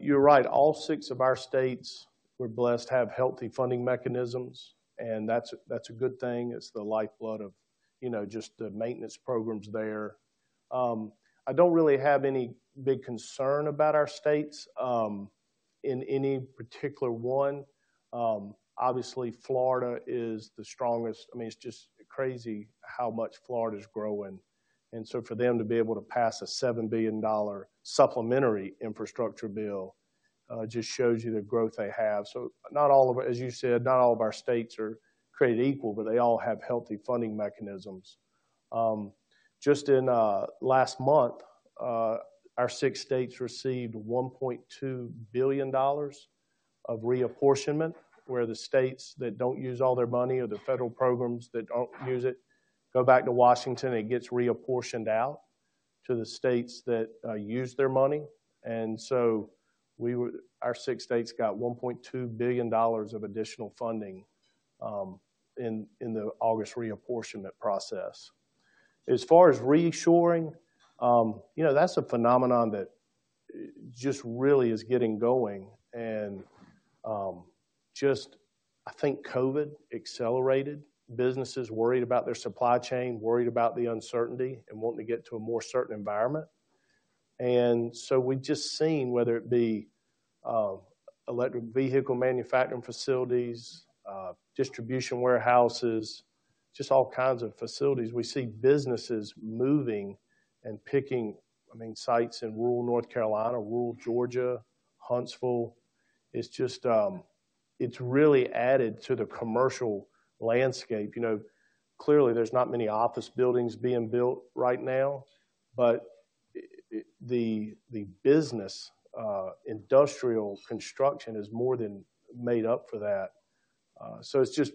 you're right, all six of our states, we're blessed to have healthy funding mechanisms, and that's, that's a good thing. It's the lifeblood of, you know, just the maintenance programs there. I don't really have any big concern about our states, in any particular one. Obviously, Florida is the strongest. I mean, it's just crazy how much Florida is growing. And so for them to be able to pass a $7 billion supplementary infrastructure bill, just shows you the growth they have. So not all of- as you said, not all of our states are created equal, but they all have healthy funding mechanisms. Just in last month, our six states received $1.2 billion of reapportionment, where the states that don't use all their money or the federal programs that don't use it go back to Washington, and it gets reapportioned out to the states that use their money. And so we would—our six states got $1.2 billion of additional funding in the August reapportionment process. As far as reshoring, you know, that's a phenomenon that just really is getting going. And just, I think COVID accelerated. Businesses worried about their supply chain, worried about the uncertainty, and wanting to get to a more certain environment. And so we've just seen, whether it be electric vehicle manufacturing facilities, distribution warehouses, just all kinds of facilities. We see businesses moving and picking, I mean, sites in rural North Carolina, rural Georgia, Huntsville. It's just, it's really added to the commercial landscape. You know, clearly, there's not many office buildings being built right now, but the business, industrial construction has more than made up for that. So it's just...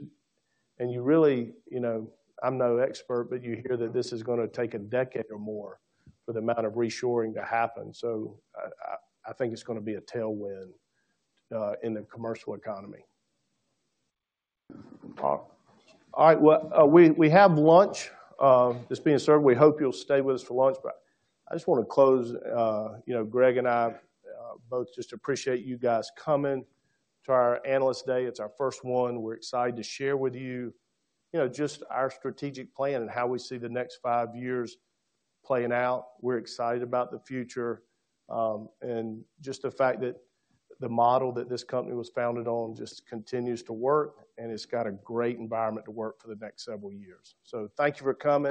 And you really, you know, I'm no expert, but you hear that this is gonna take a decade or more for the amount of reshoring to happen. So I think it's gonna be a tailwind in the commercial economy. All right, well, we have lunch that's being served. We hope you'll stay with us for lunch, but I just want to close. You know, Greg and I both just appreciate you guys coming to our Analyst Day. It's our first one. We're excited to share with you, you know, just our strategic plan and how we see the next five years playing out. We're excited about the future, and just the fact that the model that this company was founded on just continues to work, and it's got a great environment to work for the next several years. So thank you for coming.